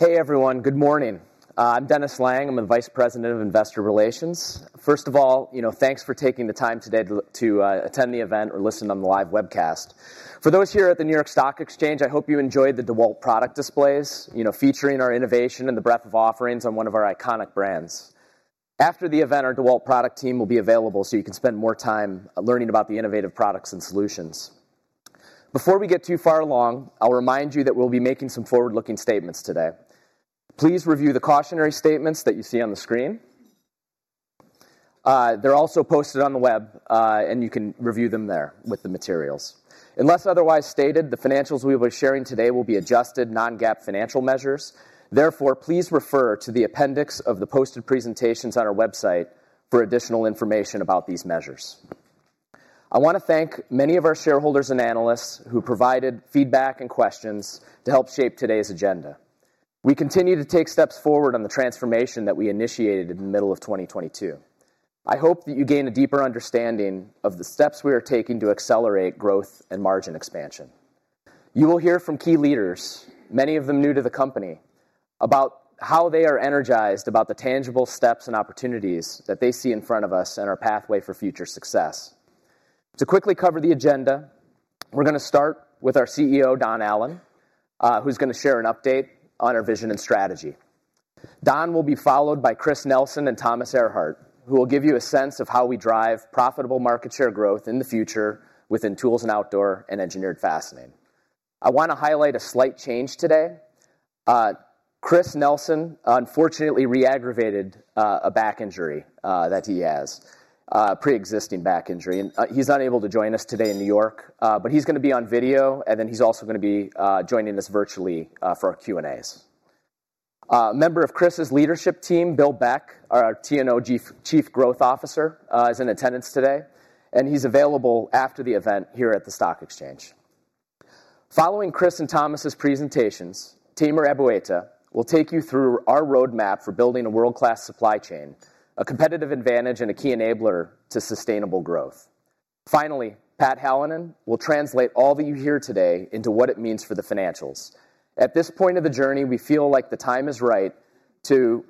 Hey, everyone. Good morning. I'm Dennis Lange. I'm the Vice President of Investor Relations. First of all, thanks for taking the time today to attend the event or listen on the live webcast. For those here at the New York Stock Exchange, I hope you enjoyed the DeWalt product displays, featuring our innovation and the breadth of offerings on one of our iconic brands. After the event, our DeWalt product team will be available so you can spend more time learning about the innovative products and solutions. Before we get too far along, I'll remind you that we'll be making some forward-looking statements today. Please review the cautionary statements that you see on the screen. They're also posted on the web, and you can review them there with the materials. Unless otherwise stated, the financials we will be sharing today will be adjusted non-GAAP financial measures. Therefore, please refer to the appendix of the posted presentations on our website for additional information about these measures. I want to thank many of our shareholders and analysts who provided feedback and questions to help shape today's agenda. We continue to take steps forward on the transformation that we initiated in the middle of 2022. I hope that you gain a deeper understanding of the steps we are taking to accelerate growth and margin expansion. You will hear from key leaders, many of them new to the company, about how they are energized about the tangible steps and opportunities that they see in front of us and our pathway for future success. To quickly cover the agenda, we're going to start with our CEO, Don Allan, who's going to share an update on our vision and strategy. Don will be followed by Chris Nelson and Thomas Ehrhardt, who will give you a sense of how we drive profitable market share growth in the future within Tools & Outdoor and Engineered Fastening. I want to highlight a slight change today. Chris Nelson, unfortunately, re-aggravated a back injury that he has, a pre-existing back injury. He's unable to join us today in New York, but he's going to be on video, and then he's also going to be joining us virtually for our Q&As. A member of Chris's leadership team, Bill Beck, our T&O Chief Growth Officer, is in attendance today, and he's available after the event here at the Stock Exchange. Following Chris and Thomas' presentations, Tamer Abuaita will take you through our roadmap for building a world-class supply chain, a competitive advantage, and a key enabler to sustainable growth. Finally, Pat Hallinan will translate all that you hear today into what it means for the financials. At this point of the journey, we feel like the time is right to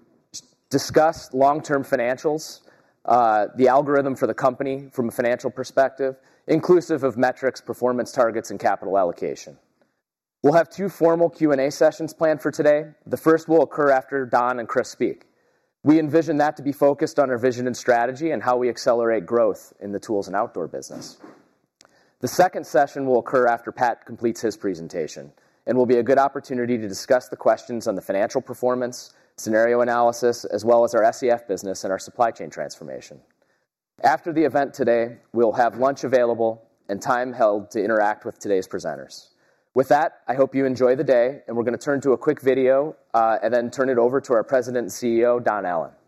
discuss long-term financials, the algorithm for the company from a financial perspective, inclusive of metrics, performance targets, and capital allocation. We'll have two formal Q&A sessions planned for today. The first will occur after Don and Chris speak. We envision that to be focused on our vision and strategy and how we accelerate growth in the Tools & Outdoor business. The second session will occur after Pat completes his presentation and will be a good opportunity to discuss the questions on the financial performance, scenario analysis, as well as our SEF business and our supply chain transformation. After the event today, we'll have lunch available and time held to interact with today's presenters. With that, I hope you enjoy the day, and we're going to turn to a quick video and then turn it over to our President and CEO, Don Allan. All right. Well,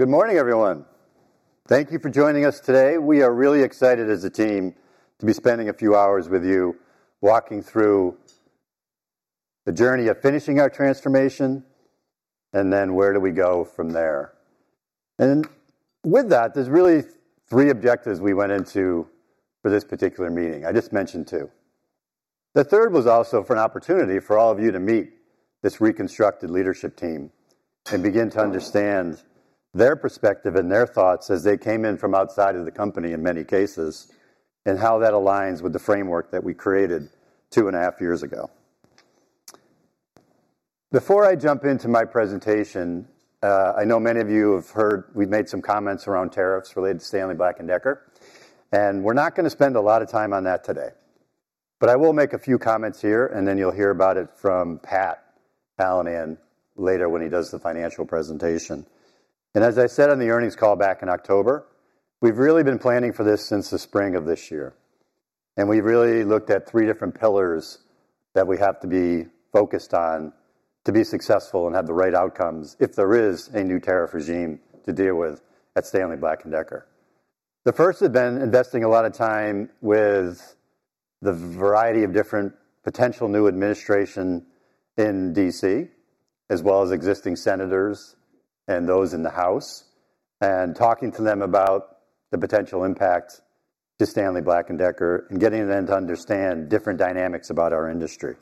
good morning, everyone. Thank you for joining us today. We are really excited as a team to be spending a few hours with you walking through the journey of finishing our transformation and then where do we go from there, and with that, there's really three objectives we went into for this particular meeting. I just mentioned two. The third was also for an opportunity for all of you to meet this reconstructed leadership team and begin to understand their perspective and their thoughts as they came in from outside of the company in many cases and how that aligns with the framework that we created two and a half years ago. Before I jump into my presentation, I know many of you have heard we've made some comments around tariffs related to Stanley Black & Decker, and we're not going to spend a lot of time on that today. But I will make a few comments here, and then you'll hear about it from Pat Hallinan later when he does the financial presentation. And as I said on the earnings call back in October, we've really been planning for this since the spring of this year, and we've really looked at three different pillars that we have to be focused on to be successful and have the right outcomes if there is a new tariff regime to deal with at Stanley Black & Decker. The first has been investing a lot of time with the variety of different potential new administrations in DC, as well as existing senators and those in the House, and talking to them about the potential impact to Stanley Black & Decker and getting them to understand different dynamics about our industry.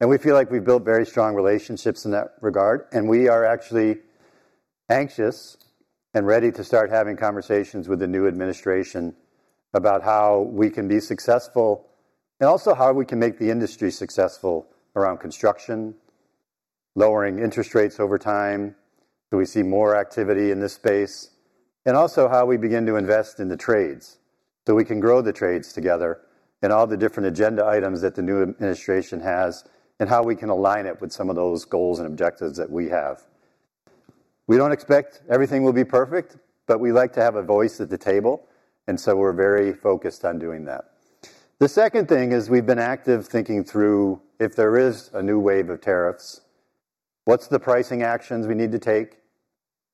We feel like we've built very strong relationships in that regard, and we are actually anxious and ready to start having conversations with the new administration about how we can be successful and also how we can make the industry successful around construction, lowering interest rates over time so we see more activity in this space, and also how we begin to invest in the trades so we can grow the trades together and all the different agenda items that the new administration has and how we can align it with some of those goals and objectives that we have. We don't expect everything will be perfect, but we like to have a voice at the table, and so we're very focused on doing that. The second thing is we've been active thinking through if there is a new wave of tariffs, what's the pricing actions we need to take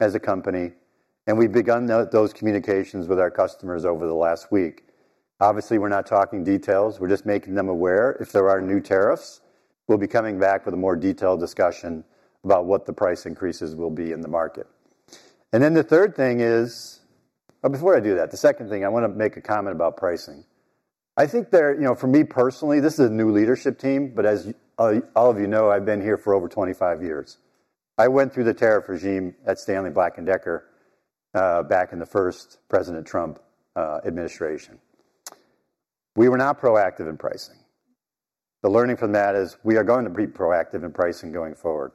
as a company, and we've begun those communications with our customers over the last week. Obviously, we're not talking details. We're just making them aware if there are new tariffs. We'll be coming back with a more detailed discussion about what the price increases will be in the market. And then the third thing is, before I do that, the second thing, I want to make a comment about pricing. I think for me personally, this is a new leadership team, but as all of you know, I've been here for over 25 years. I went through the tariff regime at Stanley Black & Decker back in the first President Trump administration. We were not proactive in pricing. The learning from that is we are going to be proactive in pricing going forward.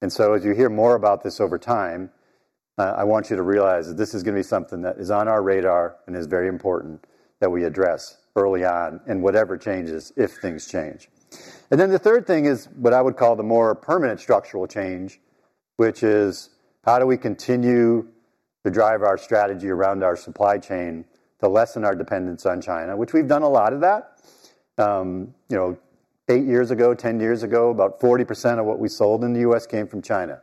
And so as you hear more about this over time, I want you to realize that this is going to be something that is on our radar and is very important that we address early on in whatever changes if things change. And then the third thing is what I would call the more permanent structural change, which is how do we continue to drive our strategy around our supply chain to lessen our dependence on China, which we've done a lot of that. Eight years ago, 10 years ago, about 40% of what we sold in the U.S. came from China.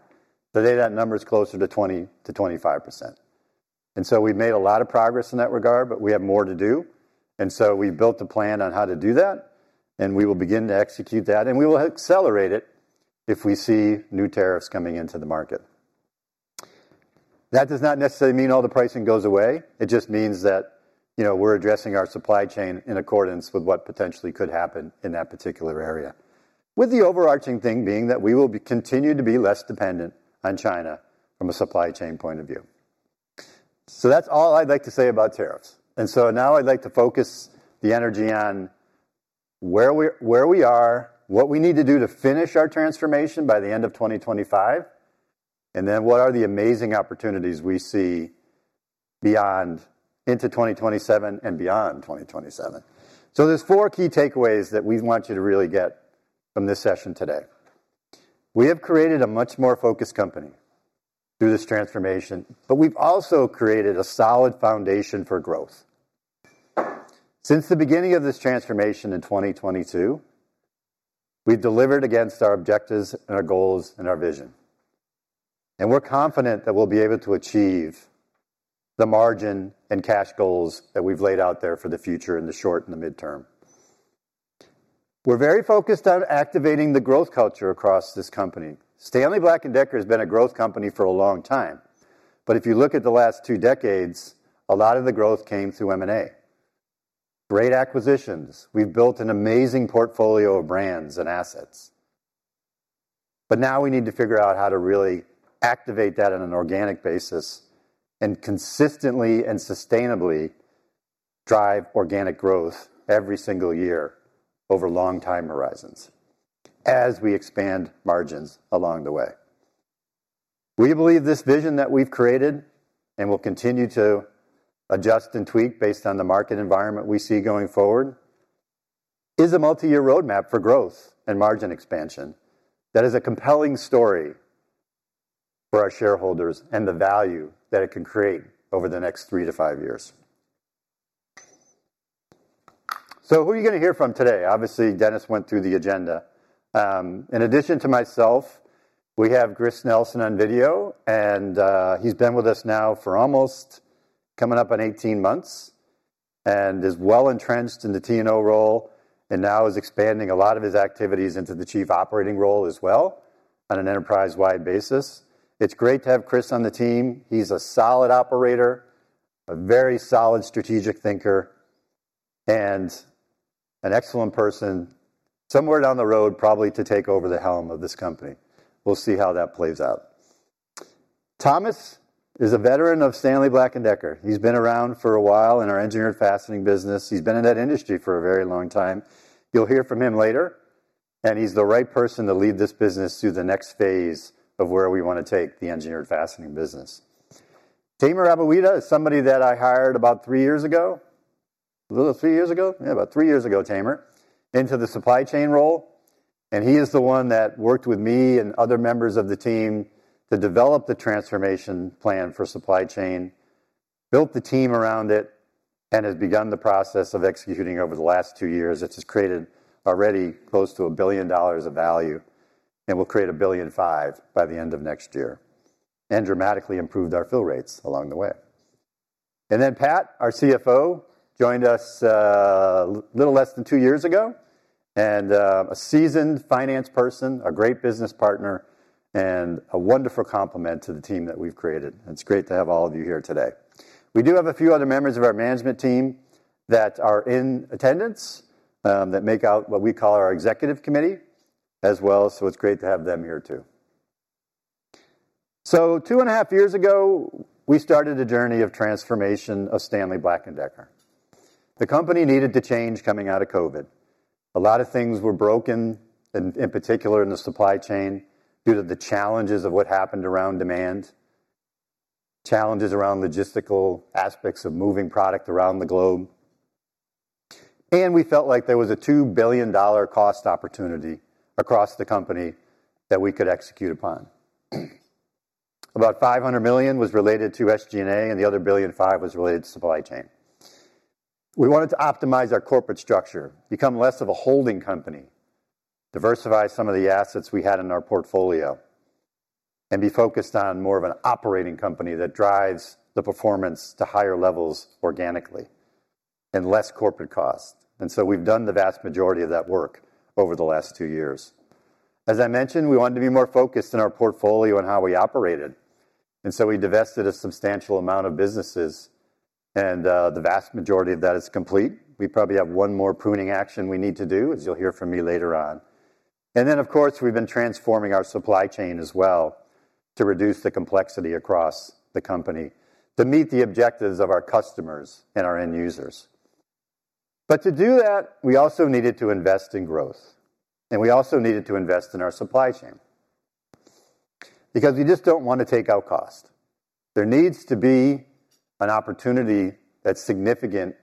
Today, that number is closer to 20%-25%. And so we've made a lot of progress in that regard, but we have more to do. And so we've built a plan on how to do that, and we will begin to execute that, and we will accelerate it if we see new tariffs coming into the market. That does not necessarily mean all the pricing goes away. It just means that we're addressing our supply chain in accordance with what potentially could happen in that particular area, with the overarching thing being that we will continue to be less dependent on China from a supply chain point of view. So that's all I'd like to say about tariffs. And so now I'd like to focus the energy on where we are, what we need to do to finish our transformation by the end of 2025, and then what are the amazing opportunities we see into 2027 and beyond 2027. So there's four key takeaways that we want you to really get from this session today. We have created a much more focused company through this transformation, but we've also created a solid foundation for growth. Since the beginning of this transformation in 2022, we've delivered against our objectives and our goals and our vision, and we're confident that we'll be able to achieve the margin and cash goals that we've laid out there for the future in the short and the midterm. We're very focused on activating the growth culture across this company. Stanley Black & Decker has been a growth company for a long time, but if you look at the last two decades, a lot of the growth came through M&A, great acquisitions. We've built an amazing portfolio of brands and assets. But now we need to figure out how to really activate that on an organic basis and consistently and sustainably drive organic growth every single year over long-time horizons as we expand margins along the way. We believe this vision that we've created and will continue to adjust and tweak based on the market environment we see going forward is a multi-year roadmap for growth and margin expansion that is a compelling story for our shareholders and the value that it can create over the next three to five years. So who are you going to hear from today? Obviously, Dennis went through the agenda. In addition to myself, we have Chris Nelson on video, and he's been with us now for almost coming up on 18 months and is well entrenched in the T&O role and now is expanding a lot of his activities into the chief operating role as well on an enterprise-wide basis. It's great to have Chris on the team. He's a solid operator, a very solid strategic thinker, and an excellent person somewhere down the road probably to take over the helm of this company. We'll see how that plays out. Thomas is a veteran of Stanley Black & Decker. He's been around for a while in our Engineered Fastening business. He's been in that industry for a very long time. You'll hear from him later, and he's the right person to lead this business through the next phase of where we want to take the Engineered Fastening business. Tamer Abuaita is somebody that I hired about three years ago, a little three years ago, yeah, about three years ago, Tamer, into the supply chain role. He is the one that worked with me and other members of the team to develop the transformation plan for supply chain, built the team around it, and has begun the process of executing over the last two years. It has created already close to $1 billion of value and will create $1.5 billion by the end of next year and dramatically improved our fill rates along the way. Then Pat, our CFO, joined us a little less than two years ago and [is] a seasoned finance person, a great business partner, and a wonderful complement to the team that we've created. It's great to have all of you here today. We do have a few other members of our management team that are in attendance that make out what we call our executive committee as well. So it's great to have them here too. So two and a half years ago, we started a journey of transformation of Stanley Black & Decker. The company needed to change coming out of COVID. A lot of things were broken, in particular in the supply chain due to the challenges of what happened around demand, challenges around logistical aspects of moving product around the globe. And we felt like there was a $2 billion cost opportunity across the company that we could execute upon. About $500 million was related to SG&A, and the other $1.5 billion was related to supply chain. We wanted to optimize our corporate structure, become less of a holding company, diversify some of the assets we had in our portfolio, and be focused on more of an operating company that drives the performance to higher levels organically and less corporate cost. And so we've done the vast majority of that work over the last two years. As I mentioned, we wanted to be more focused in our portfolio and how we operated. And so we divested a substantial amount of businesses, and the vast majority of that is complete. We probably have one more pruning action we need to do, as you'll hear from me later on. And then, of course, we've been transforming our supply chain as well to reduce the complexity across the company to meet the objectives of our customers and our end users. But to do that, we also needed to invest in growth, and we also needed to invest in our supply chain because we just don't want to take out cost. There needs to be an opportunity that's significant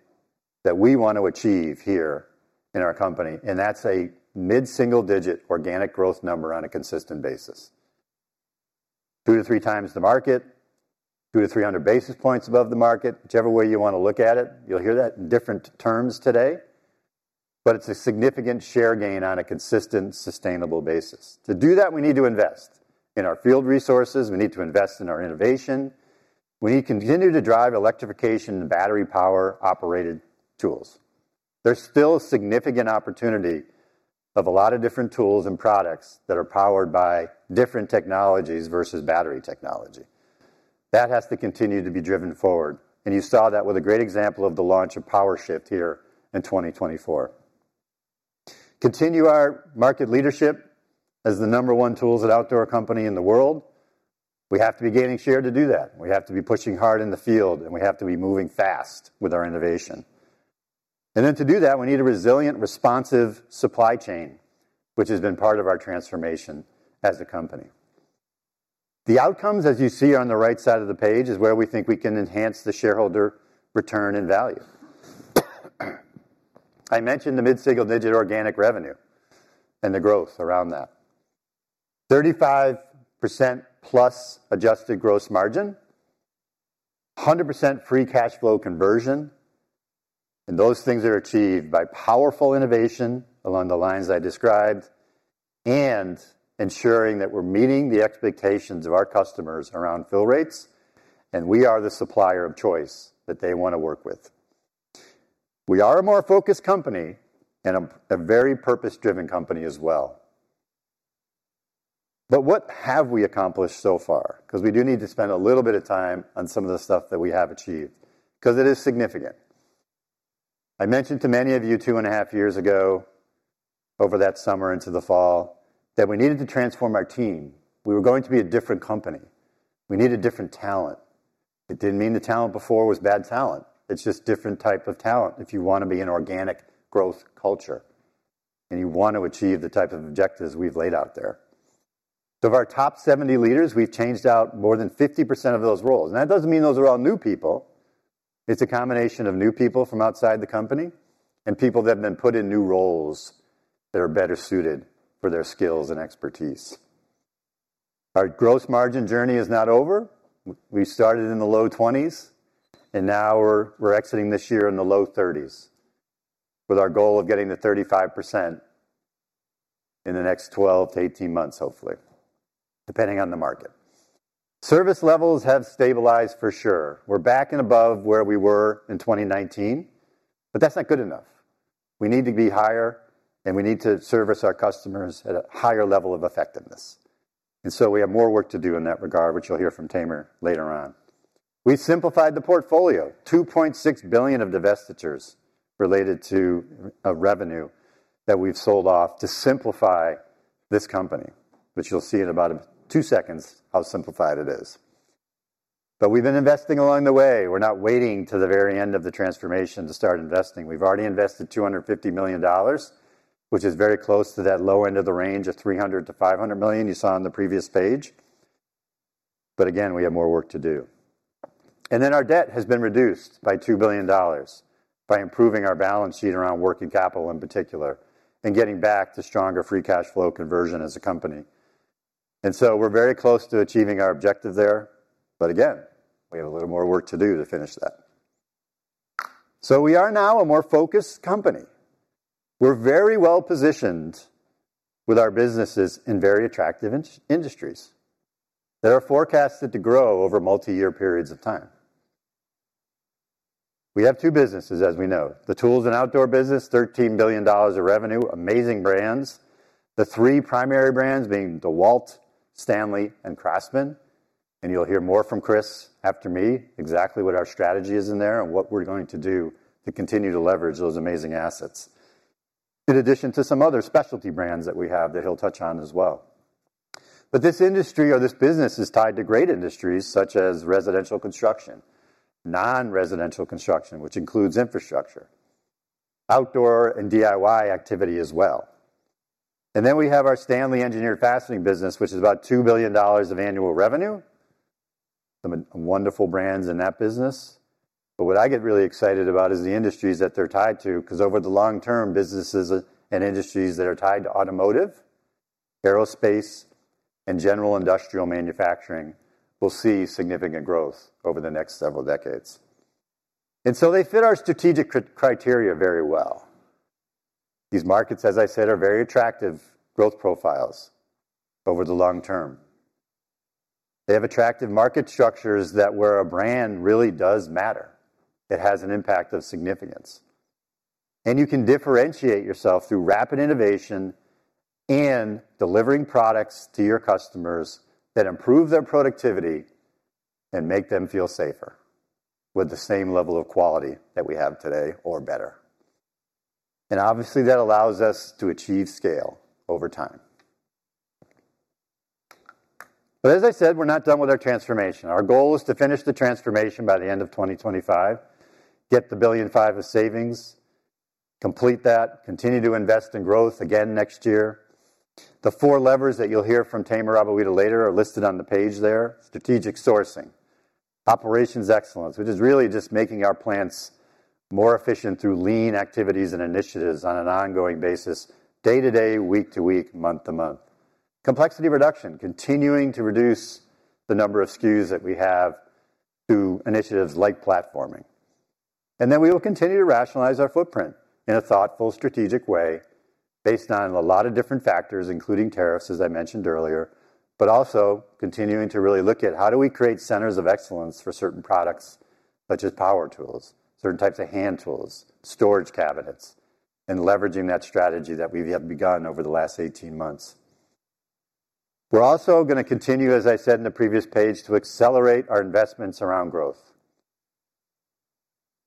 that we want to achieve here in our company. That's a mid-single digit organic growth number on a consistent basis, two to three times the market, 200 to 300 basis points above the market, whichever way you want to look at it. You'll hear that in different terms today, but it's a significant share gain on a consistent, sustainable basis. To do that, we need to invest in our field resources. We need to invest in our innovation. We need to continue to drive electrification and battery power-operated tools. There's still a significant opportunity of a lot of different tools and products that are powered by different technologies versus battery technology. That has to continue to be driven forward, and you saw that with a great example of the launch of PowerShift here in 2024. Continue our market leadership as the number one Tools & Outdoor Company in the world. We have to be gaining share to do that. We have to be pushing hard in the field, and we have to be moving fast with our innovation. And then to do that, we need a resilient, responsive supply chain, which has been part of our transformation as a company. The outcomes, as you see on the right side of the page, is where we think we can enhance the shareholder return and value. I mentioned the mid-single digit organic revenue and the growth around that, 35% plus adjusted gross margin, 100% free cash flow conversion, and those things are achieved by powerful innovation along the lines I described and ensuring that we're meeting the expectations of our customers around fill rates, and we are the supplier of choice that they want to work with. We are a more focused company and a very purpose-driven company as well. But what have we accomplished so far? Because we do need to spend a little bit of time on some of the stuff that we have achieved because it is significant. I mentioned to many of you two and a half years ago, over that summer into the fall, that we needed to transform our team. We were going to be a different company. We needed different talent. It didn't mean the talent before was bad talent. It's just a different type of talent if you want to be an organic growth culture and you want to achieve the type of objectives we've laid out there. So of our top 70 leaders, we've changed out more than 50% of those roles. And that doesn't mean those are all new people. It's a combination of new people from outside the company and people that have been put in new roles that are better suited for their skills and expertise. Our gross margin journey is not over. We started in the low 20s, and now we're exiting this year in the low 30s with our goal of getting to 35% in the next 12 to 18 months, hopefully, depending on the market. Service levels have stabilized for sure. We're back and above where we were in 2019, but that's not good enough. We need to be higher, and we need to service our customers at a higher level of effectiveness. And so we have more work to do in that regard, which you'll hear from Tamer later on. We simplified the portfolio, $2.6 billion of divestitures related to revenue that we've sold off to simplify this company, which you'll see in about two seconds how simplified it is. But we've been investing along the way. We're not waiting to the very end of the transformation to start investing. We've already invested $250 million, which is very close to that low end of the range of $300 million-$500 million you saw on the previous page. But again, we have more work to do. And then our debt has been reduced by $2 billion by improving our balance sheet around working capital in particular and getting back to stronger free cash flow conversion as a company. And so we're very close to achieving our objective there. But again, we have a little more work to do to finish that. So we are now a more focused company. We're very well positioned with our businesses in very attractive industries that are forecasted to grow over multi-year periods of time. We have two businesses, as we know, the Tools & Outdoor business, $13 billion of revenue, amazing brands, the three primary brands being DeWalt, Stanley, and Craftsman. You'll hear more from Chris after me, exactly what our strategy is in there and what we're going to do to continue to leverage those amazing assets, in addition to some other specialty brands that we have that he'll touch on as well. This industry or this business is tied to great industries such as residential construction, non-residential construction, which includes infrastructure, outdoor and DIY activity as well. We have our Stanley Engineered Fastening business, which is about $2 billion of annual revenue. Some wonderful brands in that business. What I get really excited about is the industries that they're tied to because over the long term, businesses and industries that are tied to automotive, aerospace, and general industrial manufacturing will see significant growth over the next several decades. They fit our strategic criteria very well. These markets, as I said, are very attractive growth profiles over the long term. They have attractive market structures where a brand really does matter, it has an impact of significance. And you can differentiate yourself through rapid innovation and delivering products to your customers that improve their productivity and make them feel safer with the same level of quality that we have today or better. And obviously, that allows us to achieve scale over time. But as I said, we're not done with our transformation. Our goal is to finish the transformation by the end of 2025, get the $1.5 billion of savings, complete that, continue to invest in growth again next year. The four levers that you'll hear from Tamer Abuaita later are listed on the page there: strategic sourcing, operations excellence, which is really just making our plants more efficient through lean activities and initiatives on an ongoing basis, day to day, week to week, month to month, complexity reduction, continuing to reduce the number of SKUs that we have through initiatives like platforming, and then we will continue to rationalize our footprint in a thoughtful, strategic way based on a lot of different factors, including tariffs, as I mentioned earlier, but also continuing to really look at how do we create centers of excellence for certain products such as power tools, certain types of hand tools, storage cabinets, and leveraging that strategy that we have begun over the last 18 months. We're also going to continue, as I said in the previous page, to accelerate our investments around growth.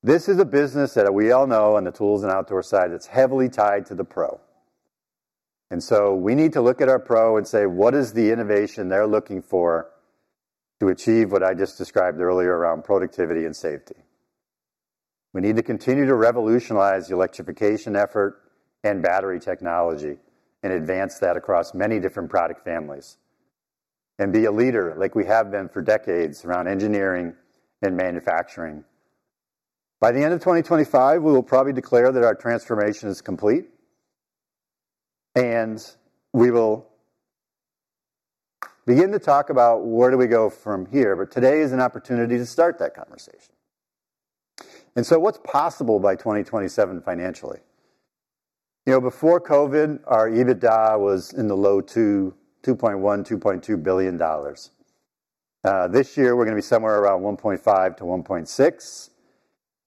This is a business that we all know on the Tools & Outdoor side that's heavily tied to the pro. And so we need to look at our pro and say, what is the innovation they're looking for to achieve what I just described earlier around productivity and safety? We need to continue to revolutionize the electrification effort and battery technology and advance that across many different product families and be a leader like we have been for decades around engineering and manufacturing. By the end of 2025, we will probably declare that our transformation is complete, and we will begin to talk about where do we go from here. But today is an opportunity to start that conversation. And so what's possible by 2027 financially? Before COVID, our EBITDA was in the low $2.1-$2.2 billion. This year, we're going to be somewhere around $1.5-$1.6 billion.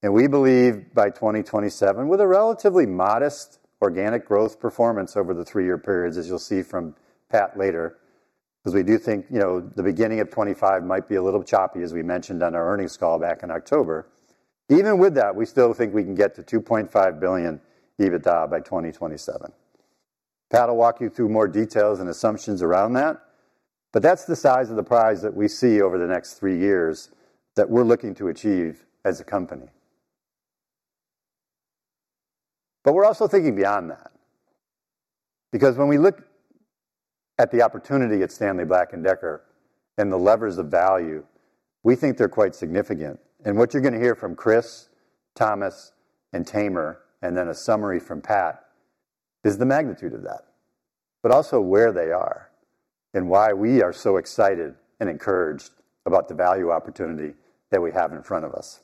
And we believe by 2027, with a relatively modest organic growth performance over the three-year periods, as you'll see from Pat later, because we do think the beginning of 2025 might be a little choppy, as we mentioned on our earnings call back in October. Even with that, we still think we can get to $2.5 billion EBITDA by 2027. Pat will walk you through more details and assumptions around that. But that's the size of the prize that we see over the next three years that we're looking to achieve as a company. But we're also thinking beyond that because when we look at the opportunity at Stanley Black & Decker and the levers of value, we think they're quite significant. What you're going to hear from Chris, Thomas, and Tamer, and then a summary from Pat, is the magnitude of that, but also where they are and why we are so excited and encouraged about the value opportunity that we have in front of us.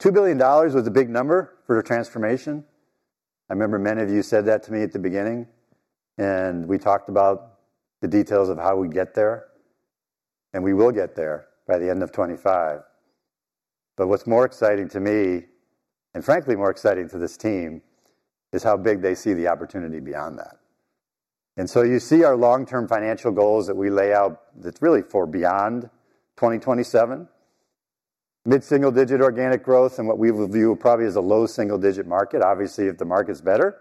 $2 billion was a big number for a transformation. I remember many of you said that to me at the beginning, and we talked about the details of how we get there, and we will get there by the end of 2025. What's more exciting to me, and frankly, more exciting to this team, is how big they see the opportunity beyond that. You see our long-term financial goals that we lay out. That's really for beyond 2027, mid-single digit organic growth, and what we will view probably as a low single digit market. Obviously, if the market's better,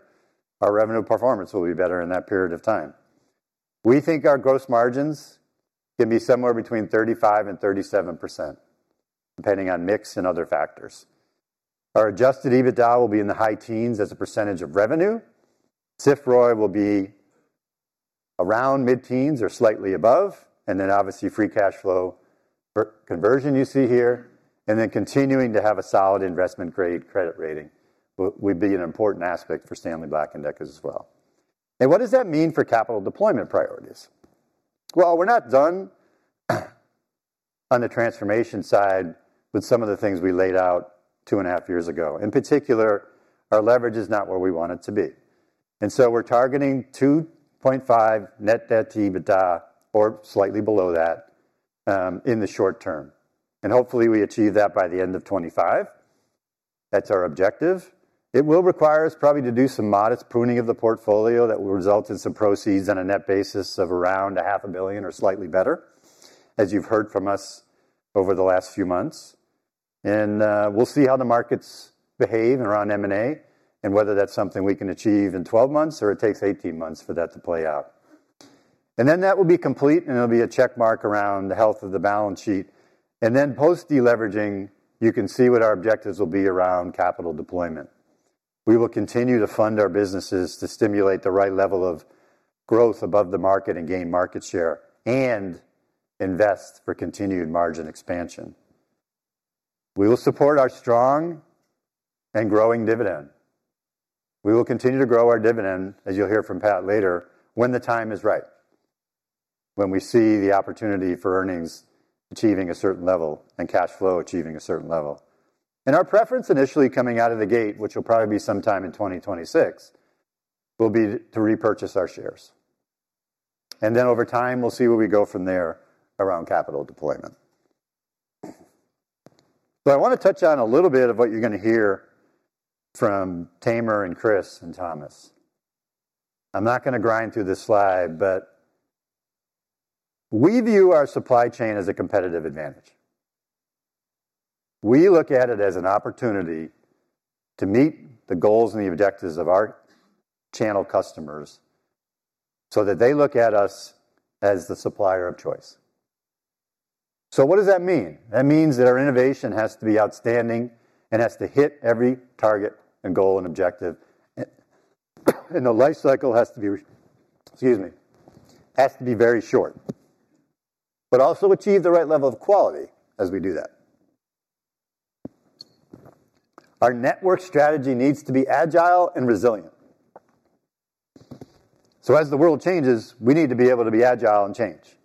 our revenue performance will be better in that period of time. We think our gross margins can be somewhere between 35%-37%, depending on mix and other factors. Our Adjusted EBITDA will be in the high teens as a percentage of revenue. CFROI will be around mid-teens or slightly above. And then obviously, free cash flow conversion you see here, and then continuing to have a solid investment-grade credit rating would be an important aspect for Stanley Black & Decker as well. And what does that mean for capital deployment priorities? Well, we're not done on the transformation side with some of the things we laid out two and a half years ago. In particular, our leverage is not where we want it to be. And so we're targeting 2.5 net debt to EBITDA or slightly below that in the short term. Hopefully, we achieve that by the end of 2025. That's our objective. It will require us probably to do some modest pruning of the portfolio that will result in some proceeds on a net basis of around $500 million or slightly better, as you've heard from us over the last few months. And we'll see how the markets behave around M&A and whether that's something we can achieve in 12 months or it takes 18 months for that to play out. And then that will be complete, and it'll be a check mark around the health of the balance sheet. And then post-deleveraging, you can see what our objectives will be around capital deployment. We will continue to fund our businesses to stimulate the right level of growth above the market and gain market share and invest for continued margin expansion. We will support our strong and growing dividend. We will continue to grow our dividend, as you'll hear from Pat later, when the time is right, when we see the opportunity for earnings achieving a certain level and cash flow achieving a certain level, and our preference initially coming out of the gate, which will probably be sometime in 2026, will be to repurchase our shares. And then over time, we'll see where we go from there around capital deployment, but I want to touch on a little bit of what you're going to hear from Tamer and Chris and Thomas. I'm not going to grind through this slide, but we view our supply chain as a competitive advantage. We look at it as an opportunity to meet the goals and the objectives of our channel customers so that they look at us as the supplier of choice. So what does that mean? That means that our innovation has to be outstanding and has to hit every target and goal and objective, and the life cycle has to be, excuse me, has to be very short, but also achieve the right level of quality as we do that. Our network strategy needs to be agile and resilient. So as the world changes, we need to be able to be agile and change.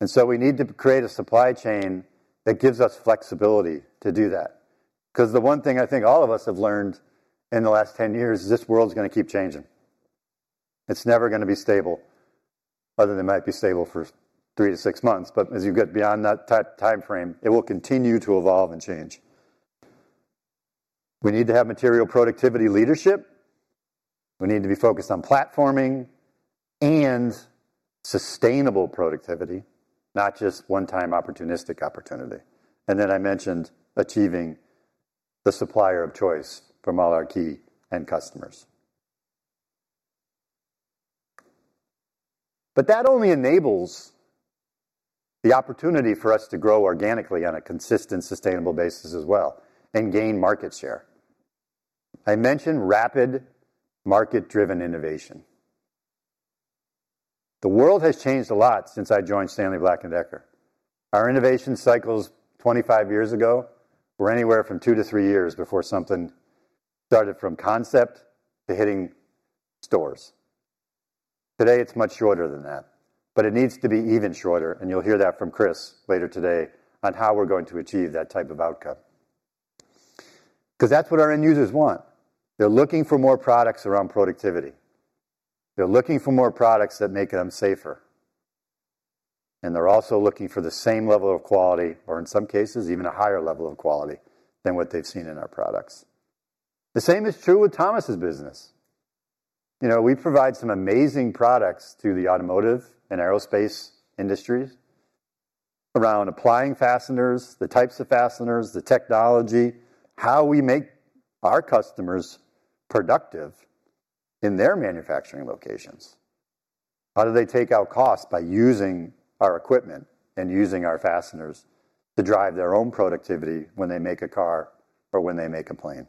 And so we need to create a supply chain that gives us flexibility to do that. Because the one thing I think all of us have learned in the last 10 years is this world is going to keep changing. It's never going to be stable, other than it might be stable for three to six months. But as you get beyond that timeframe, it will continue to evolve and change. We need to have material productivity leadership. We need to be focused on platforming and sustainable productivity, not just one-time opportunistic opportunity, and then I mentioned achieving the supplier of choice from all our key end customers, but that only enables the opportunity for us to grow organically on a consistent sustainable basis as well and gain market share. I mentioned rapid market-driven innovation. The world has changed a lot since I joined Stanley Black & Decker. Our innovation cycles 25 years ago were anywhere from two to three years before something started from concept to hitting stores. Today, it's much shorter than that, but it needs to be even shorter, and you'll hear that from Chris later today on how we're going to achieve that type of outcome because that's what our end users want. They're looking for more products around productivity. They're looking for more products that make them safer. They're also looking for the same level of quality or, in some cases, even a higher level of quality than what they've seen in our products. The same is true with Thomas's business. We provide some amazing products to the automotive and aerospace industries around applying fasteners, the types of fasteners, the technology, how we make our customers productive in their manufacturing locations. How do they take out costs by using our equipment and using our fasteners to drive their own productivity when they make a car or when they make a plane?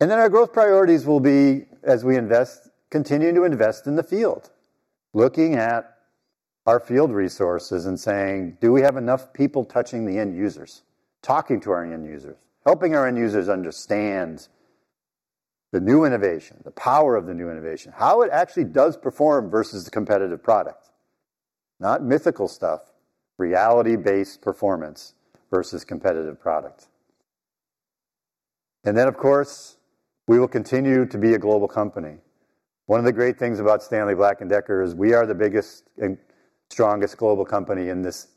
And then our growth priorities will be as we continue to invest in the field, looking at our field resources and saying, "Do we have enough people touching the end users, talking to our end users, helping our end users understand the new innovation, the power of the new innovation, how it actually does perform versus the competitive product?" Not mythical stuff, reality-based performance versus competitive product. And then, of course, we will continue to be a global company. One of the great things about Stanley Black & Decker is we are the biggest and strongest global company in this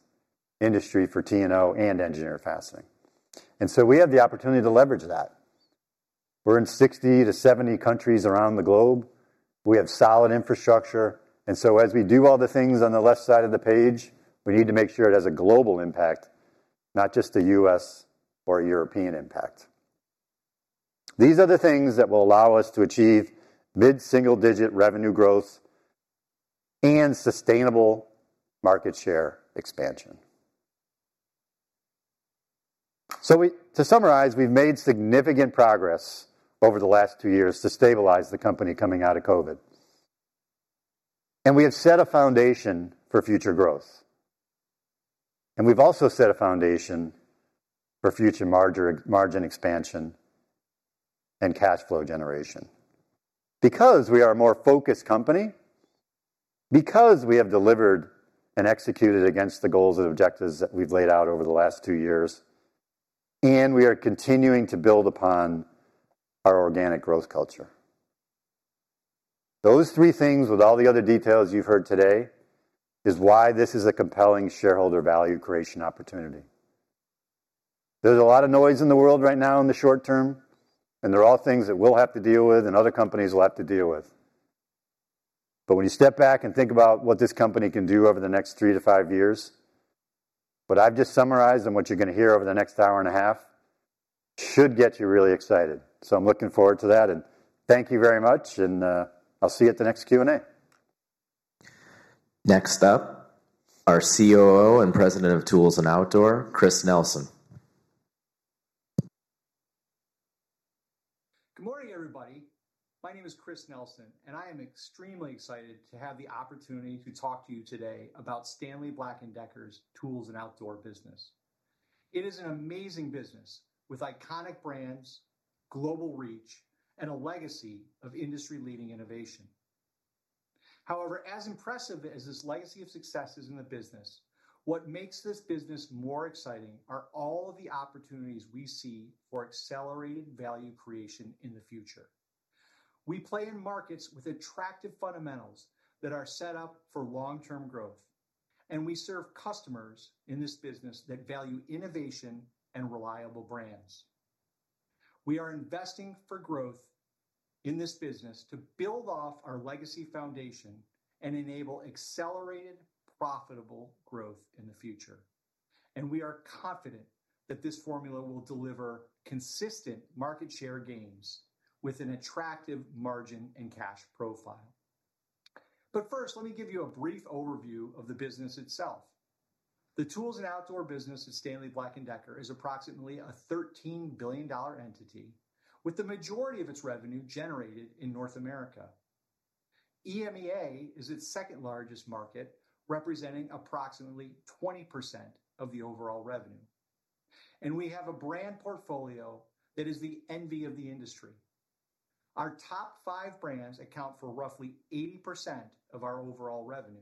industry for T&O and Engineered Fastening. And so we have the opportunity to leverage that. We're in 60-70 countries around the globe. We have solid infrastructure. And so as we do all the things on the left side of the page, we need to make sure it has a global impact, not just a U.S. or a European impact. These are the things that will allow us to achieve mid-single-digit revenue growth and sustainable market share expansion. So to summarize, we've made significant progress over the last two years to stabilize the company coming out of COVID. And we have set a foundation for future growth. And we've also set a foundation for future margin expansion and cash flow generation because we are a more focused company, because we have delivered and executed against the goals and objectives that we've laid out over the last two years, and we are continuing to build upon our organic growth culture. Those three things, with all the other details you've heard today, is why this is a compelling shareholder value creation opportunity. There's a lot of noise in the world right now in the short term, and there are all things that we'll have to deal with and other companies will have to deal with. But when you step back and think about what this company can do over the next three to five years, what I've just summarized and what you're going to hear over the next hour and a half should get you really excited. So I'm looking forward to that. And thank you very much, and I'll see you at the next Q&A. Next up, our COO and President of Tools & Outdoor, Chris Nelson. Good morning, everybody. My name is Chris Nelson, and I am extremely excited to have the opportunity to talk to you today about Stanley Black & Decker's Tools & Outdoor business. It is an amazing business with iconic brands, global reach, and a legacy of industry-leading innovation. However, as impressive as this legacy of success is in the business, what makes this business more exciting are all of the opportunities we see for accelerated value creation in the future. We play in markets with attractive fundamentals that are set up for long-term growth, and we serve customers in this business that value innovation and reliable brands. We are investing for growth in this business to build off our legacy foundation and enable accelerated, profitable growth in the future. And we are confident that this formula will deliver consistent market share gains with an attractive margin and cash profile. But first, let me give you a brief overview of the business itself. The Tools & Outdoor business at Stanley Black & Decker is approximately a $13 billion entity, with the majority of its revenue generated in North America. EMEA is its second-largest market, representing approximately 20% of the overall revenue. And we have a brand portfolio that is the envy of the industry. Our top five brands account for roughly 80% of our overall revenue.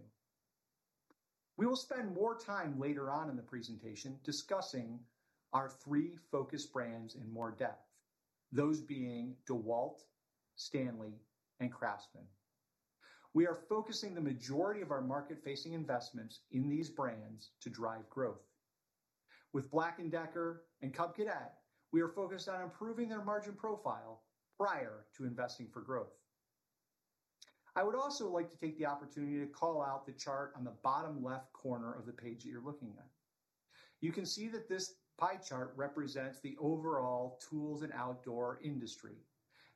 We will spend more time later on in the presentation discussing our three focus brands in more depth, those being DeWalt, Stanley, and Craftsman. We are focusing the majority of our market-facing investments in these brands to drive growth. With Black & Decker and Cub Cadet, we are focused on improving their margin profile prior to investing for growth. I would also like to take the opportunity to call out the chart on the bottom left corner of the page that you're looking at. You can see that this pie chart represents the overall Tools & Outdoor industry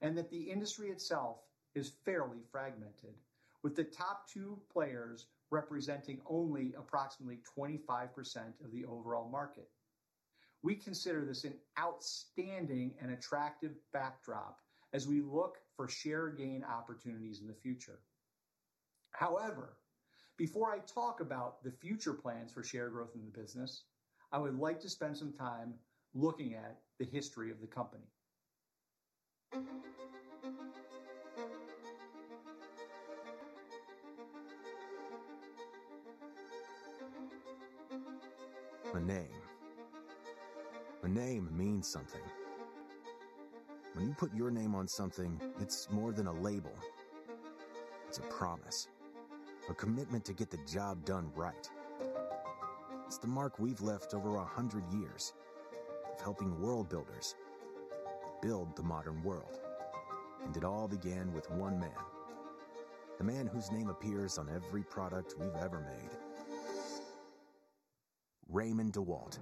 and that the industry itself is fairly fragmented, with the top two players representing only approximately 25% of the overall market. We consider this an outstanding and attractive backdrop as we look for share gain opportunities in the future. However, before I talk about the future plans for share growth in the business, I would like to spend some time looking at the history of the company. A name. A name means something. When you put your name on something, it's more than a label. It's a promise, a commitment to get the job done right. It's the mark we've left over 100 years of helping world builders build the modern world. And it all began with one man, the man whose name appears on every product we've ever made: Raymond DeWalt.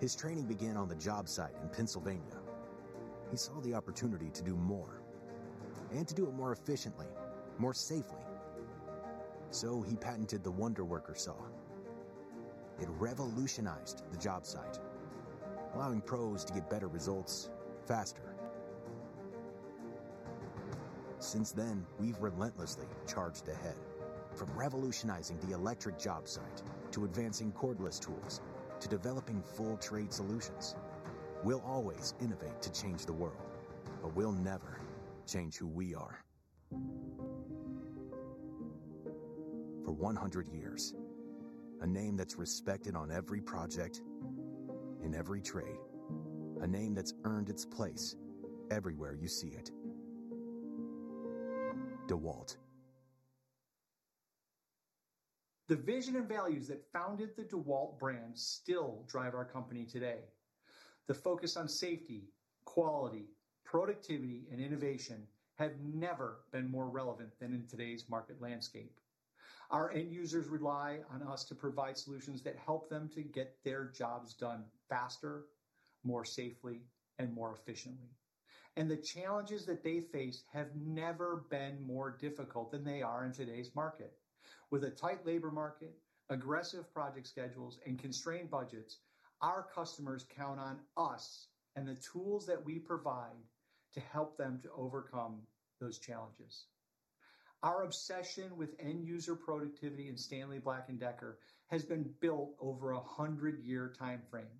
His training began on the job site in Pennsylvania. He saw the opportunity to do more and to do it more efficiently, more safely. So he patented the Wonder-Worker saw. It revolutionized the job site, allowing pros to get better results faster. Since then, we've relentlessly charged ahead. From revolutionizing the electric job site to advancing cordless tools to developing full-trade solutions, we'll always innovate to change the world, but we'll never change who we are. For 100 years, a name that's respected on every project and every trade, a name that's earned its place everywhere you see it: DeWalt. The vision and values that founded the DeWalt brand still drive our company today. The focus on safety, quality, productivity, and innovation have never been more relevant than in today's market landscape. Our end users rely on us to provide solutions that help them to get their jobs done faster, more safely, and more efficiently. And the challenges that they face have never been more difficult than they are in today's market. With a tight labor market, aggressive project schedules, and constrained budgets, our customers count on us and the tools that we provide to help them to overcome those challenges. Our obsession with end user productivity in Stanley Black & Decker has been built over a 100-year timeframe.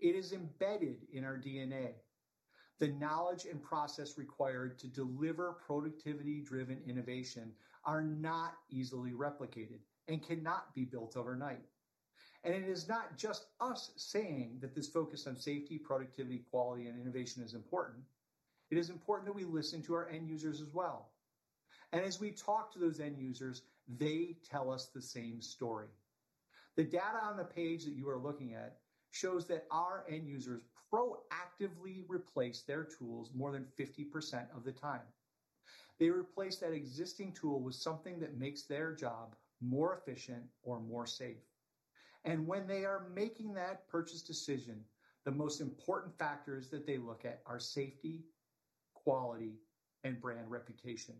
It is embedded in our DNA. The knowledge and process required to deliver productivity-driven innovation are not easily replicated and cannot be built overnight. And it is not just us saying that this focus on safety, productivity, quality, and innovation is important. It is important that we listen to our end users as well. And as we talk to those end users, they tell us the same story. The data on the page that you are looking at shows that our end users proactively replace their tools more than 50% of the time. They replace that existing tool with something that makes their job more efficient or more safe. And when they are making that purchase decision, the most important factors that they look at are safety, quality, and brand reputation.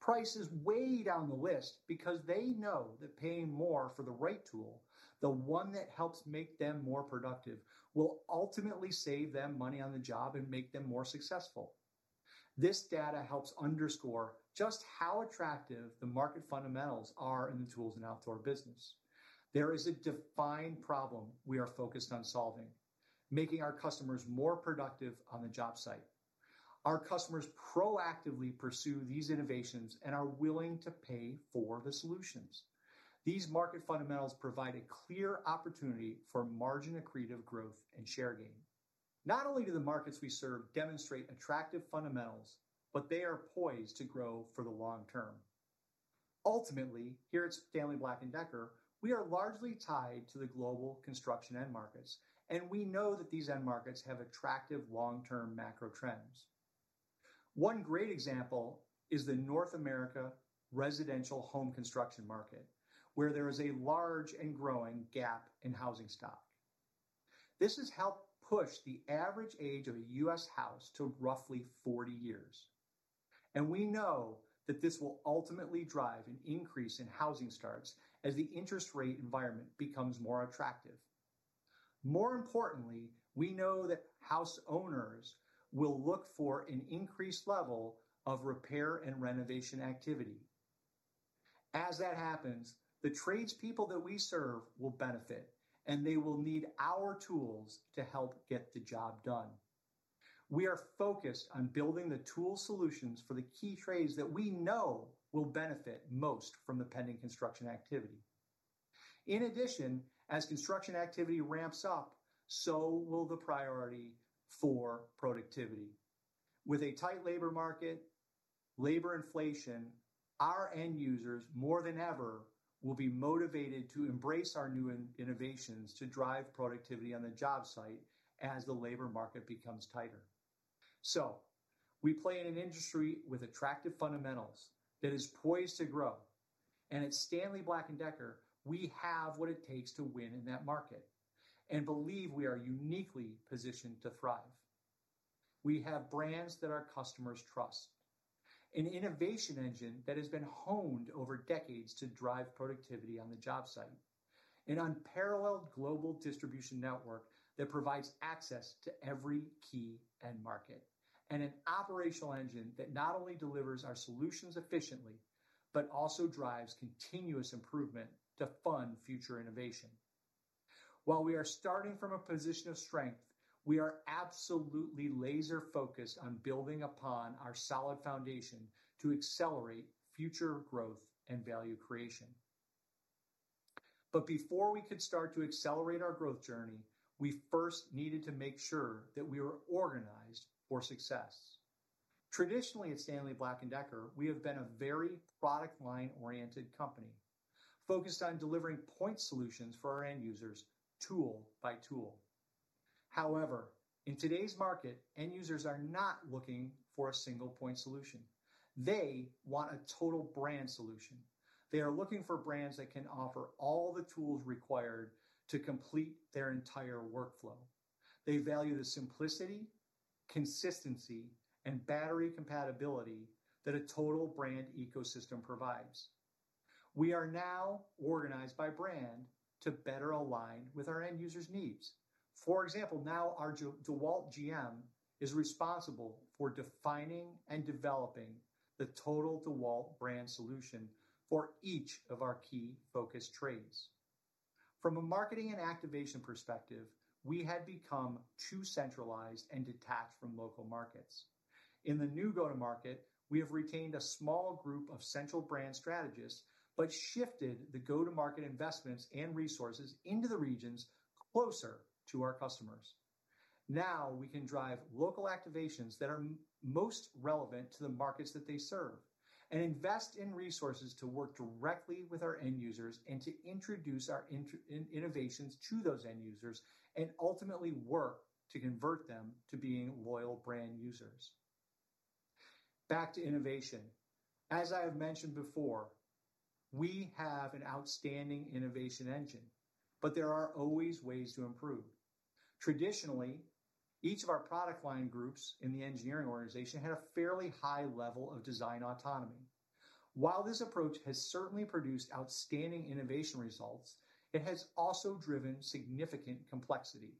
Price is way down the list because they know that paying more for the right tool, the one that helps make them more productive, will ultimately save them money on the job and make them more successful. This data helps underscore just how attractive the market fundamentals are in the Tools & Outdoor business. There is a defined problem we are focused on solving, making our customers more productive on the job site. Our customers proactively pursue these innovations and are willing to pay for the solutions. These market fundamentals provide a clear opportunity for margin-accretive growth and share gain. Not only do the markets we serve demonstrate attractive fundamentals, but they are poised to grow for the long term. Ultimately, here at Stanley Black & Decker, we are largely tied to the global construction end markets, and we know that these end markets have attractive long-term macro trends. One great example is the North America residential home construction market, where there is a large and growing gap in housing stock. This has helped push the average age of a U.S. house to roughly 40 years. We know that this will ultimately drive an increase in housing starts as the interest rate environment becomes more attractive. More importantly, we know that house owners will look for an increased level of repair and renovation activity. As that happens, the tradespeople that we serve will benefit, and they will need our tools to help get the job done. We are focused on building the tool solutions for the key trades that we know will benefit most from the pending construction activity. In addition, as construction activity ramps up, so will the priority for productivity. With a tight labor market, labor inflation, our end users, more than ever, will be motivated to embrace our new innovations to drive productivity on the job site as the labor market becomes tighter. We play in an industry with attractive fundamentals that is poised to grow. And at Stanley Black & Decker, we have what it takes to win in that market and believe we are uniquely positioned to thrive. We have brands that our customers trust, an innovation engine that has been honed over decades to drive productivity on the job site, an unparalleled global distribution network that provides access to every key end market, and an operational engine that not only delivers our solutions efficiently, but also drives continuous improvement to fund future innovation. While we are starting from a position of strength, we are absolutely laser-focused on building upon our solid foundation to accelerate future growth and value creation. But before we could start to accelerate our growth journey, we first needed to make sure that we were organized for success. Traditionally, at Stanley Black & Decker, we have been a very product-line-oriented company focused on delivering point solutions for our end users, tool by tool. However, in today's market, end users are not looking for a single point solution. They want a total brand solution. They are looking for brands that can offer all the tools required to complete their entire workflow. They value the simplicity, consistency, and battery compatibility that a total brand ecosystem provides. We are now organized by brand to better align with our end users' needs. For example, now our DeWalt GM is responsible for defining and developing the total DeWalt brand solution for each of our key focus trades. From a marketing and activation perspective, we had become too centralized and detached from local markets. In the new go-to-market, we have retained a small group of central brand strategists but shifted the go-to-market investments and resources into the regions closer to our customers. Now we can drive local activations that are most relevant to the markets that they serve and invest in resources to work directly with our end users and to introduce our innovations to those end users and ultimately work to convert them to being loyal brand users. Back to innovation. As I have mentioned before, we have an outstanding innovation engine, but there are always ways to improve. Traditionally, each of our product line groups in the engineering organization had a fairly high level of design autonomy. While this approach has certainly produced outstanding innovation results, it has also driven significant complexity.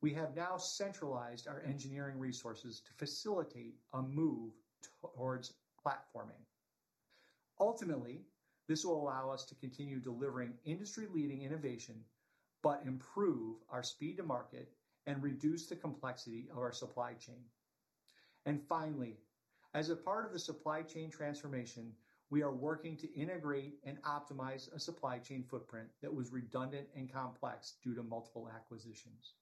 We have now centralized our engineering resources to facilitate a move towards platforming. Ultimately, this will allow us to continue delivering industry-leading innovation but improve our speed to market and reduce the complexity of our supply chain, and finally, as a part of the supply chain transformation, we are working to integrate and optimize a supply chain footprint that was redundant and complex due to multiple acquisitions.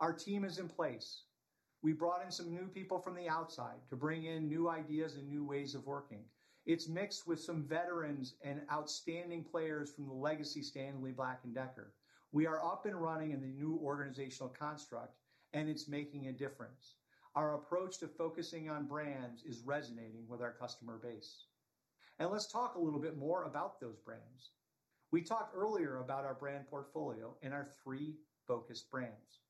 Our team is in place. We brought in some new people from the outside to bring in new ideas and new ways of working. It's mixed with some veterans and outstanding players from the legacy Stanley Black & Decker. We are up and running in the new organizational construct, and it's making a difference. Our approach to focusing on brands is resonating with our customer base, and let's talk a little bit more about those brands. We talked earlier about our brand portfolio and our three focus brands.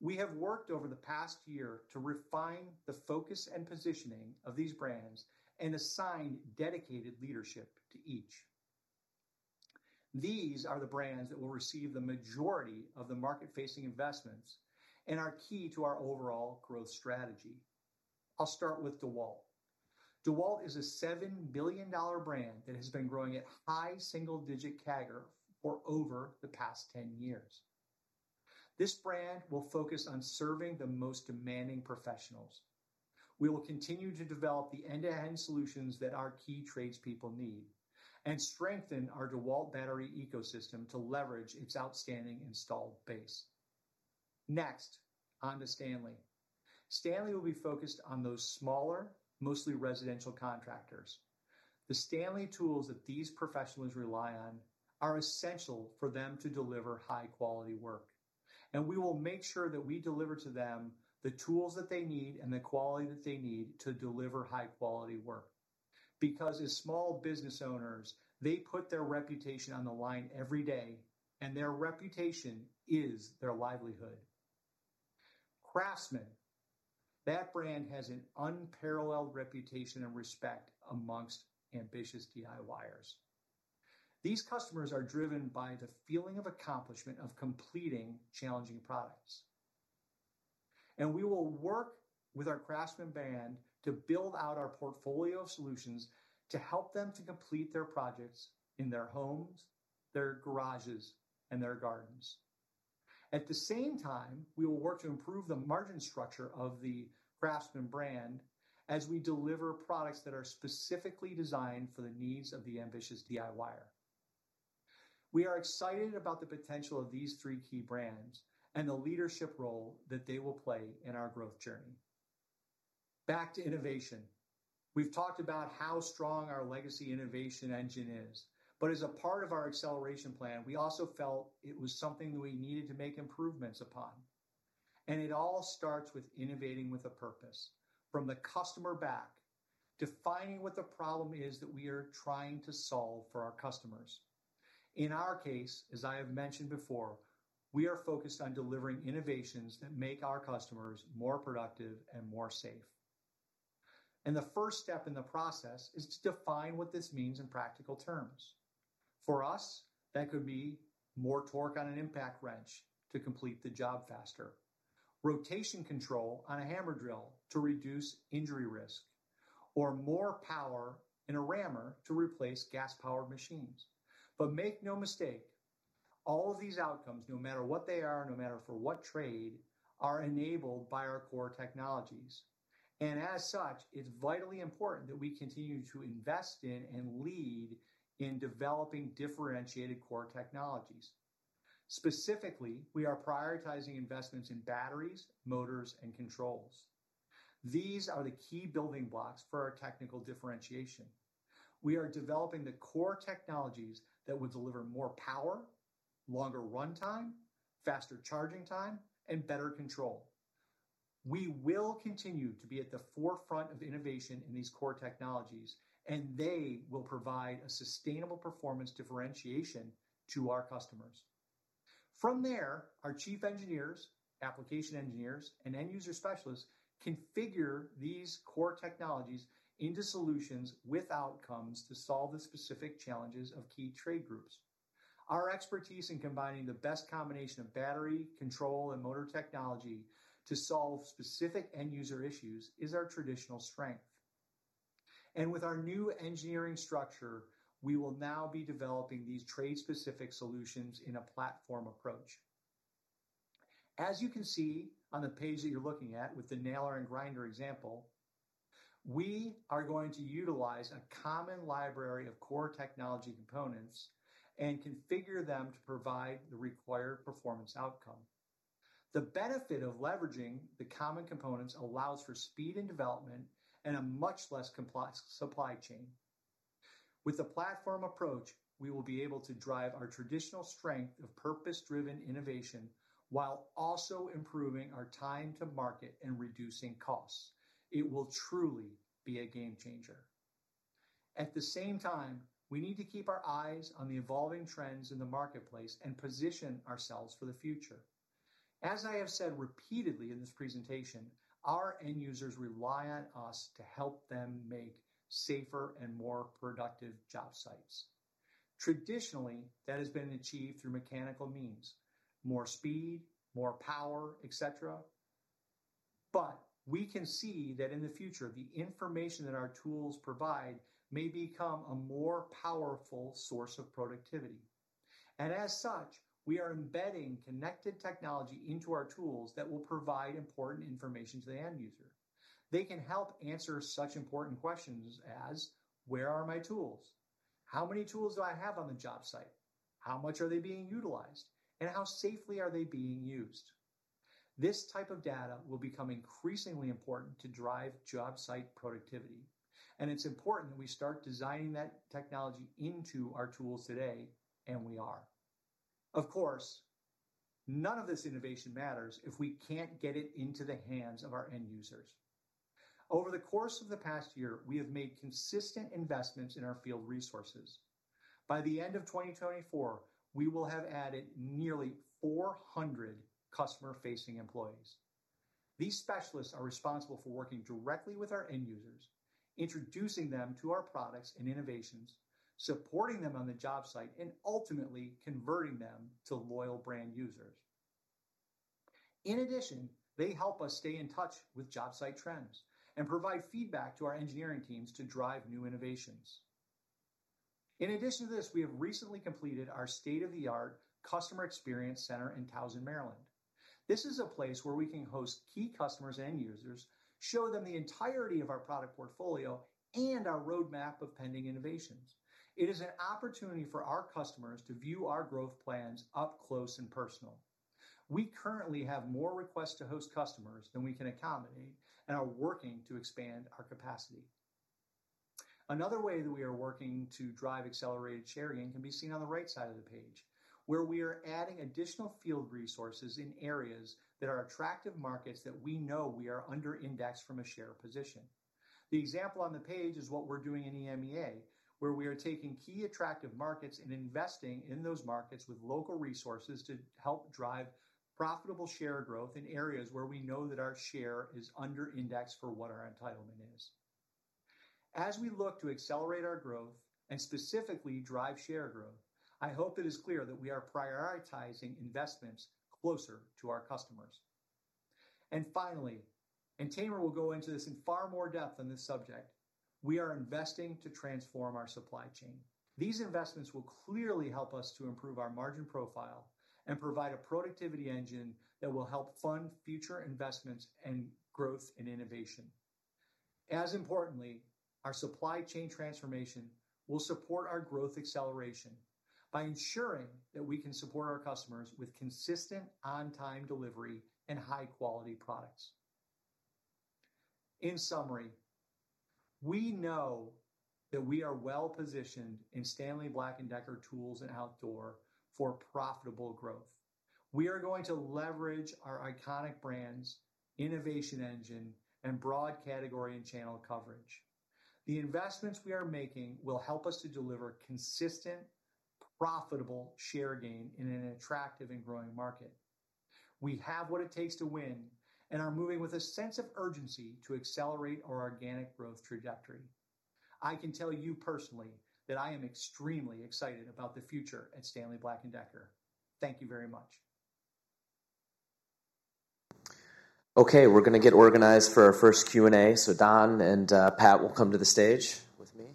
We have worked over the past year to refine the focus and positioning of these brands and assigned dedicated leadership to each. These are the brands that will receive the majority of the market-facing investments and are key to our overall growth strategy. I'll start with DeWalt. DeWalt is a $7 billion brand that has been growing at high single-digit CAGR for over the past 10 years. This brand will focus on serving the most demanding professionals. We will continue to develop the end-to-end solutions that our key tradespeople need and strengthen our DeWalt battery ecosystem to leverage its outstanding installed base. Next, on to Stanley. Stanley will be focused on those smaller, mostly residential contractors. The Stanley tools that these professionals rely on are essential for them to deliver high-quality work. We will make sure that we deliver to them the tools that they need and the quality that they need to deliver high-quality work. Because as small business owners, they put their reputation on the line every day, and their reputation is their livelihood. Craftsman, that brand has an unparalleled reputation and respect amongst ambitious DIYers. These customers are driven by the feeling of accomplishment of completing challenging products. And we will work with our Craftsman brand to build out our portfolio of solutions to help them to complete their projects in their homes, their garages, and their gardens. At the same time, we will work to improve the margin structure of the Craftsman brand as we deliver products that are specifically designed for the needs of the ambitious DIYer. We are excited about the potential of these three key brands and the leadership role that they will play in our growth journey. Back to innovation. We've talked about how strong our legacy innovation engine is, but as a part of our acceleration plan, we also felt it was something that we needed to make improvements upon. And it all starts with innovating with a purpose, from the customer back, defining what the problem is that we are trying to solve for our customers. In our case, as I have mentioned before, we are focused on delivering innovations that make our customers more productive and more safe. And the first step in the process is to define what this means in practical terms. For us, that could be more torque on an impact wrench to complete the job faster, rotation control on a hammer drill to reduce injury risk, or more power in a rammer to replace gas-powered machines, but make no mistake, all of these outcomes, no matter what they are, no matter for what trade, are enabled by our core technologies, and as such, it's vitally important that we continue to invest in and lead in developing differentiated core technologies. Specifically, we are prioritizing investments in batteries, motors, and controls. These are the key building blocks for our technical differentiation. We are developing the core technologies that will deliver more power, longer runtime, faster charging time, and better control. We will continue to be at the forefront of innovation in these core technologies, and they will provide a sustainable performance differentiation to our customers. From there, our chief engineers, application engineers, and end user specialists configure these core technologies into solutions with outcomes to solve the specific challenges of key trade groups. Our expertise in combining the best combination of battery, control, and motor technology to solve specific end user issues is our traditional strength, and with our new engineering structure, we will now be developing these trade-specific solutions in a platform approach. As you can see on the page that you're looking at with the nailer and grinder example, we are going to utilize a common library of core technology components and configure them to provide the required performance outcome. The benefit of leveraging the common components allows for speed in development and a much less complex supply chain. With the platform approach, we will be able to drive our traditional strength of purpose-driven innovation while also improving our time to market and reducing costs. It will truly be a game changer. At the same time, we need to keep our eyes on the evolving trends in the marketplace and position ourselves for the future. As I have said repeatedly in this presentation, our end users rely on us to help them make safer and more productive job sites. Traditionally, that has been achieved through mechanical means: more speed, more power, etc. But we can see that in the future, the information that our tools provide may become a more powerful source of productivity. And as such, we are embedding connected technology into our tools that will provide important information to the end user. They can help answer such important questions as, "Where are my tools? How many tools do I have on the job site? How much are they being utilized? And how safely are they being used?" This type of data will become increasingly important to drive job site productivity, and it's important that we start designing that technology into our tools today, and we are. Of course, none of this innovation matters if we can't get it into the hands of our end users. Over the course of the past year, we have made consistent investments in our field resources. By the end of 2024, we will have added nearly 400 customer-facing employees. These specialists are responsible for working directly with our end users, introducing them to our products and innovations, supporting them on the job site, and ultimately converting them to loyal brand users. In addition, they help us stay in touch with job site trends and provide feedback to our engineering teams to drive new innovations. In addition to this, we have recently completed our state-of-the-art customer experience center in Towson, Maryland. This is a place where we can host key customers and users, show them the entirety of our product portfolio, and our roadmap of pending innovations. It is an opportunity for our customers to view our growth plans up close and personal. We currently have more requests to host customers than we can accommodate and are working to expand our capacity. Another way that we are working to drive accelerated sharing can be seen on the right side of the page, where we are adding additional field resources in areas that are attractive markets that we know we are under-indexed from a share position. The example on the page is what we're doing in EMEA, where we are taking key attractive markets and investing in those markets with local resources to help drive profitable share growth in areas where we know that our share is under-indexed for what our entitlement is. As we look to accelerate our growth and specifically drive share growth, I hope it is clear that we are prioritizing investments closer to our customers. And finally, and Tamer will go into this in far more depth on this subject, we are investing to transform our supply chain. These investments will clearly help us to improve our margin profile and provide a productivity engine that will help fund future investments and growth and innovation. As importantly, our supply chain transformation will support our growth acceleration by ensuring that we can support our customers with consistent on-time delivery and high-quality products. In summary, we know that we are well-positioned in Stanley Black & Decker Tools & Outdoor for profitable growth. We are going to leverage our iconic brands, innovation engine, and broad category and channel coverage. The investments we are making will help us to deliver consistent, profitable share gain in an attractive and growing market. We have what it takes to win and are moving with a sense of urgency to accelerate our organic growth trajectory. I can tell you personally that I am extremely excited about the future at Stanley Black & Decker. Thank you very much. Okay, we're going to get organized for our first Q&A. So Don and Pat will come to the stage with me.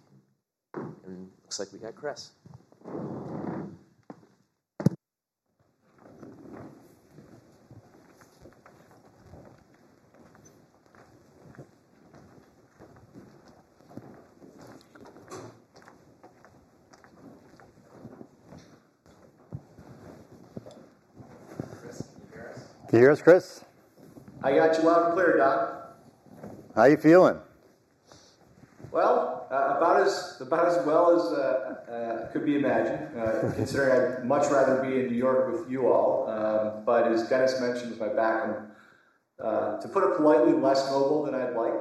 And it looks like we got Chris. Chris, can you hear us? Can you hear us, Chris? I got you loud and clear, Don. How are you feeling? About as well as could be imagined, considering I'd much rather be in New York with you all. But as Dennis mentioned, with my back to put it politely, less mobile than I'd like.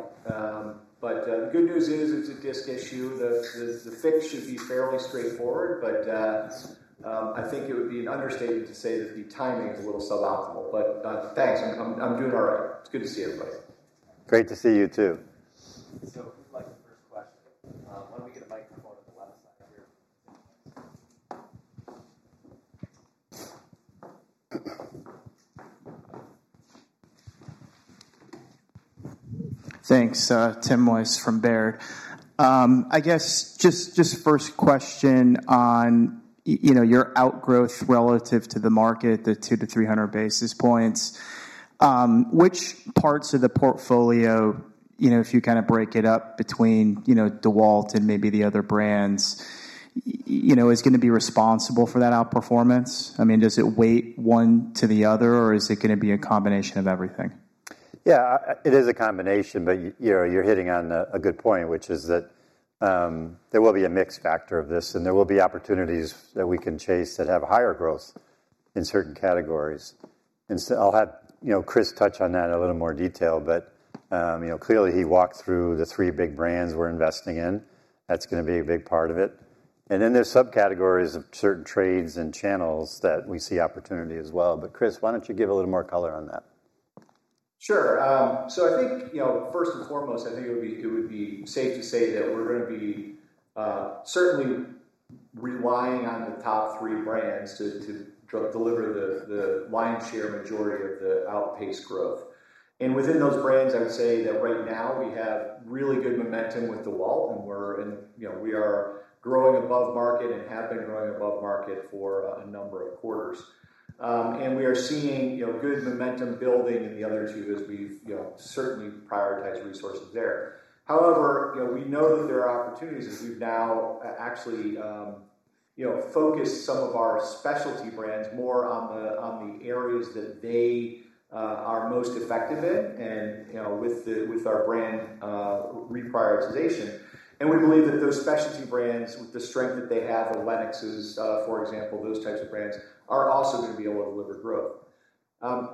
But the good news is it's a disc issue. The fix should be fairly straightforward, but I think it would be an understatement to say that the timing is a little suboptimal. But thanks. I'm doing all right. It's good to see everybody. Great to see you too. So who would like the first question? Why don't we get a microphone on the left side here? Thanks, Tim Wojs from Baird. I guess just first question on your outgrowth relative to the market, the 200-300 basis points. Which parts of the portfolio, if you kind of break it up between DeWalt and maybe the other brands, is going to be responsible for that outperformance? I mean, does it weigh one to the other, or is it going to be a combination of everything? Yeah, it is a combination, but you're hitting on a good point, which is that there will be a mixed factor of this, and there will be opportunities that we can chase that have higher growth in certain categories. And I'll have Chris touch on that in a little more detail, but clearly he walked through the three big brands we're investing in. That's going to be a big part of it. And then there's subcategories of certain trades and channels that we see opportunity as well. But Chris, why don't you give a little more color on that? Sure. I think first and foremost, I think it would be safe to say that we're going to be certainly relying on the top three brands to deliver the lion's share majority of the outpaced growth. Within those brands, I would say that right now we have really good momentum with DeWalt, and we are growing above market and have been growing above market for a number of quarters. We are seeing good momentum building in the other two as we've certainly prioritized resources there. However, we know that there are opportunities as we've now actually focused some of our specialty brands more on the areas that they are most effective in and with our brand reprioritization. We believe that those specialty brands with the strength that they have, the LENOXes, for example, those types of brands are also going to be able to deliver growth.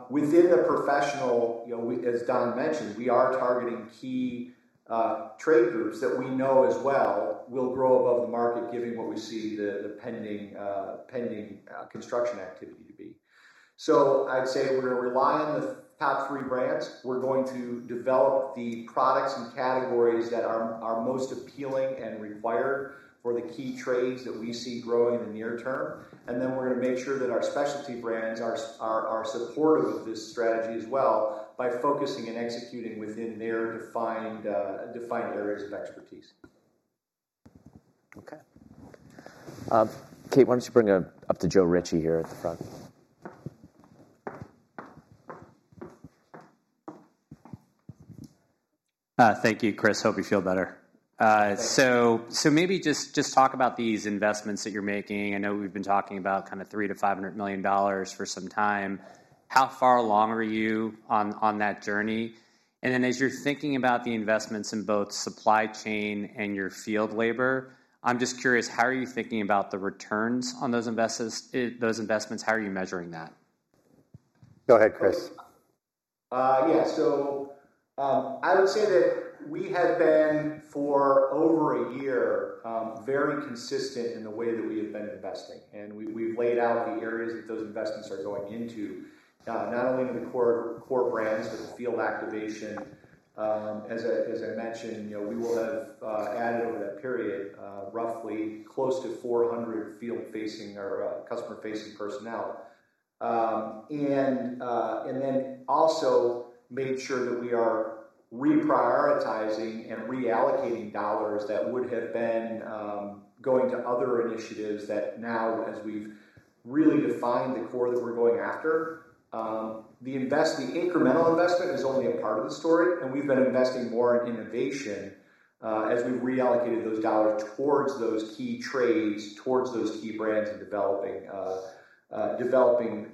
Within the professional, as Don mentioned, we are targeting key trade groups that we know as well will grow above the market, given what we see the pending construction activity to be. So I'd say we're going to rely on the top three brands. We're going to develop the products and categories that are most appealing and required for the key trades that we see growing in the near term. And then we're going to make sure that our specialty brands are supportive of this strategy as well by focusing and executing within their defined areas of expertise. Okay. Kate, why don't you bring up Joe Ritchie here at the front? Thank you, Chris. Hope you feel better. So maybe just talk about these investments that you're making. I know we've been talking about kind of $300 million-$500 million for some time. How far along are you on that journey? And then as you're thinking about the investments in both supply chain and your field labor, I'm just curious, how are you thinking about the returns on those investments? How are you measuring that? Go ahead, Chris. Yeah. So I would say that we have been for over a year very consistent in the way that we have been investing. And we've laid out the areas that those investments are going into, not only into the core brands, but the field activation. As I mentioned, we will have added over that period roughly close to 400 field-facing or customer-facing personnel. And then also made sure that we are reprioritizing and reallocating dollars that would have been going to other initiatives that now, as we've really defined the core that we're going after. The incremental investment is only a part of the story, and we've been investing more in innovation as we've reallocated those dollars towards those key trades, towards those key brands and developing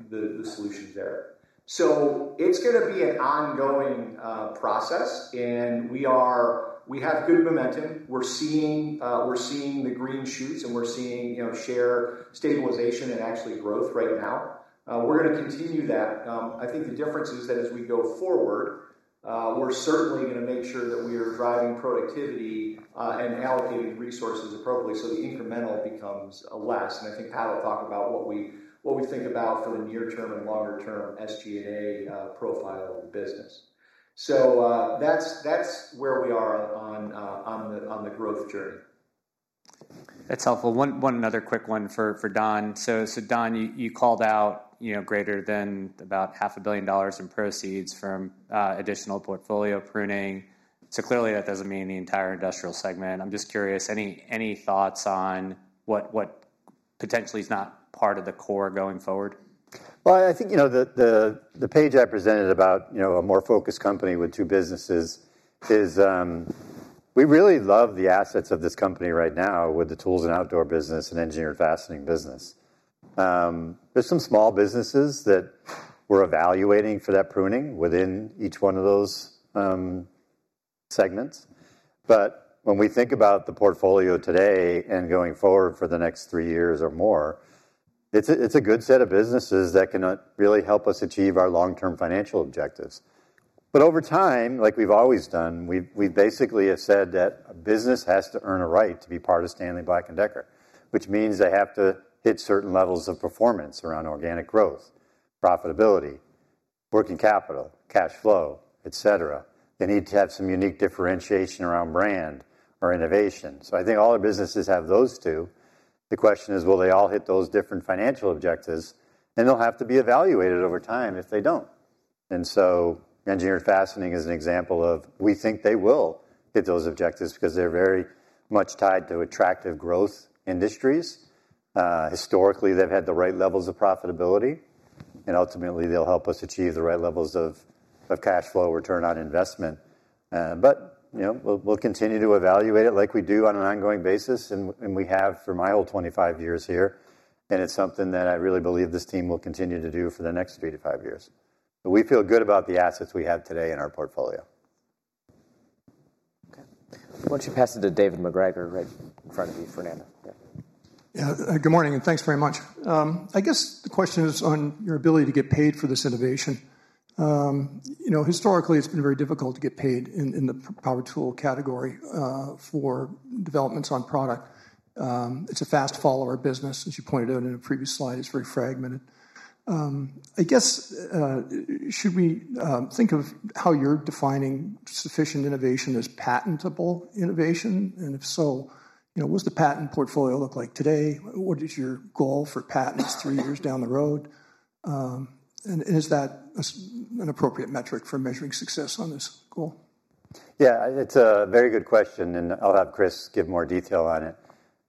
the solutions there. So it's going to be an ongoing process, and we have good momentum. We're seeing the green shoots, and we're seeing share stabilization and actually growth right now. We're going to continue that. I think the difference is that as we go forward, we're certainly going to make sure that we are driving productivity and allocating resources appropriately so the incremental becomes less. And I think Pat will talk about what we think about for the near-term and longer-term SG&A profile of the business. So that's where we are on the growth journey. That's helpful. One other quick one for Don. So Don, you called out greater than about $500 million in proceeds from additional portfolio pruning. So clearly, that doesn't mean the entire industrial segment. I'm just curious, any thoughts on what potentially is not part of the core going forward? Well, I think the page I presented about a more focused company with two businesses is we really love the assets of this company right now with the Tools & Outdoor business and Engineered Fastening business. There's some small businesses that we're evaluating for that pruning within each one of those segments. But when we think about the portfolio today and going forward for the next three years or more, it's a good set of businesses that can really help us achieve our long-term financial objectives. But over time, like we've always done, we basically have said that a business has to earn a right to be part of Stanley Black & Decker, which means they have to hit certain levels of performance around organic growth, profitability, working capital, cash flow, etc. They need to have some unique differentiation around brand or innovation. So I think all our businesses have those two. The question is, will they all hit those different financial objectives? And they'll have to be evaluated over time if they don't. And so Engineered Fastening is an example of we think they will hit those objectives because they're very much tied to attractive growth industries. Historically, they've had the right levels of profitability, and ultimately, they'll help us achieve the right levels of cash flow return on investment. But we'll continue to evaluate it like we do on an ongoing basis, and we have for my whole 25 years here. And it's something that I really believe this team will continue to do for the next three to five years. But we feel good about the assets we have today in our portfolio. Okay. Why don't you pass it to David MacGregor right in front of you, Fernando? Yeah. Good morning and thanks very much. I guess the question is on your ability to get paid for this innovation. Historically, it's been very difficult to get paid in the power tool category for developments on product. It's a fast-following business, as you pointed out in a previous slide. It's very fragmented. I guess should we think of how you're defining sufficient innovation as patentable innovation? And if so, what does the patent portfolio look like today? What is your goal for patents three years down the road? And is that an appropriate metric for measuring success on this goal? Yeah, it's a very good question, and I'll have Chris give more detail on it.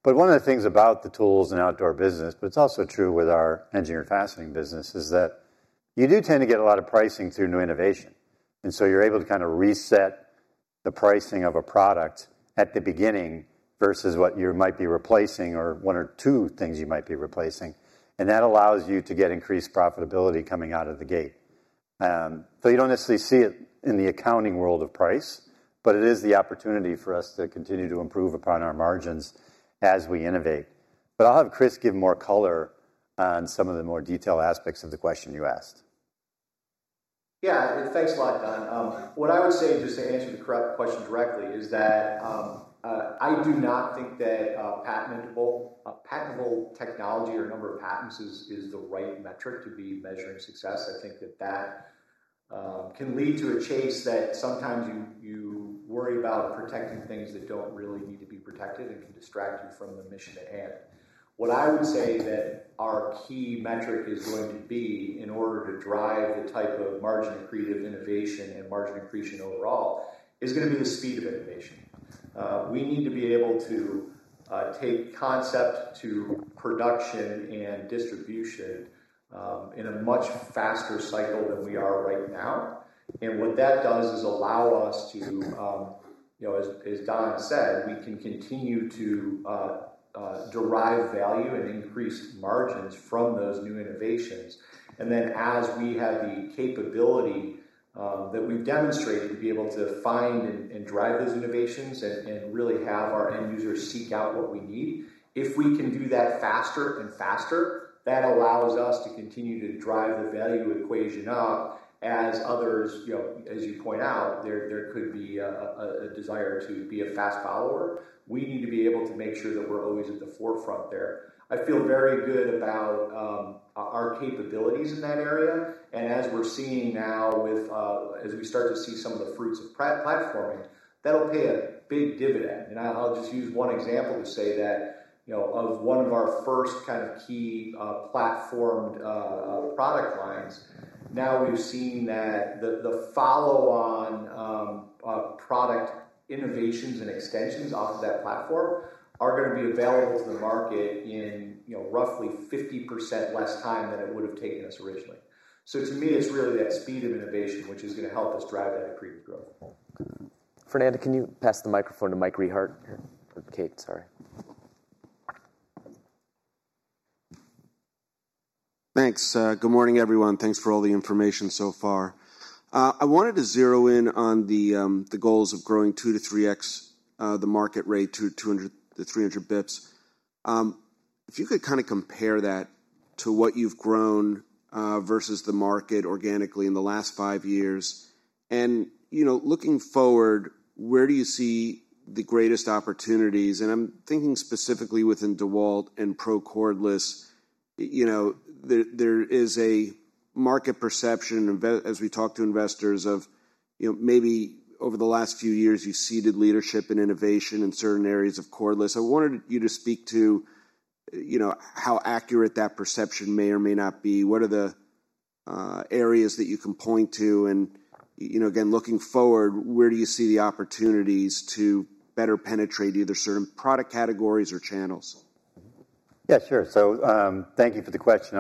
But one of the things about the Tools & Outdoor business, but it's also true with our Engineered Fastening business, is that you do tend to get a lot of pricing through new innovation. And so you're able to kind of reset the pricing of a product at the beginning versus what you might be replacing or one or two things you might be replacing. And that allows you to get increased profitability coming out of the gate. So you don't necessarily see it in the accounting world of price, but it is the opportunity for us to continue to improve upon our margins as we innovate. But I'll have Chris give more color on some of the more detailed aspects of the question you asked. Yeah, thanks a lot, Don. What I would say just to answer the correct question directly is that I do not think that patentable technology or number of patents is the right metric to be measuring success. I think that that can lead to a chase that sometimes you worry about protecting things that don't really need to be protected and can distract you from the mission at hand. What I would say that our key metric is going to be in order to drive the type of margin accretive innovation and margin accretion overall is going to be the speed of innovation. We need to be able to take concept to production and distribution in a much faster cycle than we are right now. What that does is allow us to, as Don said, continue to derive value and increase margins from those new innovations. Then as we have the capability that we've demonstrated to be able to find and drive those innovations and really have our end users seek out what we need, if we can do that faster and faster, that allows us to continue to drive the value equation up as others, as you point out, there could be a desire to be a fast follower. We need to be able to make sure that we're always at the forefront there. I feel very good about our capabilities in that area. And as we're seeing now, as we start to see some of the fruits of platforming, that'll pay a big dividend. I'll just use one example to say that of one of our first kind of key platformed product lines. Now we've seen that the follow-on product innovations and extensions off of that platform are going to be available to the market in roughly 50% less time than it would have taken us originally. So to me, it's really that speed of innovation, which is going to help us drive that accretive growth. Fernando, can you pass the microphone to Mike Rehaut or Kate? Sorry. Thanks. Good morning, everyone. Thanks for all the information so far. I wanted to zero in on the goals of growing 200 to 3X the market rate to 200 to 300 basis points. If you could kind of compare that to what you've grown versus the market organically in the last five years, and looking forward, where do you see the greatest opportunities? I'm thinking specifically within DeWalt and Pro Cordless. There is a market perception, as we talk to investors, of maybe over the last few years, you've ceded leadership and innovation in certain areas of Cordless. I wanted you to speak to how accurate that perception may or may not be. What are the areas that you can point to? And again, looking forward, where do you see the opportunities to better penetrate either certain product categories or channels? Yeah, sure. Thank you for the question.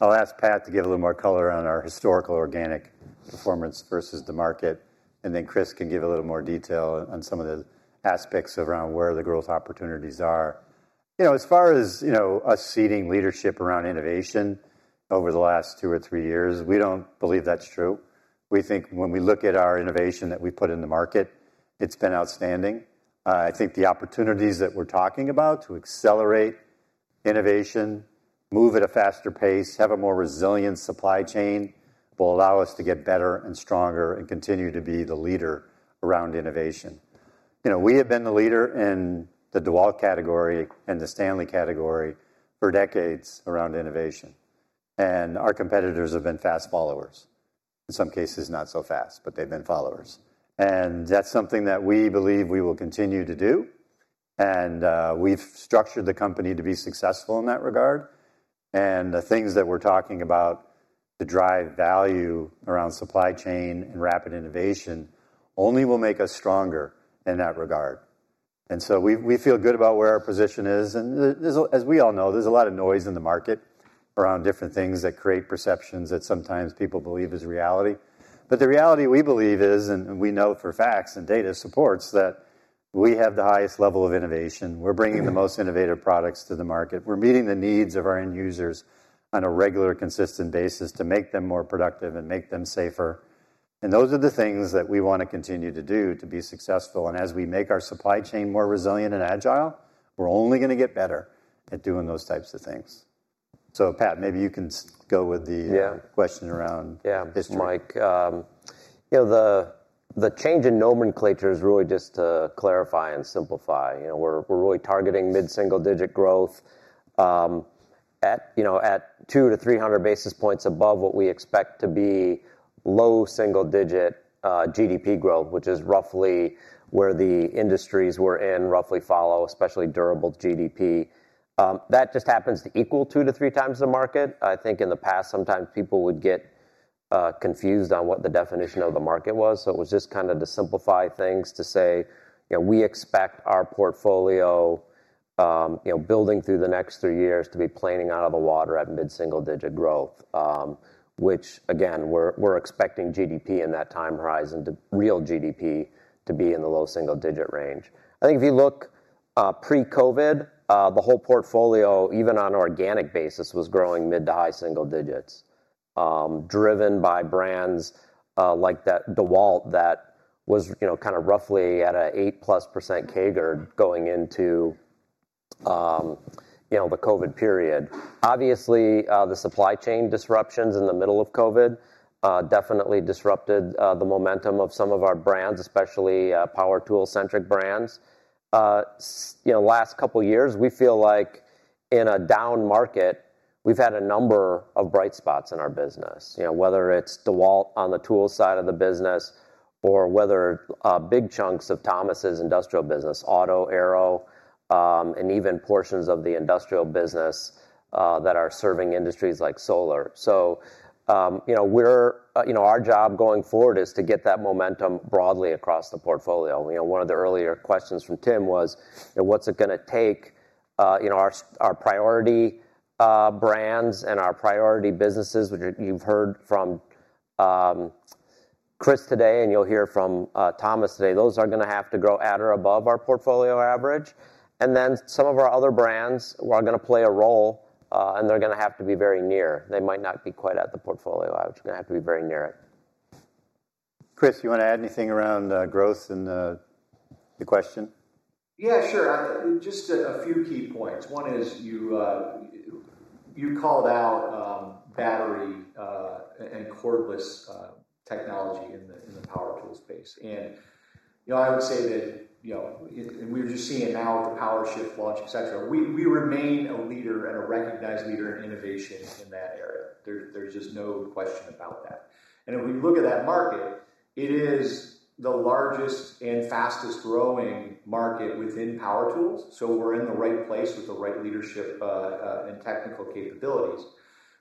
I'll ask Pat to give a little more color on our historical organic performance versus the market. And then Chris can give a little more detail on some of the aspects around where the growth opportunities are. As far as us ceding leadership around innovation over the last two or three years, we don't believe that's true. We think when we look at our innovation that we put in the market, it's been outstanding. I think the opportunities that we're talking about to accelerate innovation, move at a faster pace, have a more resilient supply chain will allow us to get better and stronger and continue to be the leader around innovation. We have been the leader in the DeWalt category and the Stanley category for decades around innovation. Our competitors have been fast followers. In some cases, not so fast, but they've been followers. That's something that we believe we will continue to do. We've structured the company to be successful in that regard. The things that we're talking about to drive value around supply chain and rapid innovation only will make us stronger in that regard. We feel good about where our position is. And as we all know, there's a lot of noise in the market around different things that create perceptions that sometimes people believe is reality. But the reality we believe is, and we know for facts and data supports that we have the highest level of innovation. We're bringing the most innovative products to the market. We're meeting the needs of our end users on a regular, consistent basis to make them more productive and make them safer. And those are the things that we want to continue to do to be successful. And as we make our supply chain more resilient and agile, we're only going to get better at doing those types of things. So Pat, maybe you can go with the question around history. Yeah, Mike. The change in nomenclature is really just to clarify and simplify. We're really targeting mid-single-digit growth at 200 to 300 basis points above what we expect to be low single-digit GDP growth, which is roughly where the industries were in roughly follow, especially durable GDP. That just happens to equal two to three times the market. I think in the past, sometimes people would get confused on what the definition of the market was. So it was just kind of to simplify things to say we expect our portfolio building through the next three years to be planning out of the water at mid-single-digit growth, which, again, we're expecting GDP in that time horizon, real GDP to be in the low single-digit range. I think if you look pre-COVID, the whole portfolio, even on an organic basis, was growing mid- to high-single digits, driven by brands like DeWalt that was kind of roughly at an 8+% CAGR going into the COVID period. Obviously, the supply chain disruptions in the middle of COVID definitely disrupted the momentum of some of our brands, especially power tool-centric brands. Last couple of years, we feel like in a down market, we've had a number of bright spots in our business, whether it's DeWalt on the tool side of the business or whether big chunks of Thomas's industrial business, auto, aero, and even portions of the industrial business that are serving industries like solar. Our job going forward is to get that momentum broadly across the portfolio. One of the earlier questions from Tim was, what's it going to take? Our priority brands and our priority businesses, which you've heard from Chris today and you'll hear from Thomas today, those are going to have to grow at or above our portfolio average. And then some of our other brands are going to play a role, and they're going to have to be very near. They might not be quite at the portfolio average. They're going to have to be very near it. Chris, you want to add anything around growth in the question? Yeah, sure. Just a few key points. One is you called out battery and cordless technology in the power tool space. And I would say that we're just seeing now with the POWERSHIFT launch, etc., we remain a leader and a recognized leader in innovation in that area. There's just no question about that. And if we look at that market, it is the largest and fastest growing market within power tools. So we're in the right place with the right leadership and technical capabilities.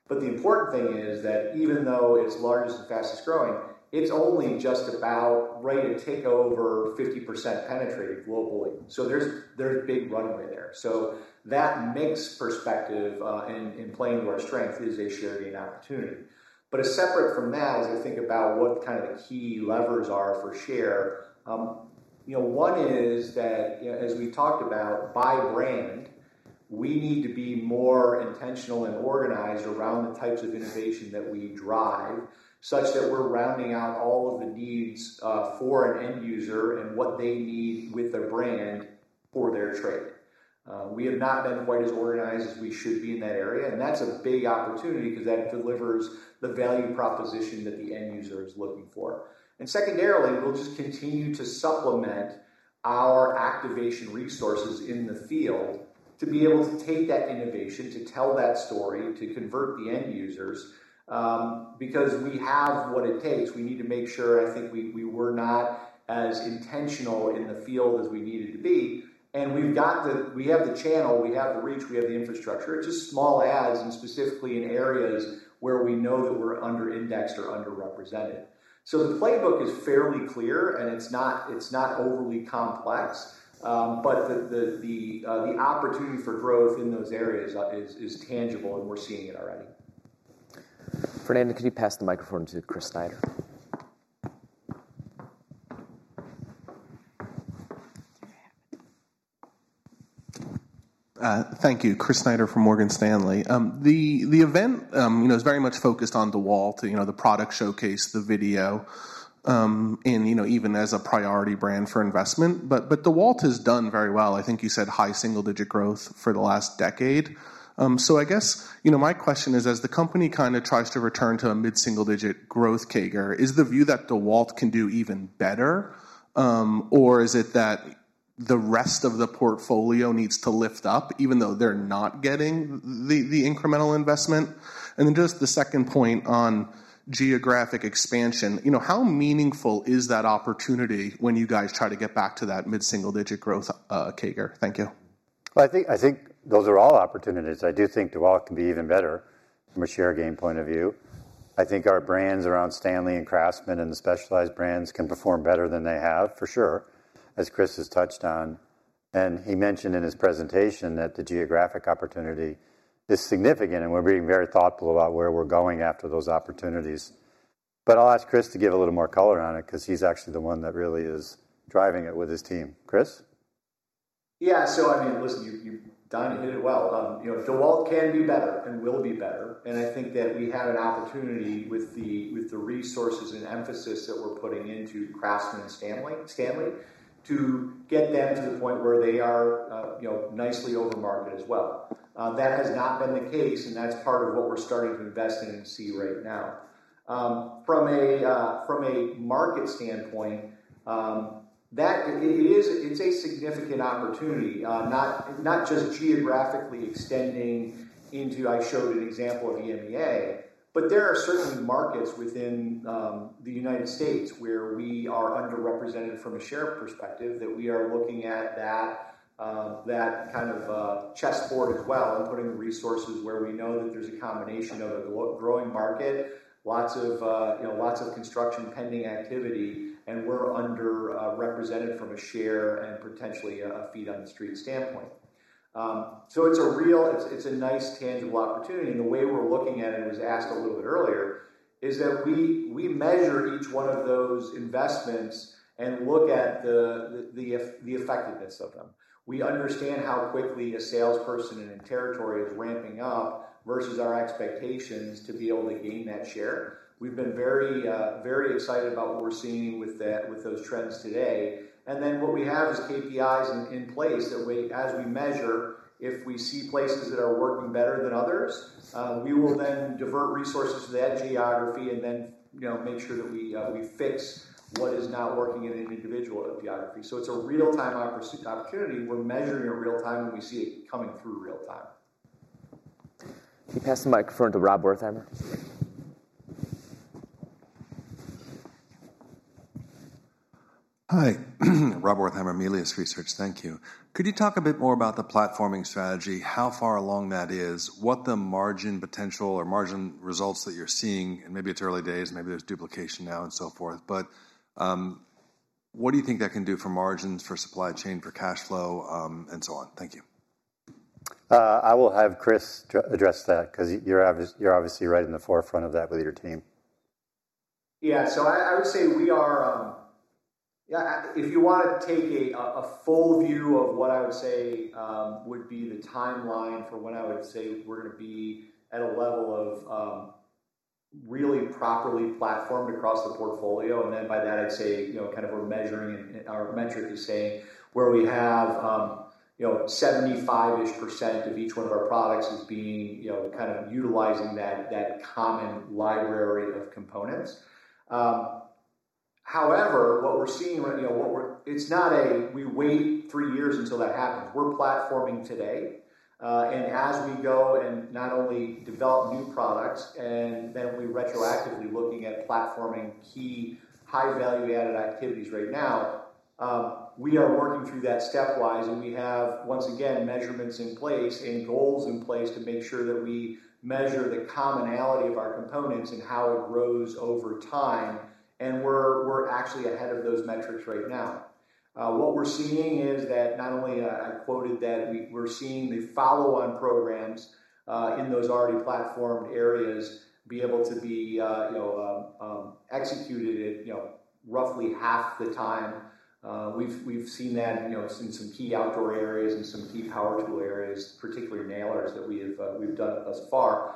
But the important thing is that even though it's largest and fastest growing, it's only just about ready to take over 50% penetrated globally. So there's a big runway there. So that mix perspective in playing to our strength is a share gain opportunity. But separate from that, as I think about what kind of key levers are for share, one is that, as we talked about, by brand, we need to be more intentional and organized around the types of innovation that we drive such that we're rounding out all of the needs for an end user and what they need with their brand for their trade. We have not been quite as organized as we should be in that area. And that's a big opportunity because that delivers the value proposition that the end user is looking for. And secondarily, we'll just continue to supplement our activation resources in the field to be able to take that innovation, to tell that story, to convert the end users because we have what it takes. We need to make sure, I think, we were not as intentional in the field as we needed to be. And we have the channel, we have the reach, we have the infrastructure. It's just small adds and specifically in areas where we know that we're under-indexed or underrepresented. So the playbook is fairly clear, and it's not overly complex, but the opportunity for growth in those areas is tangible, and we're seeing it already. Fernando, could you pass the microphone to Chris Snyder? Thank you. Chris Snyder from Morgan Stanley. The event is very much focused on DeWalt, the product showcase, the video, and even as a priority brand for investment. But DeWalt has done very well. I think you said high single-digit growth for the last decade. So I guess my question is, as the company kind of tries to return to a mid-single-digit growth CAGR, is the view that DeWalt can do even better, or is it that the rest of the portfolio needs to lift up even though they're not getting the incremental investment? And then just the second point on geographic expansion. How meaningful is that opportunity when you guys try to get back to that mid-single-digit growth CAGR? Thank you. I think those are all opportunities. I do think DeWalt can be even better from a share gain point of view. I think our brands around Stanley and Craftsman and the specialized brands can perform better than they have, for sure, as Chris has touched on, and he mentioned in his presentation that the geographic opportunity is significant, and we're being very thoughtful about where we're going after those opportunities, but I'll ask Chris to give a little more color on it because he's actually the one that really is driving it with his team. Chris? Yeah, so I mean, Don hit it well. DeWalt can be better and will be better, and I think that we have an opportunity with the resources and emphasis that we're putting into Craftsman and Stanley to get them to the point where they are nicely over-marketed as well. That has not been the case, and that's part of what we're starting to invest in and see right now. From a market standpoint, it's a significant opportunity, not just geographically extending into. I showed an example of EMEA, but there are certainly markets within the United States where we are underrepresented from a share perspective that we are looking at that kind of chessboard as well and putting resources where we know that there's a combination of a growing market, lots of construction pending activity, and we're underrepresented from a share and potentially a feet-on-the-street standpoint. So it's a nice tangible opportunity. And the way we're looking at it, it was asked a little bit earlier, is that we measure each one of those investments and look at the effectiveness of them. We understand how quickly a salesperson in a territory is ramping up versus our expectations to be able to gain that share. We've been very excited about what we're seeing with those trends today, and then what we have is KPIs in place that, as we measure, if we see places that are working better than others, we will then divert resources to that geography and then make sure that we fix what is not working in an individual geography, so it's a real-time opportunity. We're measuring it real-time, and we see it coming through real-time. Can you pass the microphone to Rob Wertheimer? Hi. Rob Wertheimer, Melius Research. Thank you. Could you talk a bit more about the platforming strategy, how far along that is, what the margin potential or margin results that you're seeing, and maybe it's early days, maybe there's duplication now and so forth? But what do you think that can do for margins, for supply chain, for cash flow, and so on? Thank you. I will have Chris address that because you're obviously right in the forefront of that with your team. Yeah. So I would say we are, yeah, if you want to take a full view of what I would say would be the timeline for when I would say we're going to be at a level of really properly platformed across the portfolio. And then by that, I'd say kind of we're measuring our metric is saying where we have 75-ish% of each one of our products is being kind of utilizing that common library of components. However, what we're seeing, it's not a, we wait three years until that happens. We're platforming today. As we go and not only develop new products, and then we retroactively looking at platforming key high-value-added activities right now, we are working through that stepwise. We have, once again, measurements in place and goals in place to make sure that we measure the commonality of our components and how it grows over time. We're actually ahead of those metrics right now. What we're seeing is that not only I quoted that we're seeing the follow-on programs in those already platformed areas be able to be executed at roughly half the time. We've seen that in some key outdoor areas and some key power tool areas, particularly nailers that we've done thus far.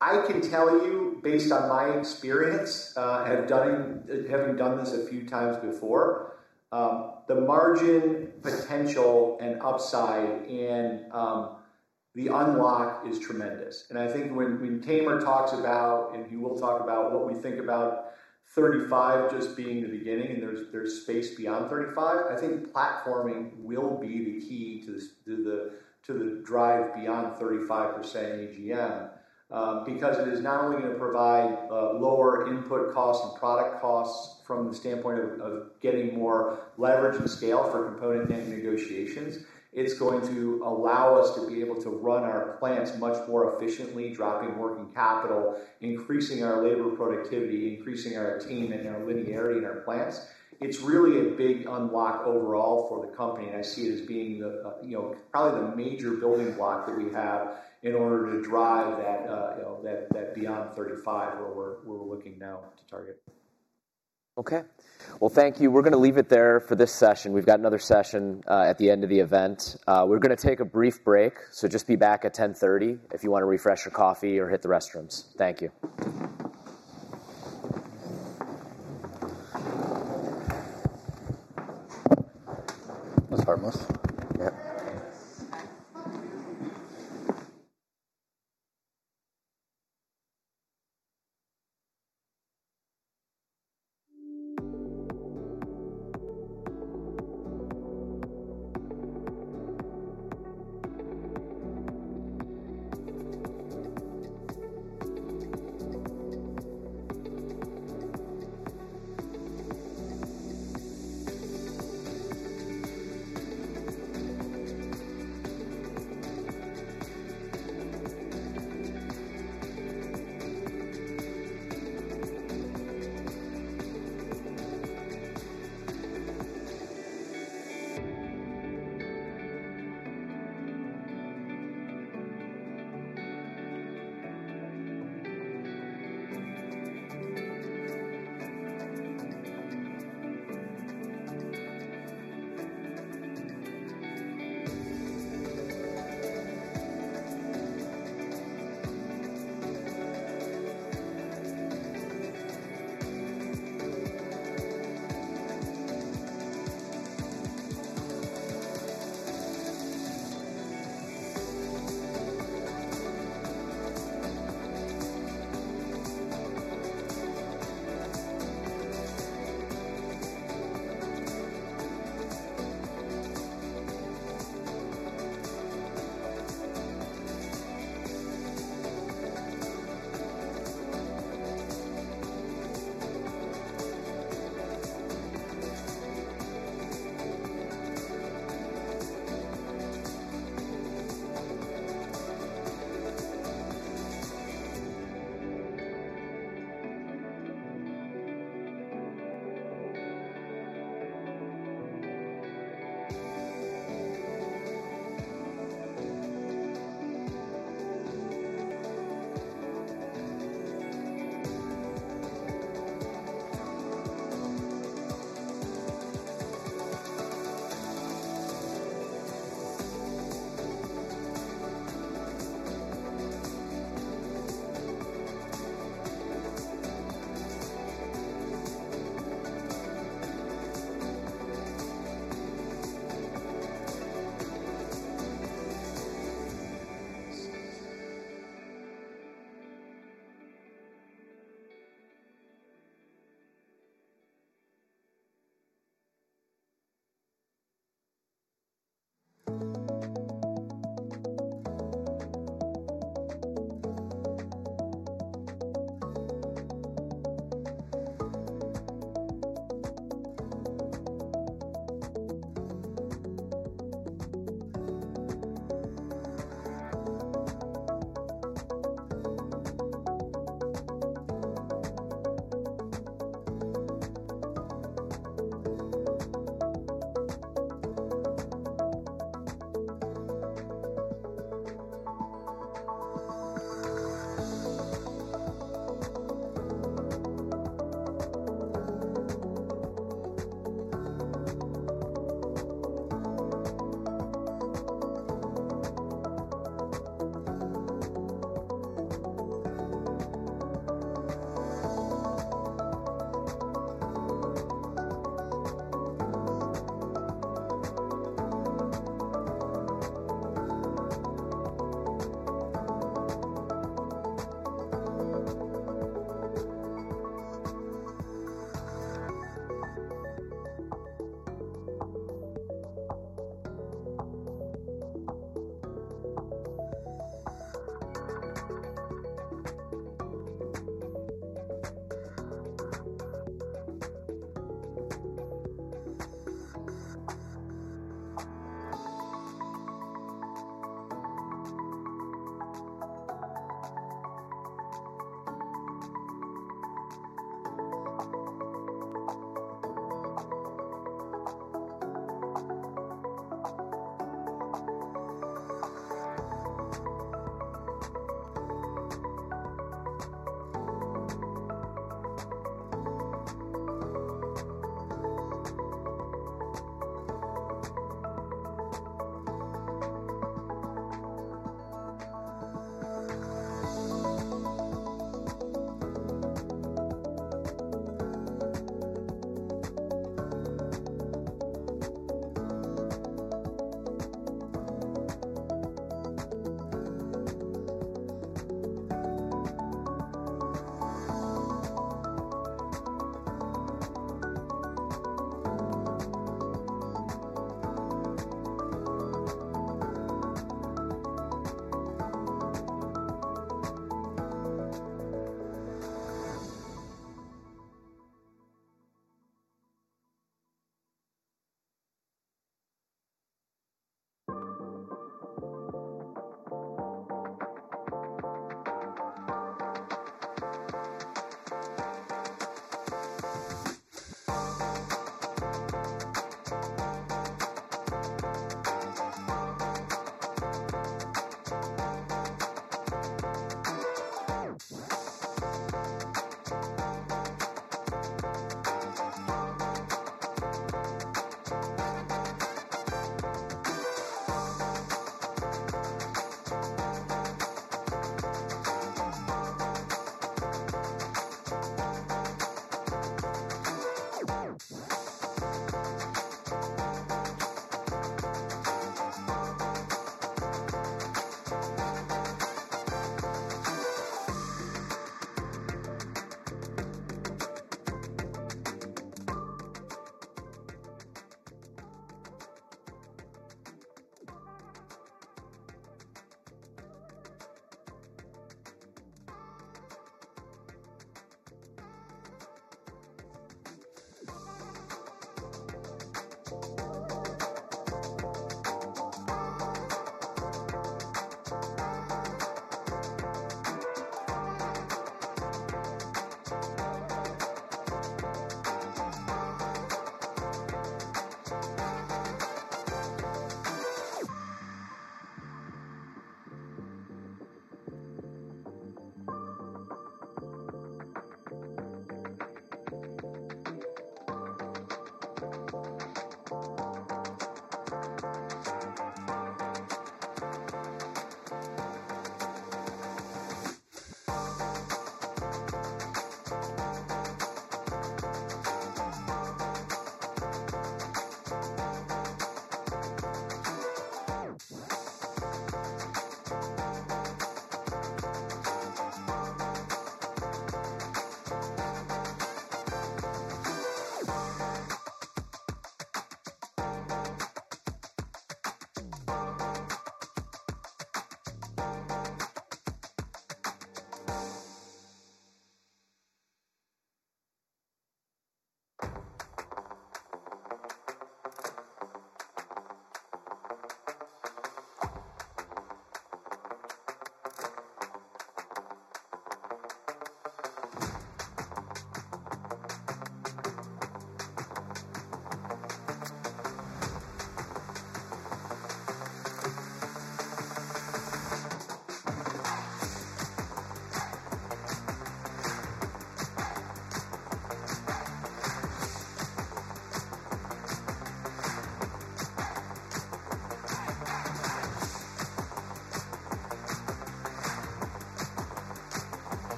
I can tell you, based on my experience, having done this a few times before, the margin potential and upside and the unlock is tremendous. And I think when Tamer talks about, and he will talk about what we think about 35 just being the beginning and there's space beyond 35, I think platforming will be the key to the drive beyond 35% AGM because it is not only going to provide lower input costs and product costs from the standpoint of getting more leverage and scale for component negotiations, it's going to allow us to be able to run our plants much more efficiently, dropping working capital, increasing our labor productivity, increasing our team and our linearity in our plants. It's really a big unlock overall for the company. And I see it as being probably the major building block that we have in order to drive that beyond 35 where we're looking now to target. Okay. Well, thank you. We're going to leave it there for this session. We've got another session at the end of the event. We're going to take a brief break. So just be back at 10:30 A.M. if you want to refresh your coffee or hit the restrooms. Thank you.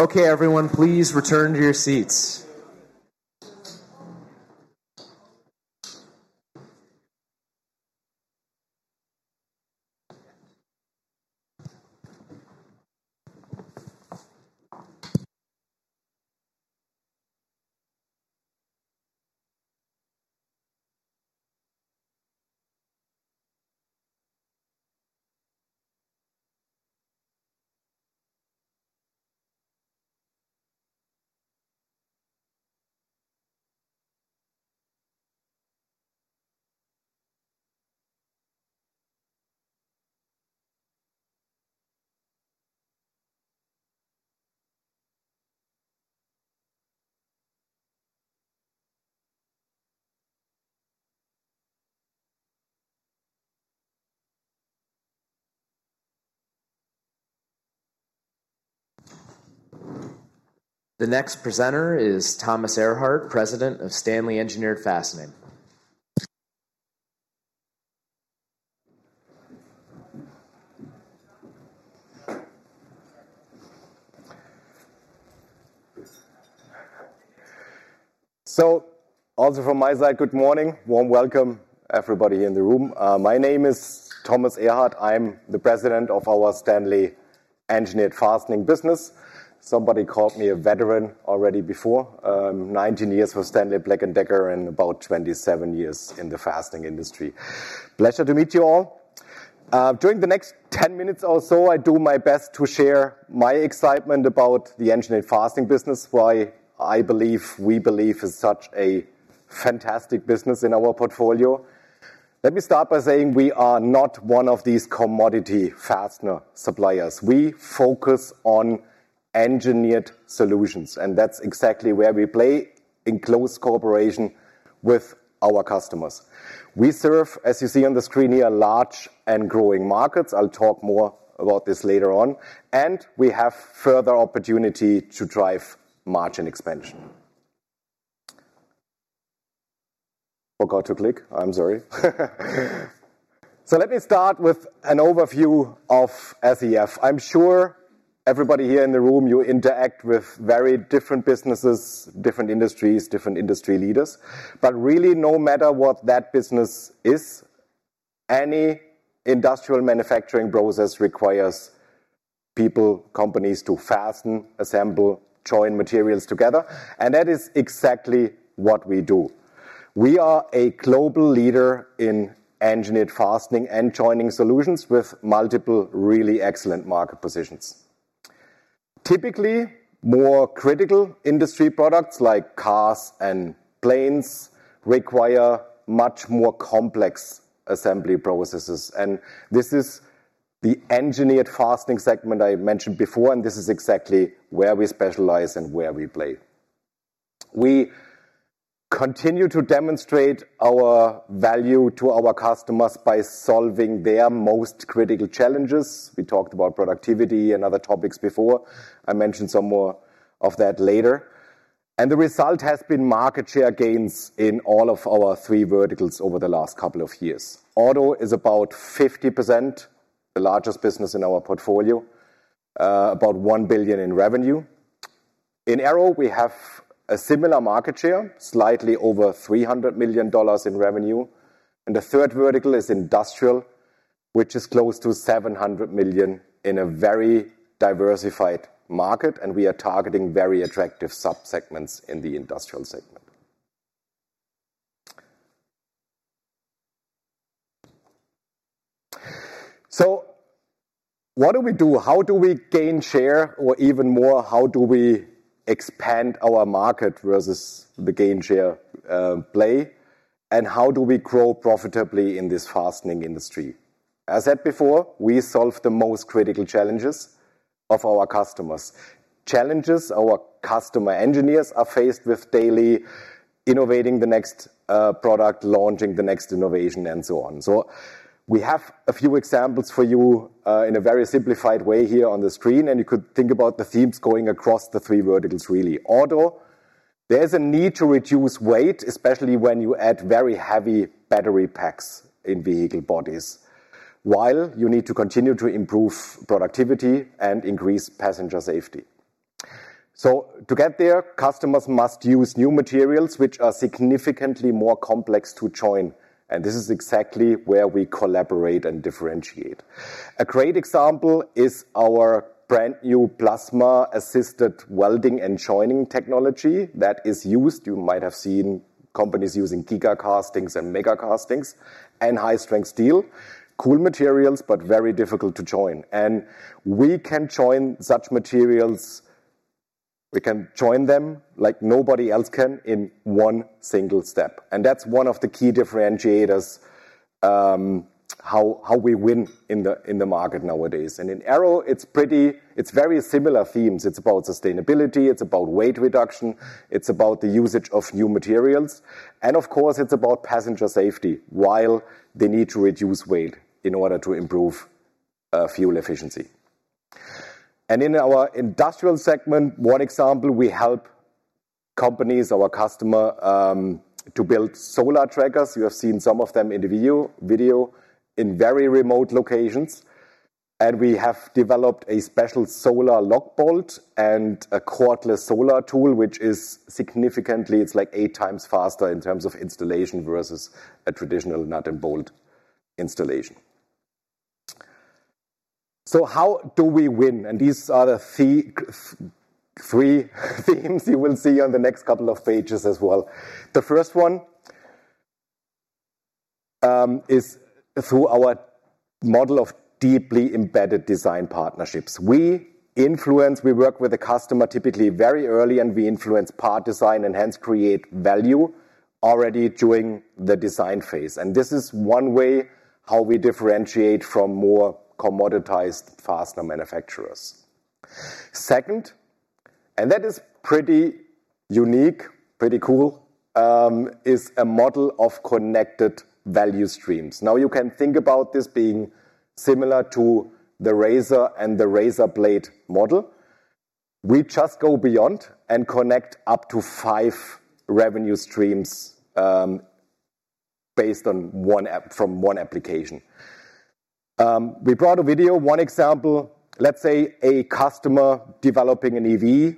Okay, everyone, please return to your seats. The next presenter is Thomas Ehrhardt, President of Stanley Engineered Fastening. So, also from my side, good morning. A warm welcome, everybody here in the room. My name is Thomas Ehrhardt. I'm the President of our Stanley Engineered Fastening business. Somebody called me a veteran already before. 19 years with Stanley Black & Decker and about 27 years in the fastening industry. Pleasure to meet you all. During the next 10 minutes or so, I do my best to share my excitement about the Engineered Fastening business, why I believe we believe is such a fantastic business in our portfolio. Let me start by saying we are not one of these commodity fastener suppliers. We focus on engineered solutions, and that's exactly where we play in close cooperation with our customers. We serve, as you see on the screen here, large and growing markets. I'll talk more about this later on. And we have further opportunity to drive margin expansion. Forgot to click. I'm sorry. So let me start with an overview of SEF. I'm sure everybody here in the room, you interact with very different businesses, different industries, different industry leaders. But really, no matter what that business is, any industrial manufacturing process requires people, companies to fasten, assemble, join materials together. And that is exactly what we do. We are a global leader in Engineered Fastening and joining solutions with multiple really excellent market positions. Typically, more critical industry products like cars and planes require much more complex assembly processes. And this is the Engineered Fastening segment I mentioned before. And this is exactly where we specialize and where we play. We continue to demonstrate our value to our customers by solving their most critical challenges. We talked about productivity and other topics before. I mentioned some more of that later. And the result has been market share gains in all of our three verticals over the last couple of years. Auto is about 50%, the largest business in our portfolio, about $1 billion in revenue. In aero, we have a similar market share, slightly over $300 million in revenue. And the third vertical is industrial, which is close to $700 million in a very diversified market. And we are targeting very attractive subsegments in the industrial segment. So what do we do? How do we gain share? Or even more, how do we expand our market versus the gain share play? And how do we grow profitably in this fastening industry? As I said before, we solve the most critical challenges of our customers. Challenges our customer engineers are faced with daily innovating the next product, launching the next innovation, and so on. So we have a few examples for you in a very simplified way here on the screen. And you could think about the themes going across the three verticals, really. Auto, there's a need to reduce weight, especially when you add very heavy battery packs in vehicle bodies, while you need to continue to improve productivity and increase passenger safety. So to get there, customers must use new materials, which are significantly more complex to join. And this is exactly where we collaborate and differentiate. A great example is our brand new plasma-assisted welding and joining technology that is used. You might have seen companies using Giga castings and Mega castings and high-strength steel. Cool materials, but very difficult to join, and we can join such materials. We can join them like nobody else can in one single step, and that's one of the key differentiators, how we win in the market nowadays, and in aero, it's pretty, it's very similar themes. It's about sustainability. It's about weight reduction. It's about the usage of new materials, and of course, it's about passenger safety while they need to reduce weight in order to improve fuel efficiency, and in our industrial segment, one example, we help companies, our customers, to build solar trackers. You have seen some of them in the video in very remote locations. And we have developed a special solar lock bolt and a cordless solar tool, which is significantly, it's like eight times faster in terms of installation versus a traditional nut and bolt installation. So how do we win? And these are the three themes you will see on the next couple of pages as well. The first one is through our model of deeply embedded design partnerships. We influence, we work with the customer typically very early, and we influence part design and hence create value already during the design phase. And this is one way how we differentiate from more commoditized fastener manufacturers. Second, and that is pretty unique, pretty cool, is a model of connected value streams. Now you can think about this being similar to the razor and the razor blade model. We just go beyond and connect up to five revenue streams based on one app from one application. We brought a video. One example, let's say a customer developing an EV.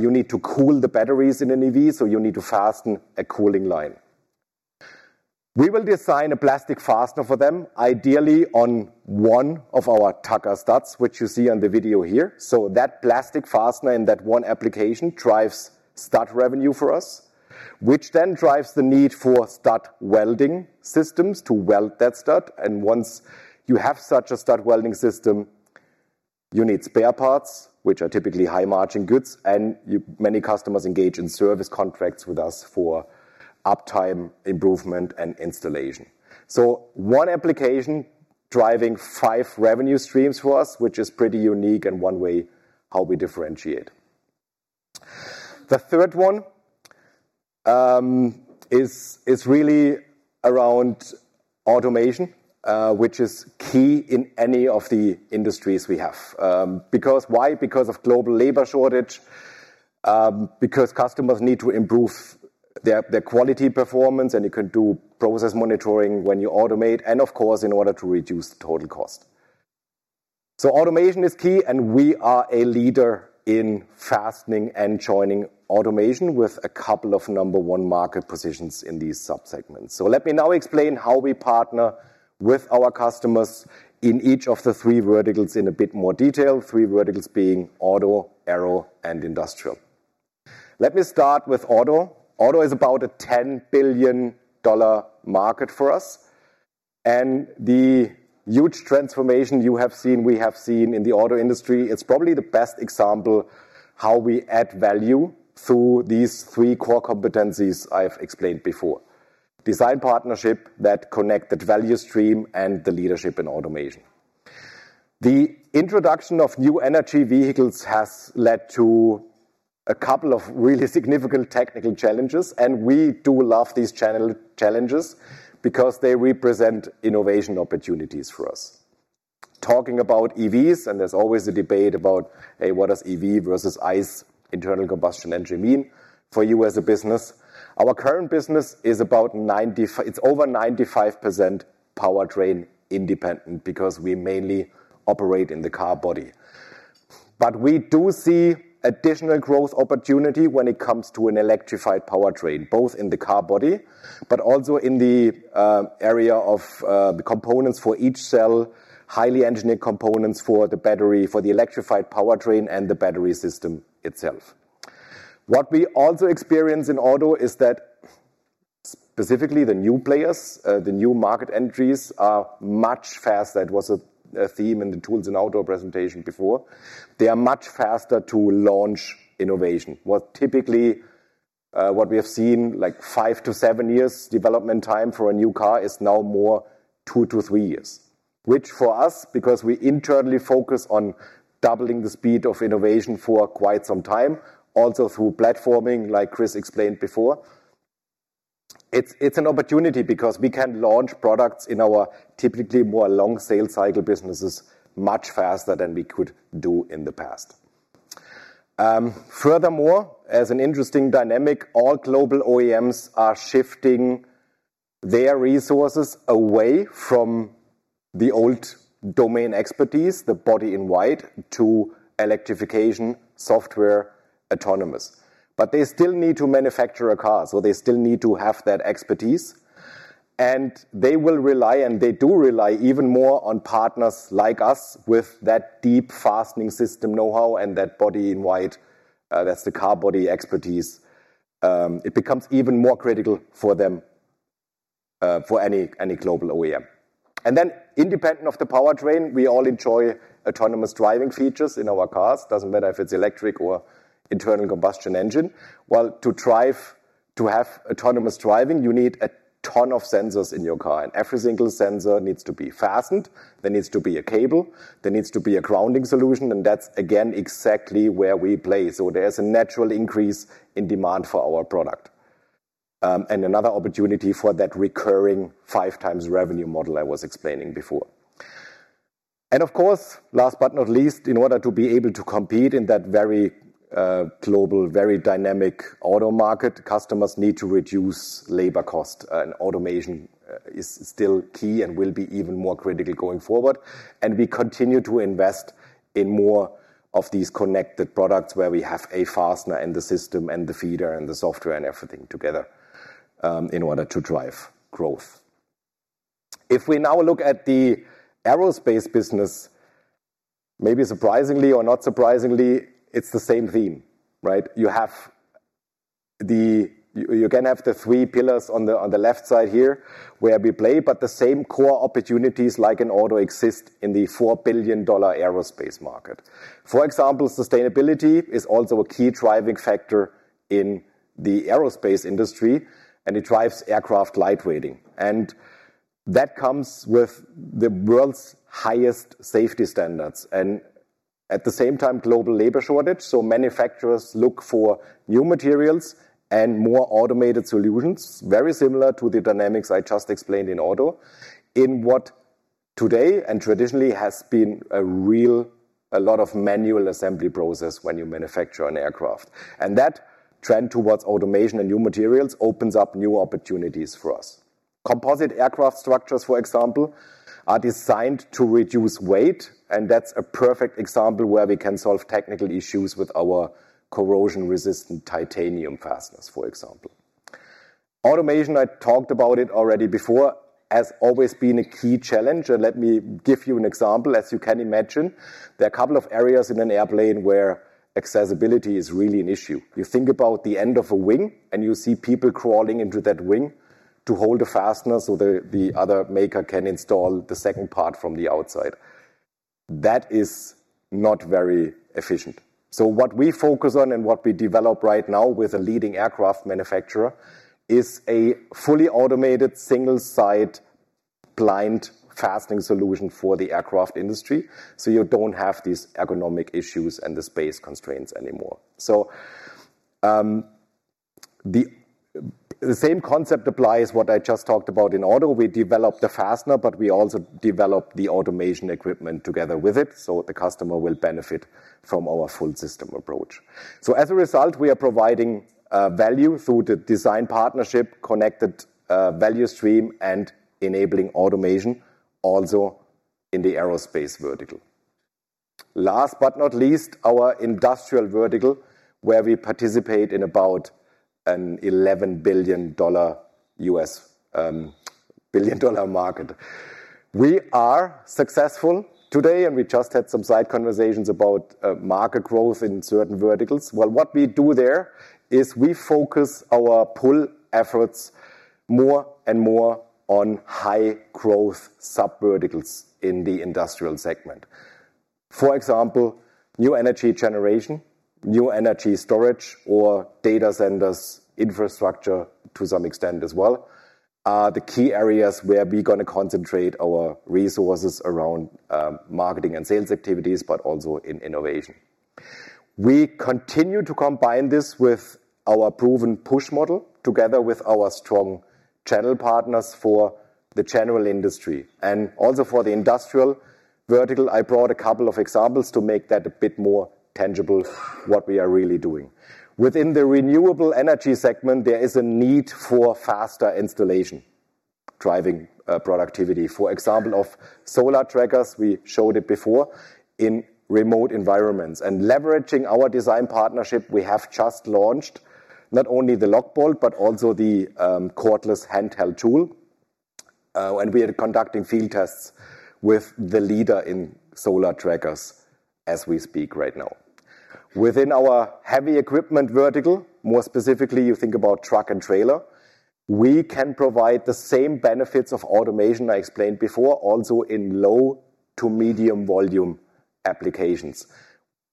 You need to cool the batteries in an EV, so you need to fasten a cooling line. We will design a plastic fastener for them, ideally on one of our Tucker studs, which you see on the video here. So that plastic fastener in that one application drives stud revenue for us, which then drives the need for stud welding systems to weld that stud. And once you have such a stud welding system, you need spare parts, which are typically high-margin goods. And many customers engage in service contracts with us for uptime improvement and installation. So one application driving five revenue streams for us, which is pretty unique and one way how we differentiate. The third one is really around automation, which is key in any of the industries we have. Because why? Because of global labor shortage, because customers need to improve their quality performance, and you can do process monitoring when you automate. And of course, in order to reduce total cost. So automation is key, and we are a leader in fastening and joining automation with a couple of number one market positions in these subsegments. So let me now explain how we partner with our customers in each of the three verticals in a bit more detail, three verticals being auto, aero, and industrial. Let me start with auto. Auto is about a $10 billion market for us. The huge transformation you have seen, we have seen in the auto industry, it's probably the best example how we add value through these three core competencies I've explained before: design partnership that connects the value stream and the leadership in automation. The introduction of new energy vehicles has led to a couple of really significant technical challenges. We do love these challenges because they represent innovation opportunities for us. Talking about EVs, and there's always a debate about, hey, what does EV versus ICE, internal combustion engine, mean for you as a business? Our current business is about 95%, it's over 95% powertrain independent because we mainly operate in the car body. But we do see additional growth opportunity when it comes to an electrified powertrain, both in the car body, but also in the area of the components for each cell, highly engineered components for the battery, for the electrified powertrain and the battery system itself. What we also experience in auto is that specifically the new players, the new market entries are much faster. It was a theme in the tools in auto presentation before. They are much faster to launch innovation. What we typically have seen, like five to seven years development time for a new car is now more two to three years, which for us, because we internally focus on doubling the speed of innovation for quite some time, also through platforming, like Chris explained before, it's an opportunity because we can launch products in our typically more long sales cycle businesses much faster than we could do in the past. Furthermore, as an interesting dynamic, all global OEMs are shifting their resources away from the old domain expertise, the body-in-white, to electrification, software, autonomous, but they still need to manufacture a car, so they still need to have that expertise, and they will rely, and they do rely even more on partners like us with that deep fastening system know-how and that body-in-white, that's the car body expertise. It becomes even more critical for them, for any global OEM. Independent of the powertrain, we all enjoy autonomous driving features in our cars. It doesn't matter if it's electric or internal combustion engine. To drive, to have autonomous driving, you need a ton of sensors in your car. Every single sensor needs to be fastened. There needs to be a cable. There needs to be a grounding solution. That's, again, exactly where we play. There's a natural increase in demand for our product and another opportunity for that recurring five times revenue model I was explaining before. Of course, last but not least, in order to be able to compete in that very global, very dynamic auto market, customers need to reduce labor cost. Automation is still key and will be even more critical going forward. We continue to invest in more of these connected products where we have a fastener and the system and the feeder and the software and everything together in order to drive growth. If we now look at the aerospace business, maybe surprisingly or not surprisingly, it's the same theme, right? You have the three pillars on the left side here where we play, but the same core opportunities like in auto exist in the $4 billion aerospace market. For example, sustainability is also a key driving factor in the aerospace industry, and it drives aircraft lightweighting. That comes with the world's highest safety standards and at the same time global labor shortage. So manufacturers look for new materials and more automated solutions, very similar to the dynamics I just explained in auto, in what today and traditionally has been a real lot of manual assembly process when you manufacture an aircraft. And that trend towards automation and new materials opens up new opportunities for us. Composite aircraft structures, for example, are designed to reduce weight. And that's a perfect example where we can solve technical issues with our corrosion-resistant titanium fasteners, for example. Automation, I talked about it already before, has always been a key challenge. And let me give you an example. As you can imagine, there are a couple of areas in an airplane where accessibility is really an issue. You think about the end of a wing, and you see people crawling into that wing to hold the fastener so the other maker can install the second part from the outside. That is not very efficient. So what we focus on and what we develop right now with a leading aircraft manufacturer is a fully automated single-side blind fastening solution for the aircraft industry. So you don't have these ergonomic issues and the space constraints anymore. So the same concept applies to what I just talked about in auto. We develop the fastener, but we also develop the automation equipment together with it. So the customer will benefit from our full system approach. So as a result, we are providing value through the design partnership, connected value stream, and enabling automation also in the aerospace vertical. Last but not least, our industrial vertical, where we participate in about an $11 billion U.S. market. We are successful today, and we just had some side conversations about market growth in certain verticals. What we do there is we focus our pull efforts more and more on high growth subverticals in the industrial segment. For example, new energy generation, new energy storage, or data centers infrastructure to some extent as well are the key areas where we're going to concentrate our resources around marketing and sales activities, but also in innovation. We continue to combine this with our proven push model together with our strong channel partners for the general industry and also for the industrial vertical. I brought a couple of examples to make that a bit more tangible what we are really doing. Within the renewable energy segment, there is a need for faster installation, driving productivity. For example, of solar trackers, we showed it before in remote environments. And leveraging our design partnership, we have just launched not only the lock bolt, but also the cordless handheld tool. And we are conducting field tests with the leader in solar trackers as we speak right now. Within our heavy equipment vertical, more specifically, you think about truck and trailer, we can provide the same benefits of automation I explained before, also in low to medium volume applications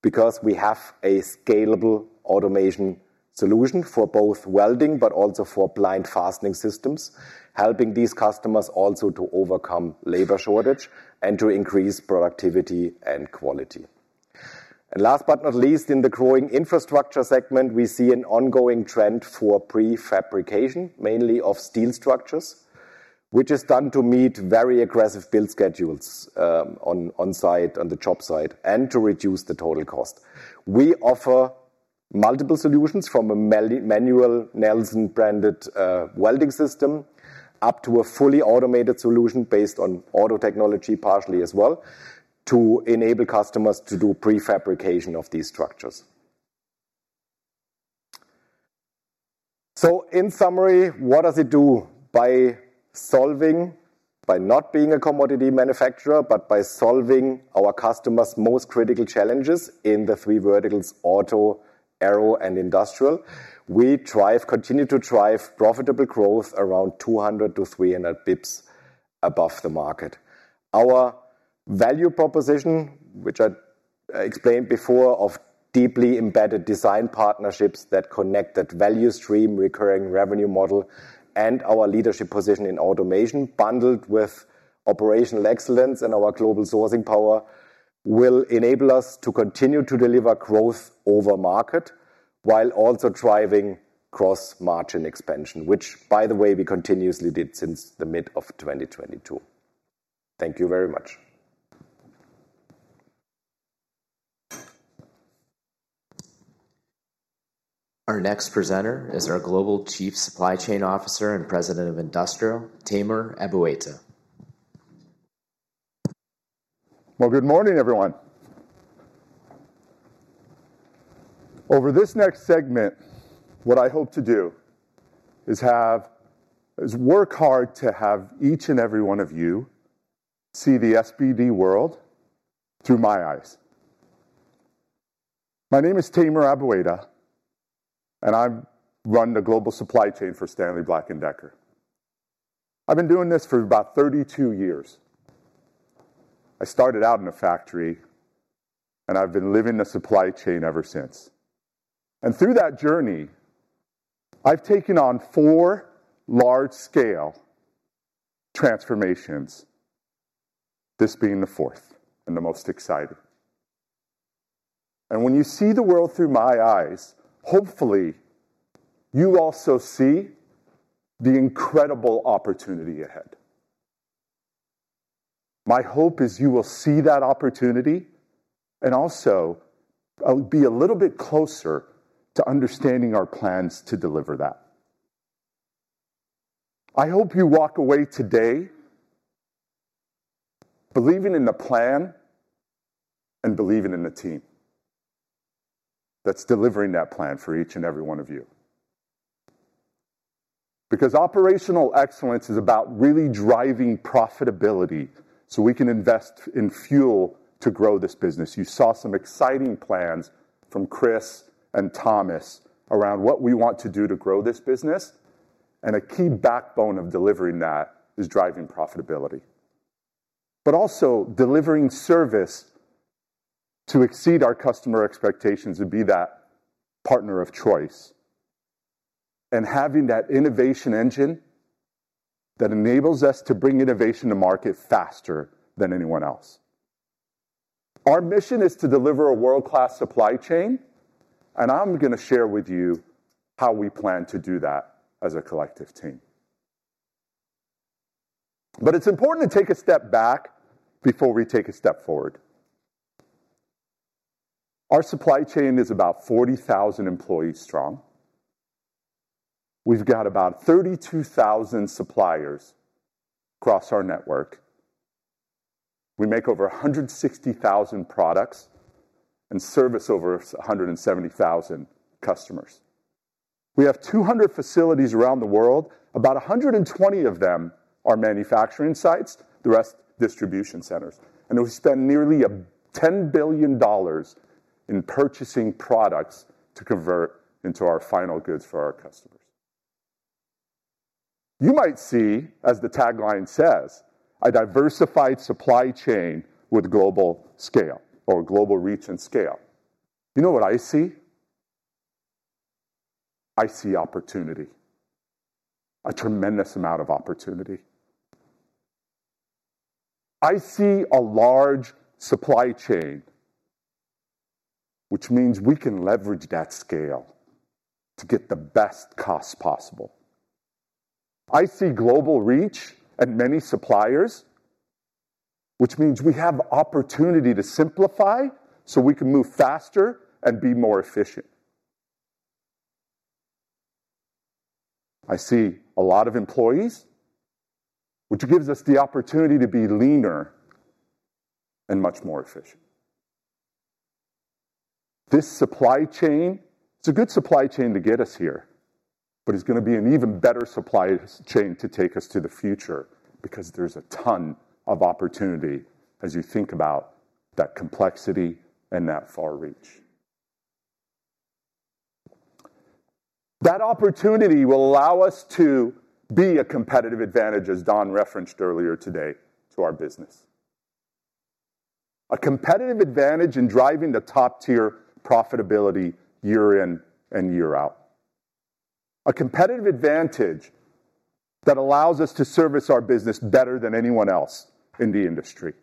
because we have a scalable automation solution for both welding, but also for blind fastening systems, helping these customers also to overcome labor shortage and to increase productivity and quality. Last but not least, in the growing infrastructure segment, we see an ongoing trend for prefabrication, mainly of steel structures, which is done to meet very aggressive build schedules on site, on the job site, and to reduce the total cost. We offer multiple solutions from a manual Nelson-branded welding system up to a fully automated solution based on auto technology partially as well to enable customers to do prefabrication of these structures. So in summary, what does it do by solving, by not being a commodity manufacturer, but by solving our customers' most critical challenges in the three verticals, auto, aero, and industrial? We continue to drive profitable growth around 200 to 300 basis points above the market. Our value proposition, which I explained before, of deeply embedded design partnerships that connect that value stream, recurring revenue model, and our leadership position in automation, bundled with operational excellence and our global sourcing power, will enable us to continue to deliver growth over market while also driving gross margin expansion, which, by the way, we continuously did since the mid of 2022. Thank you very much. Our next presenter is our Global Chief Supply Chain Officer and President of Industrial, Tamer Abuaita. Good morning, everyone. Over this next segment, what I hope to do is work hard to have each and every one of you see the SBD world through my eyes. My name is Tamer Abuaita, and I run the global supply chain for Stanley Black & Decker. I've been doing this for about 32 years. I started out in a factory, and I've been living the supply chain ever since. And through that journey, I've taken on four large-scale transformations, this being the fourth and the most exciting. And when you see the world through my eyes, hopefully, you also see the incredible opportunity ahead. My hope is you will see that opportunity and also be a little bit closer to understanding our plans to deliver that. I hope you walk away today believing in the plan and believing in the team that's delivering that plan for each and every one of you. Because operational excellence is about really driving profitability so we can invest in fuel to grow this business. You saw some exciting plans from Chris and Thomas around what we want to do to grow this business. A key backbone of delivering that is driving profitability, but also delivering service to exceed our customer expectations and be that partner of choice and having that innovation engine that enables us to bring innovation to market faster than anyone else. Our mission is to deliver a world-class supply chain, and I'm going to share with you how we plan to do that as a collective team. It's important to take a step back before we take a step forward. Our supply chain is about 40,000 employees strong. We've got about 32,000 suppliers across our network. We make over 160,000 products and service over 170,000 customers. We have 200 facilities around the world. About 120 of them are manufacturing sites, the rest distribution centers. We spend nearly $10 billion in purchasing products to convert into our final goods for our customers. You might see, as the tagline says, a diversified supply chain with global scale or global reach and scale. You know what I see? I see opportunity, a tremendous amount of opportunity. I see a large supply chain, which means we can leverage that scale to get the best cost possible. I see global reach and many suppliers, which means we have opportunity to simplify so we can move faster and be more efficient. I see a lot of employees, which gives us the opportunity to be leaner and much more efficient. This supply chain, it's a good supply chain to get us here, but it's going to be an even better supply chain to take us to the future because there's a ton of opportunity as you think about that complexity and that far reach. That opportunity will allow us to be a competitive advantage, as Don referenced earlier today, to our business. A competitive advantage in driving the top-tier profitability year in and year out. A competitive advantage that allows us to service our business better than anyone else in the industry.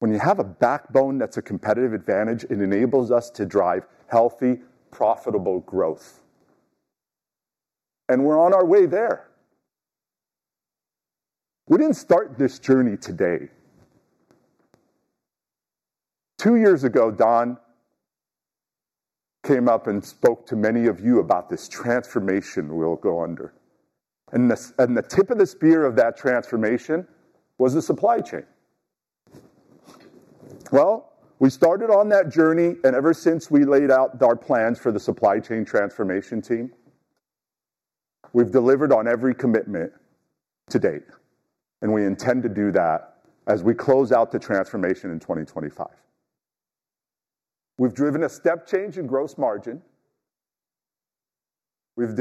When you have a backbone that's a competitive advantage, it enables us to drive healthy, profitable growth. And we're on our way there. We didn't start this journey today. Two years ago, Don came up and spoke to many of you about this transformation we'll go under. And the tip of the spear of that transformation was the supply chain. Well, we started on that journey, and ever since we laid out our plans for the supply chain transformation team, we've delivered on every commitment to date, and we intend to do that as we close out the transformation in 2025. We've driven a step change in gross margin. We've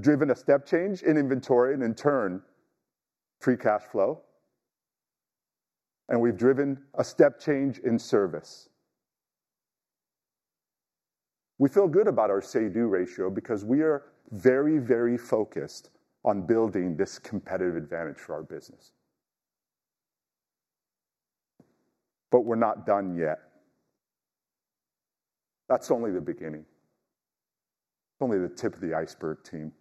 driven a step change in inventory and, in turn, free cash flow, and we've driven a step change in service. We feel good about our say-do ratio because we are very, very focused on building this competitive advantage for our business, but we're not done yet. That's only the beginning. It's only the tip of the iceberg, team.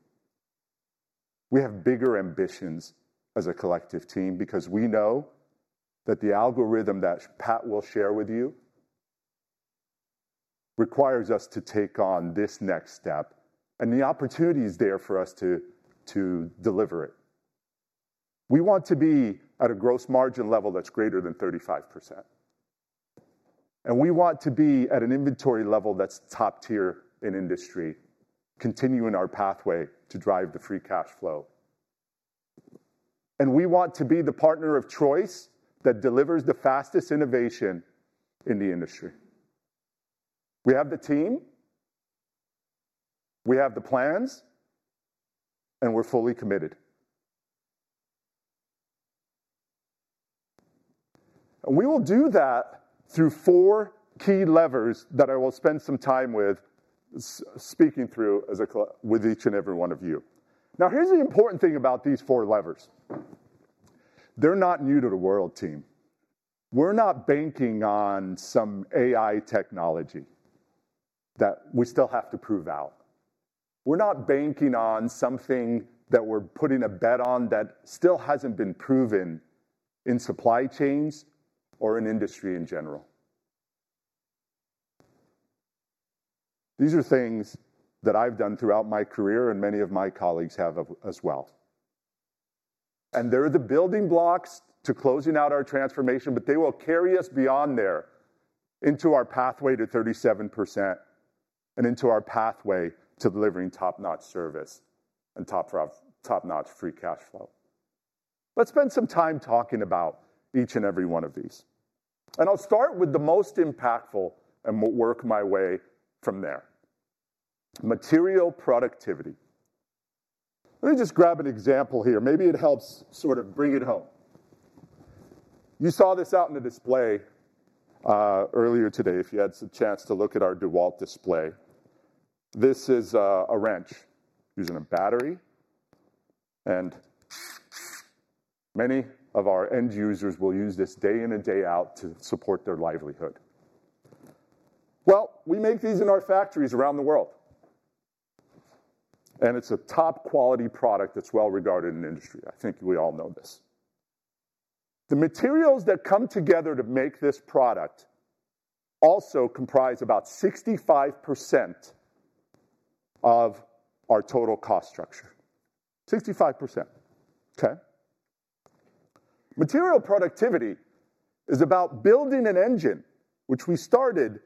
We have bigger ambitions as a collective team because we know that the algorithm that Pat will share with you requires us to take on this next step and the opportunities there for us to deliver it. We want to be at a gross margin level that's greater than 35%, and we want to be at an inventory level that's top-tier in industry, continuing our pathway to drive the free cash flow. We want to be the partner of choice that delivers the fastest innovation in the industry. We have the team. We have the plans, and we're fully committed. We will do that through four key levers that I will spend some time with speaking through with each and every one of you. Now, here's the important thing about these four levers. They're not new to the world, team. We're not banking on some AI technology that we still have to prove out. We're not banking on something that we're putting a bet on that still hasn't been proven in supply chains or in industry in general. These are things that I've done throughout my career, and many of my colleagues have as well. They're the building blocks to closing out our transformation, but they will carry us beyond there into our pathway to 37% and into our pathway to delivering top-notch service and top-notch free cash flow. Let's spend some time talking about each and every one of these. I'll start with the most impactful and work my way from there. Material productivity. Let me just grab an example here. Maybe it helps sort of bring it home. You saw this out in the display earlier today if you had some chance to look at our DeWalt display. This is a wrench using a battery. Many of our end users will use this day in and day out to support their livelihood. We make these in our factories around the world. It's a top-quality product that's well regarded in the industry. I think we all know this. The materials that come together to make this product also comprise about 65% of our total cost structure. 65%, okay? Material productivity is about building an engine, which we started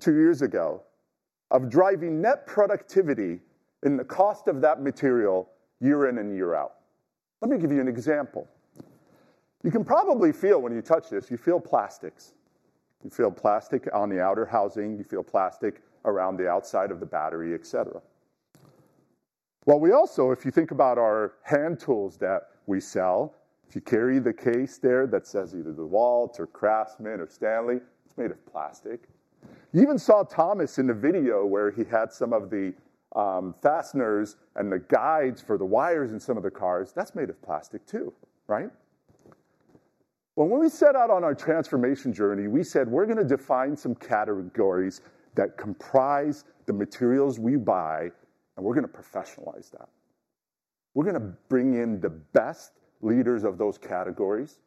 two years ago, of driving net productivity in the cost of that material year in and year out. Let me give you an example. You can probably feel when you touch this, you feel plastics. You feel plastic on the outer housing. You feel plastic around the outside of the battery, etc. Well, we also, if you think about our hand tools that we sell, if you carry the case there that says either DeWalt or Craftsman or Stanley, it's made of plastic. You even saw Thomas in the video where he had some of the fasteners and the guides for the wires in some of the cars. That's made of plastic too, right? When we set out on our transformation journey, we said, "We're going to define some categories that comprise the materials we buy, and we're going to professionalize that. We're going to bring in the best leaders of those categories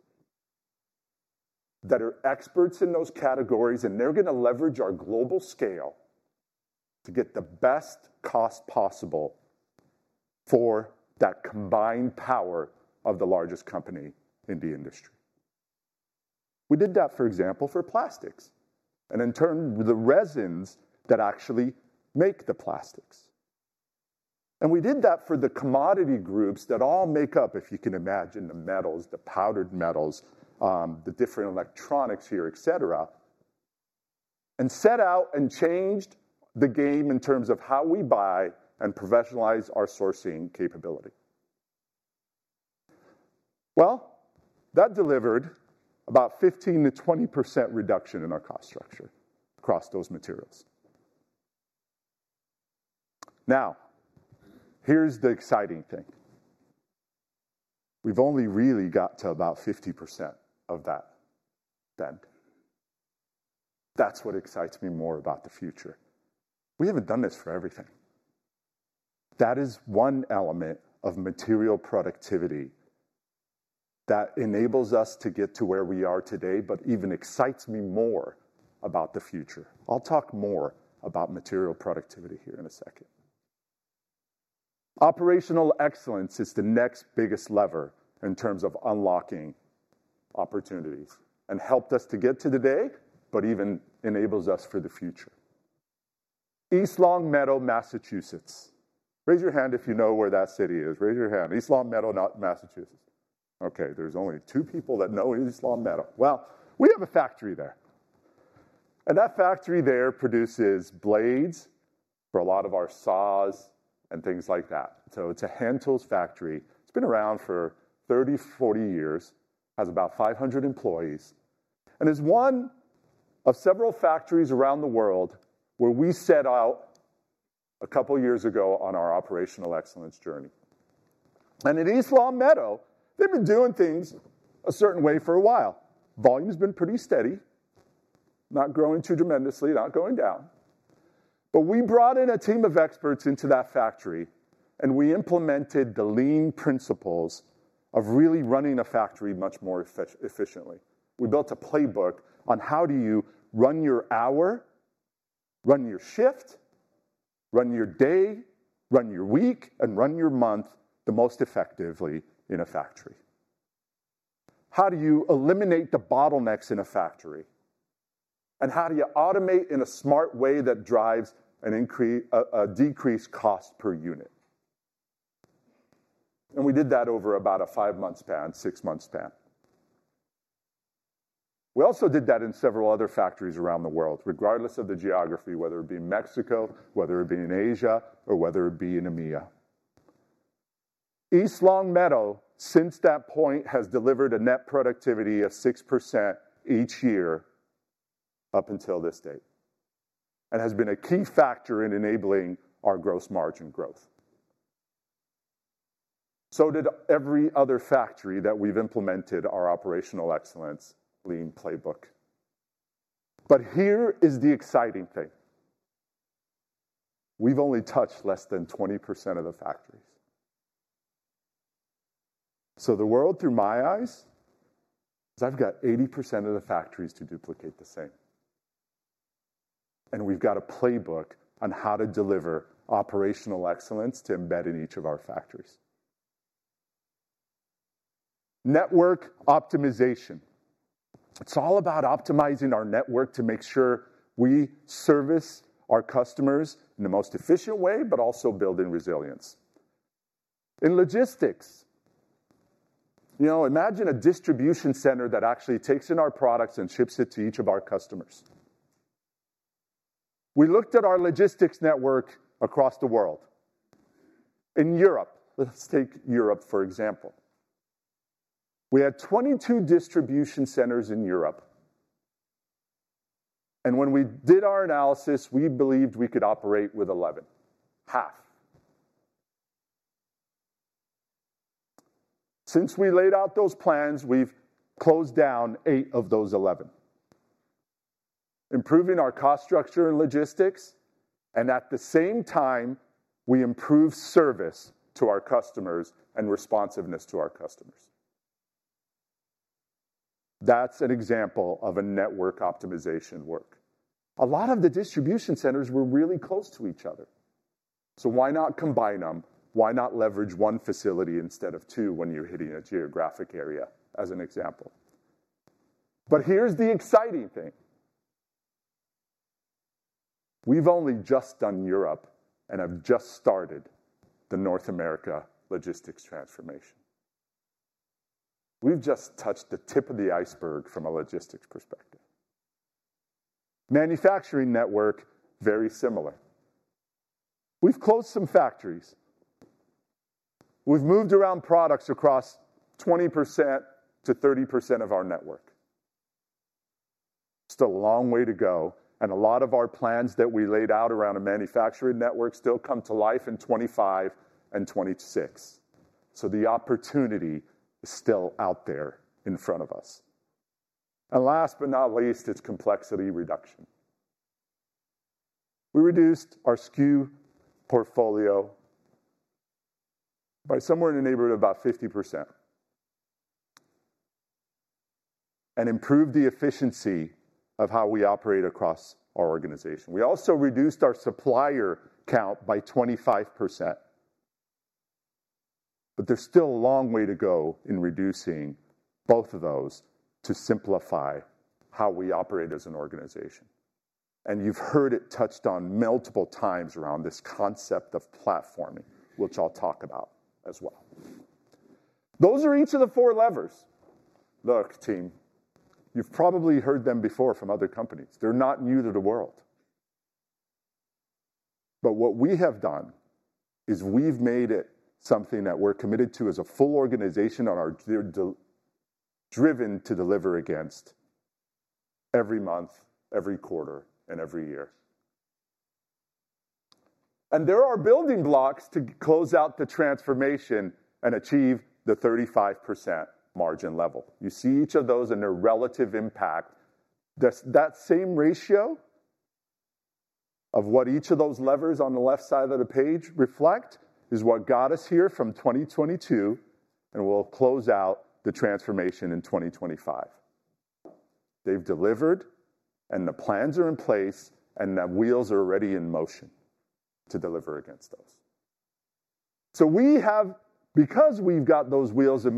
that are experts in those categories, and they're going to leverage our global scale to get the best cost possible for that combined power of the largest company in the industry." We did that, for example, for plastics, and in turn, the resins that actually make the plastics. And we did that for the commodity groups that all make up, if you can imagine, the metals, the powdered metals, the different electronics here, etc., and set out and changed the game in terms of how we buy and professionalize our sourcing capability. That delivered about 15%-20% reduction in our cost structure across those materials. Now, here's the exciting thing. We've only really got to about 50% of that benefit. That's what excites me more about the future. We haven't done this for everything. That is one element of material productivity that enables us to get to where we are today, but even excites me more about the future. I'll talk more about material productivity here in a second. Operational excellence is the next biggest lever in terms of unlocking opportunities and helped us to get to today, but even enables us for the future. East Longmeadow, Massachusetts. Raise your hand if you know where that city is. Raise your hand. East Longmeadow, not Massachusetts. Okay, there's only two people that know East Longmeadow. Well, we have a factory there, and that factory there produces blades for a lot of our saws and things like that. So it's a hand tools factory. It's been around for 30, 40 years, has about 500 employees, and is one of several factories around the world where we set out a couple of years ago on our operational excellence journey, and at East Longmeadow, they've been doing things a certain way for a while. Volume has been pretty steady, not growing too tremendously, not going down, but we brought in a team of experts into that factory, and we implemented the lean principles of really running a factory much more efficiently. We built a playbook on how do you run your hour, run your shift, run your day, run your week, and run your month the most effectively in a factory. How do you eliminate the bottlenecks in a factory, and how do you automate in a smart way that drives a decreased cost per unit? We did that over about a five-month span, six-month span. We also did that in several other factories around the world, regardless of the geography, whether it be in Mexico, whether it be in Asia, or whether it be in EMEA. East Longmeadow, since that point, has delivered a net productivity of 6% each year up until this date and has been a key factor in enabling our gross margin growth. Every other factory that we've implemented our operational excellence lean playbook did that. Here is the exciting thing. We've only touched less than 20% of the factories. The world through my eyes is I've got 80% of the factories to duplicate the same. We've got a playbook on how to deliver operational excellence to embed in each of our factories. Network optimization. It's all about optimizing our network to make sure we service our customers in the most efficient way, but also building resilience. In logistics, imagine a distribution center that actually takes in our products and ships it to each of our customers. We looked at our logistics network across the world. In Europe, let's take Europe, for example. We had 22 distribution centers in Europe, and when we did our analysis, we believed we could operate with 11, half. Since we laid out those plans, we've closed down eight of those 11, improving our cost structure and logistics. And at the same time, we improve service to our customers and responsiveness to our customers. That's an example of a network optimization work. A lot of the distribution centers were really close to each other. So why not combine them? Why not leverage one facility instead of two when you're hitting a geographic area, as an example? But here's the exciting thing. We've only just done Europe and have just started the North America logistics transformation. We've just touched the tip of the iceberg from a logistics perspective. Manufacturing network, very similar. We've closed some factories. We've moved around products across 20%-30% of our network. Still a long way to go. And a lot of our plans that we laid out around a manufacturing network still come to life in 2025 and 2026. So the opportunity is still out there in front of us. And last but not least, it's complexity reduction. We reduced our SKU portfolio by somewhere in the neighborhood of about 50% and improved the efficiency of how we operate across our organization. We also reduced our supplier count by 25%. But there's still a long way to go in reducing both of those to simplify how we operate as an organization. And you've heard it touched on multiple times around this concept of platforming, which I'll talk about as well. Those are each of the four levers. Look, team, you've probably heard them before from other companies. They're not new to the world. But what we have done is we've made it something that we're committed to as a full organization on our driven to deliver against every month, every quarter, and every year. And there are building blocks to close out the transformation and achieve the 35% margin level. You see each of those and their relative impact. That same ratio of what each of those levers on the left side of the page reflect is what got us here from 2022, and we'll close out the transformation in 2025. They've delivered, and the plans are in place, and the wheels are already in motion to deliver against those, so because we've got those wheels in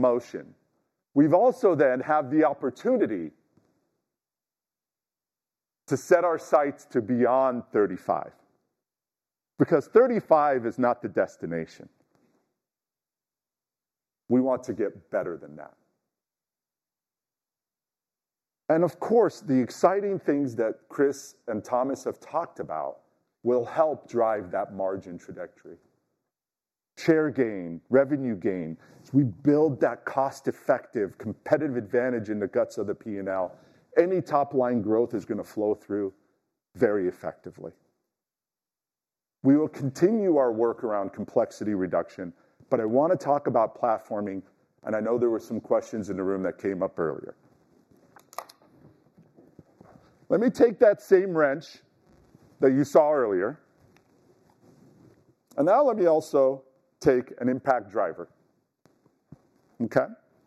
motion, we've also then had the opportunity to set our sights to beyond 35 because 35 is not the destination. We want to get better than that, and of course, the exciting things that Chris and Thomas have talked about will help drive that margin trajectory, share gain, revenue gain. As we build that cost-effective competitive advantage in the guts of the P&L, any top-line growth is going to flow through very effectively. We will continue our work around complexity reduction, but I want to talk about platforming, and I know there were some questions in the room that came up earlier. Let me take that same wrench that you saw earlier and now let me also take an impact driver. Okay?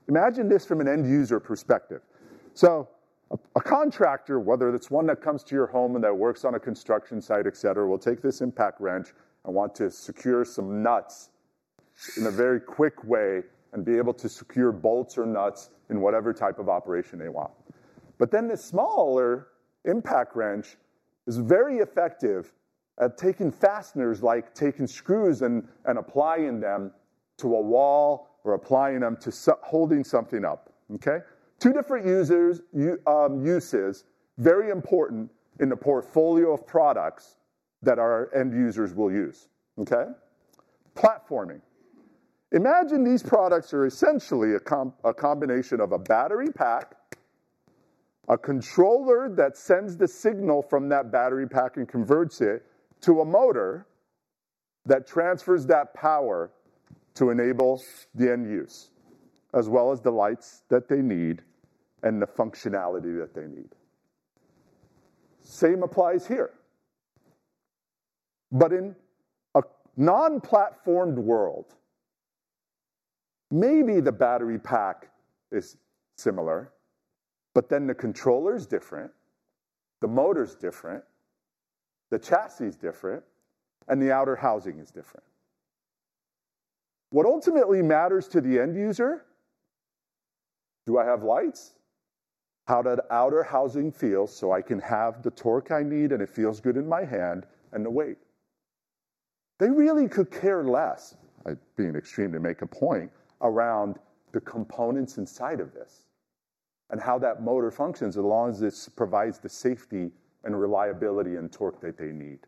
Imagine this from an end user perspective, so a contractor, whether it's one that comes to your home and that works on a construction site, etc., will take this impact wrench and want to secure some nuts in a very quick way and be able to secure bolts or nuts in whatever type of operation they want, but then the smaller impact wrench is very effective at taking fasteners, like taking screws and applying them to a wall or applying them to holding something up. Okay? Two different uses, very important in the portfolio of products that our end users will use. Okay? Platforming. Imagine these products are essentially a combination of a battery pack, a controller that sends the signal from that battery pack and converts it to a motor that transfers that power to enable the end use, as well as the lights that they need and the functionality that they need. Same applies here. But in a non-platformed world, maybe the battery pack is similar, but then the controller's different, the motor's different, the chassis is different, and the outer housing is different. What ultimately matters to the end user? Do I have lights? How does the outer housing feel so I can have the torque I need and it feels good in my hand and the weight? They really could care less, being extreme to make a point, around the components inside of this and how that motor functions as long as this provides the safety and reliability and torque that they need.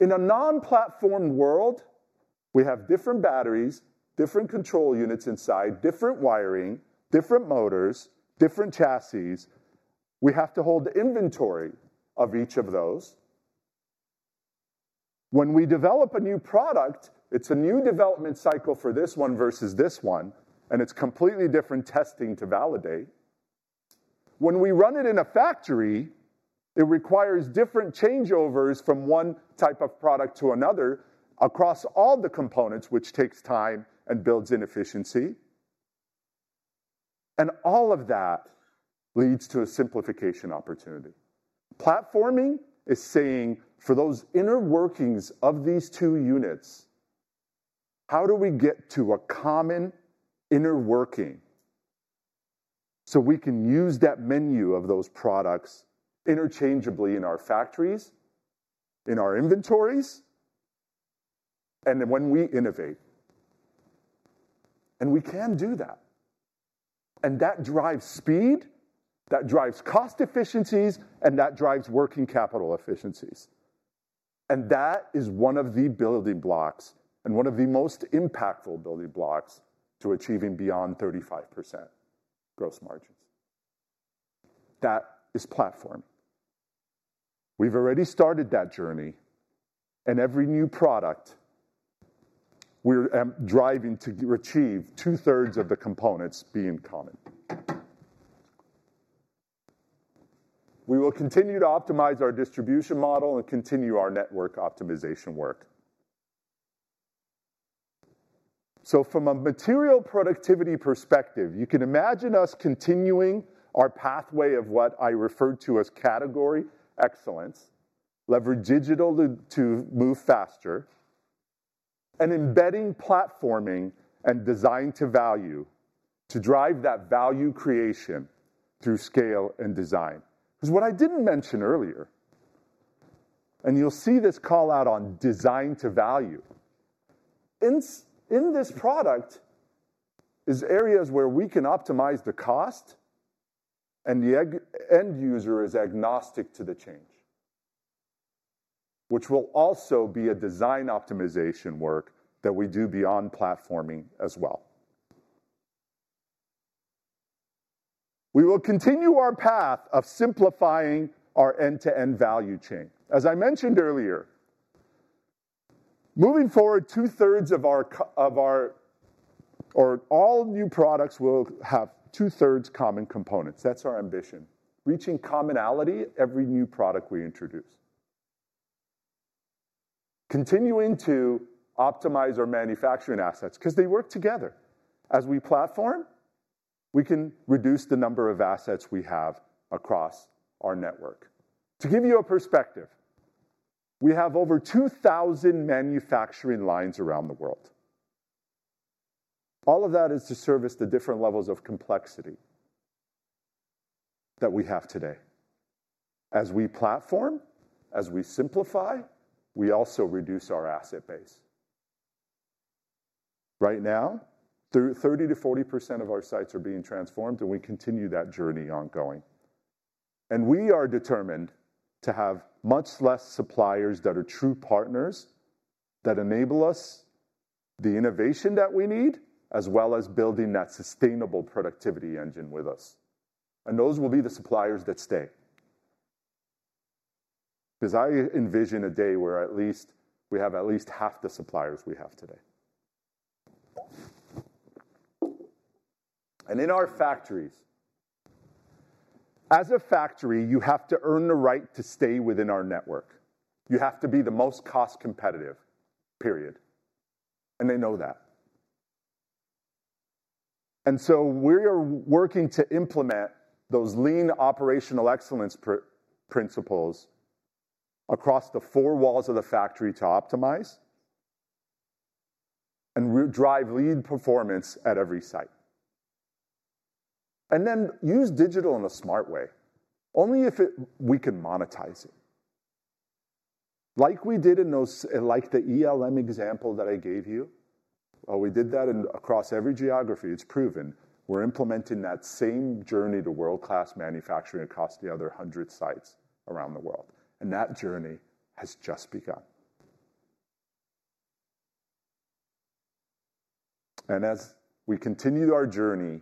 In a non-platformed world, we have different batteries, different control units inside, different wiring, different motors, different chassis. We have to hold the inventory of each of those. When we develop a new product, it's a new development cycle for this one versus this one, and it's completely different testing to validate. When we run it in a factory, it requires different changeovers from one type of product to another across all the components, which takes time and builds inefficiency, and all of that leads to a simplification opportunity. Platforming is saying, for those inner workings of these two units, how do we get to a common inner working so we can use that menu of those products interchangeably in our factories, in our inventories, and when we innovate? And we can do that. And that drives speed, that drives cost efficiencies, and that drives working capital efficiencies. And that is one of the building blocks and one of the most impactful building blocks to achieving beyond 35% gross margins. That is platforming. We've already started that journey, and every new product, we're driving to achieve two-thirds of the components being common. We will continue to optimize our distribution model and continue our network optimization work. So from a material productivity perspective, you can imagine us continuing our pathway of what I referred to as category excellence, leverage digital to move faster, and embedding platforming and design to value to drive that value creation through scale and design. There's what I didn't mention earlier, and you'll see this call out on design to value. In those product areas where we can optimize the cost, and the end user is agnostic to the change, which will also be a design optimization work that we do beyond platforming as well. We will continue our path of simplifying our end-to-end value chain. As I mentioned earlier, moving forward, two-thirds of all our new products will have two-thirds common components. That's our ambition: reaching commonality every new product we introduce. Continuing to optimize our manufacturing assets because they work together. As we platform, we can reduce the number of assets we have across our network. To give you a perspective, we have over 2,000 manufacturing lines around the world. All of that is to service the different levels of complexity that we have today. As we platform, as we simplify, we also reduce our asset base. Right now, 30%-40% of our sites are being transformed, and we continue that journey ongoing. And we are determined to have much less suppliers that are true partners that enable us the innovation that we need, as well as building that sustainable productivity engine with us. And those will be the suppliers that stay because I envision a day where at least we have at least half the suppliers we have today. And in our factories, as a factory, you have to earn the right to stay within our network. You have to be the most cost competitive, period. And they know that. And so we are working to implement those lean operational excellence principles across the four walls of the factory to optimize and drive lean performance at every site. And then use digital in a smart way, only if we can monetize it. Like we did in those like the ELM example that I gave you. We did that across every geography. It's proven. We're implementing that same journey to world-class manufacturing across the other hundred sites around the world. And that journey has just begun. As we continue our journey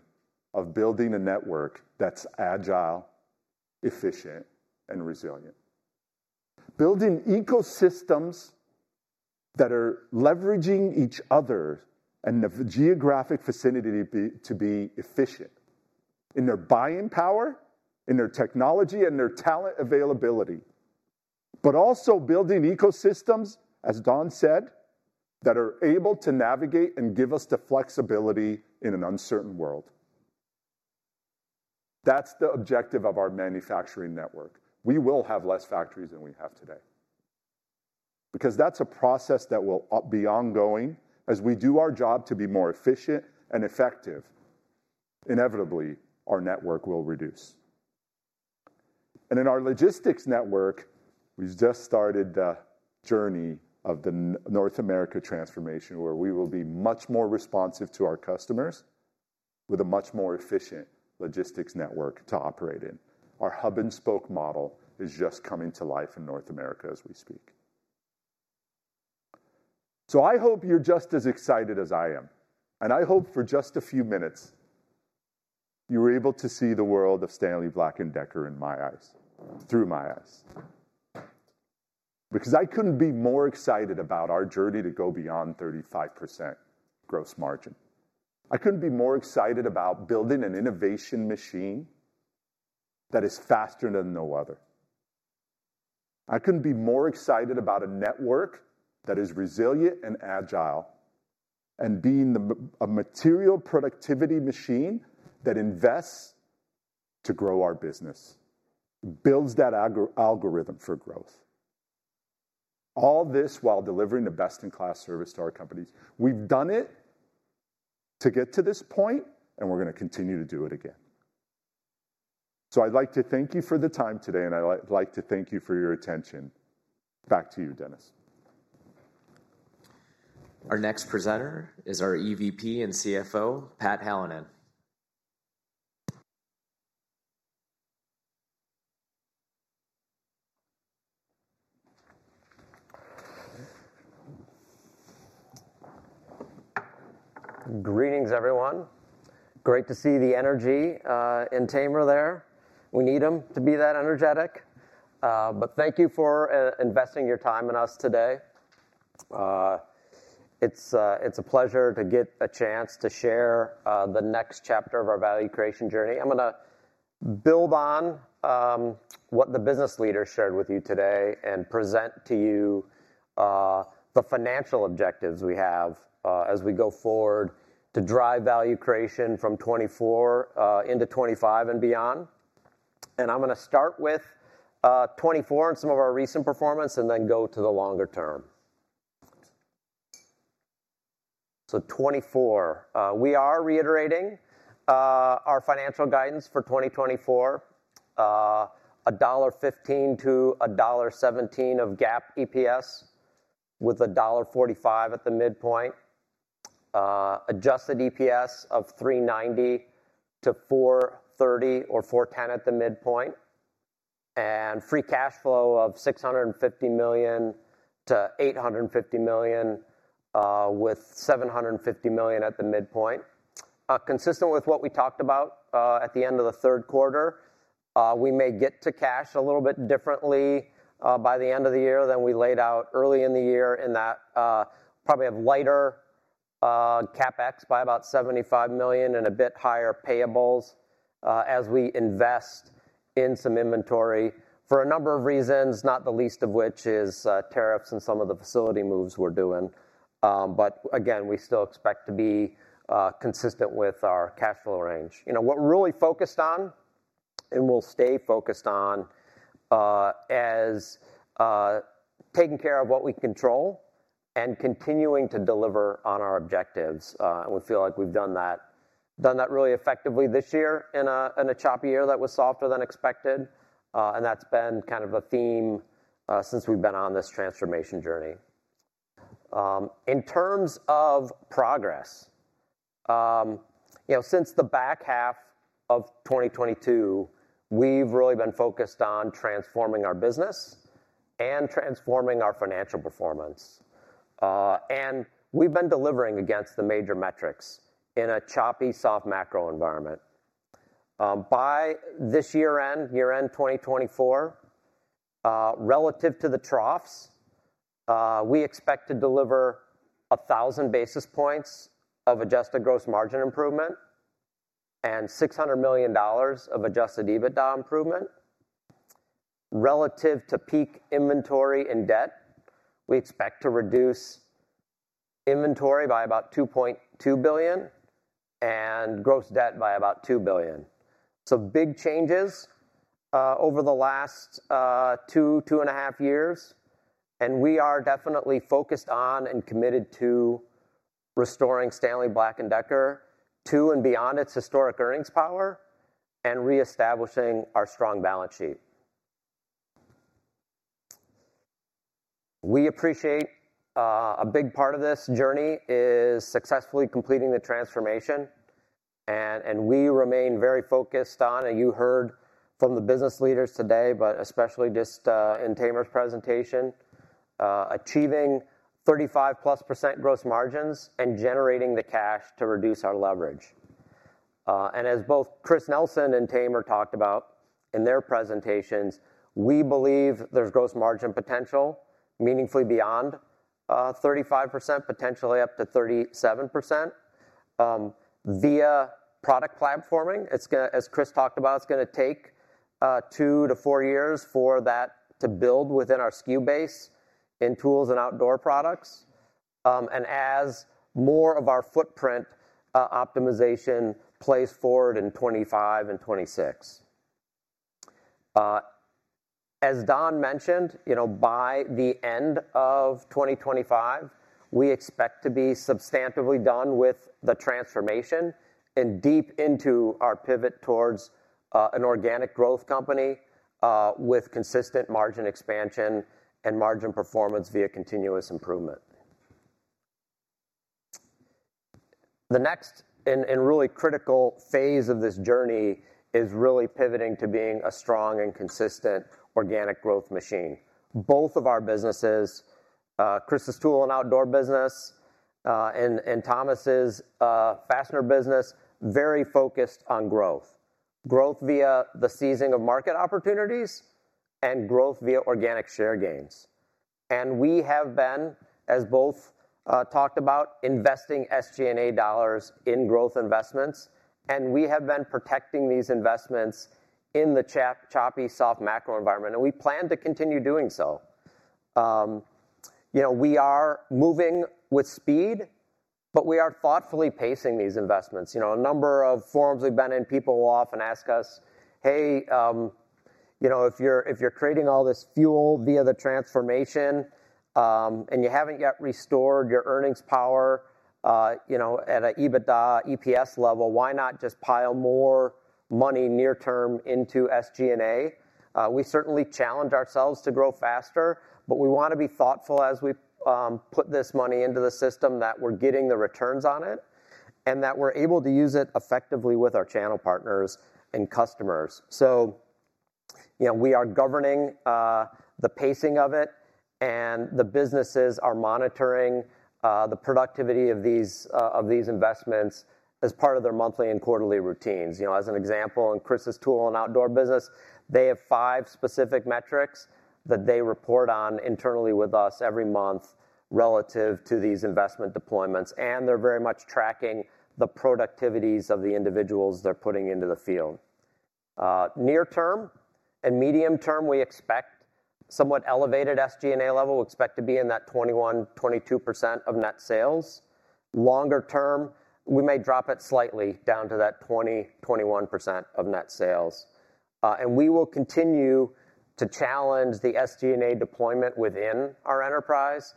of building a network that's agile, efficient, and resilient, building ecosystems that are leveraging each other and the geographic vicinity to be efficient in their buying power, in their technology, and their talent availability, but also building ecosystems, as Don said, that are able to navigate and give us the flexibility in an uncertain world. That's the objective of our manufacturing network. We will have less factories than we have today because that's a process that will be ongoing. As we do our job to be more efficient and effective, inevitably, our network will reduce. In our logistics network, we've just started the journey of the North America transformation where we will be much more responsive to our customers with a much more efficient logistics network to operate in. Our hub-and-spoke model is just coming to life in North America as we speak. So I hope you're just as excited as I am. And I hope for just a few minutes, you were able to see the world of Stanley Black & Decker in my eyes, through my eyes, because I couldn't be more excited about our journey to go beyond 35% gross margin. I couldn't be more excited about building an innovation machine that is faster than no other. I couldn't be more excited about a network that is resilient and agile and being a material productivity machine that invests to grow our business, builds that algorithm for growth, all this while delivering the best-in-class service to our companies. We've done it to get to this point, and we're going to continue to do it again. So I'd like to thank you for the time today, and I'd like to thank you for your attention. Back to you, Dennis. Our next presenter is our EVP and CFO, Pat Hallinan. Greetings, everyone. Great to see the energy and the number there. We need them to be that energetic. But thank you for investing your time in us today. It's a pleasure to get a chance to share the next chapter of our value creation journey. I'm going to build on what the business leaders shared with you today and present to you the financial objectives we have as we go forward to drive value creation from 2024 into 2025 and beyond. And I'm going to start with 2024 and some of our recent performance and then go to the longer term. So 2024, we are reiterating our financial guidance for 2024, $1.15-$1.17 of GAAP EPS with $1.45 at the midpoint, adjusted EPS of $3.90-$4.30 or $4.10 at the midpoint, and free cash flow of $650 million-$850 million with $750 million at the midpoint. Consistent with what we talked about at the end of the third quarter, we may get to cash a little bit differently by the end of the year than we laid out early in the year in that probably have lighter CapEx by about $75 million and a bit higher payables as we invest in some inventory for a number of reasons, not the least of which is tariffs and some of the facility moves we're doing. But again, we still expect to be consistent with our cash flow range. What we're really focused on and we'll stay focused on is taking care of what we control and continuing to deliver on our objectives. And we feel like we've done that really effectively this year in a choppy year that was softer than expected. And that's been kind of a theme since we've been on this transformation journey. In terms of progress, since the back half of 2022, we've really been focused on transforming our business and transforming our financial performance. And we've been delivering against the major metrics in a choppy, soft macro environment. By this year-end, year-end 2024, relative to the troughs, we expect to deliver 1,000 basis points of adjusted gross margin improvement and $600 million of adjusted EBITDA improvement. Relative to peak inventory and debt, we expect to reduce inventory by about $2.2 billion and gross debt by about $2 billion. So big changes over the last two and a half years. And we are definitely focused on and committed to restoring Stanley Black & Decker to and beyond its historic earnings power and reestablishing our strong balance sheet. We appreciate a big part of this journey is successfully completing the transformation. We remain very focused on, and you heard from the business leaders today, but especially just in Tamer's presentation, achieving 35-plus % gross margins and generating the cash to reduce our leverage. As both Chris Nelson and Tamer talked about in their presentations, we believe there's gross margin potential meaningfully beyond 35%, potentially up to 37%. Via product platforming, as Chris talked about, it's going to take two to four years for that to build within our SKU base in Tools & Outdoor products and as more of our footprint optimization plays forward in 2025 and 2026. As Don mentioned, by the end of 2025, we expect to be substantively done with the transformation and deep into our pivot towards an organic growth company with consistent margin expansion and margin performance via continuous improvement. The next and really critical phase of this journey is really pivoting to being a strong and consistent organic growth machine. Both of our businesses, Chris's Tools & Outdoor business and Thomas's Fastening business, very focused on growth, growth via the seizing of market opportunities and growth via organic share gains. And we have been, as both talked about, investing SG&A dollars in growth investments. And we have been protecting these investments in the choppy, soft macro environment. And we plan to continue doing so. We are moving with speed, but we are thoughtfully pacing these investments. A number of forums we've been in, people will often ask us, "Hey, if you're creating all this fuel via the transformation and you haven't yet restored your earnings power at an EBITDA EPS level, why not just pile more money near-term into SG&A?" We certainly challenge ourselves to grow faster, but we want to be thoughtful as we put this money into the system that we're getting the returns on it and that we're able to use it effectively with our channel partners and customers. So we are governing the pacing of it, and the businesses are monitoring the productivity of these investments as part of their monthly and quarterly routines. As an example, in Chris's Tools & Outdoor business, they have five specific metrics that they report on internally with us every month relative to these investment deployments. They're very much tracking the productivities of the individuals they're putting into the field. Near-term and medium-term, we expect somewhat elevated SG&A level. We expect to be in that 21%-22% of net sales. Longer-term, we may drop it slightly down to that 20%-21% of net sales. We will continue to challenge the SG&A deployment within our enterprise,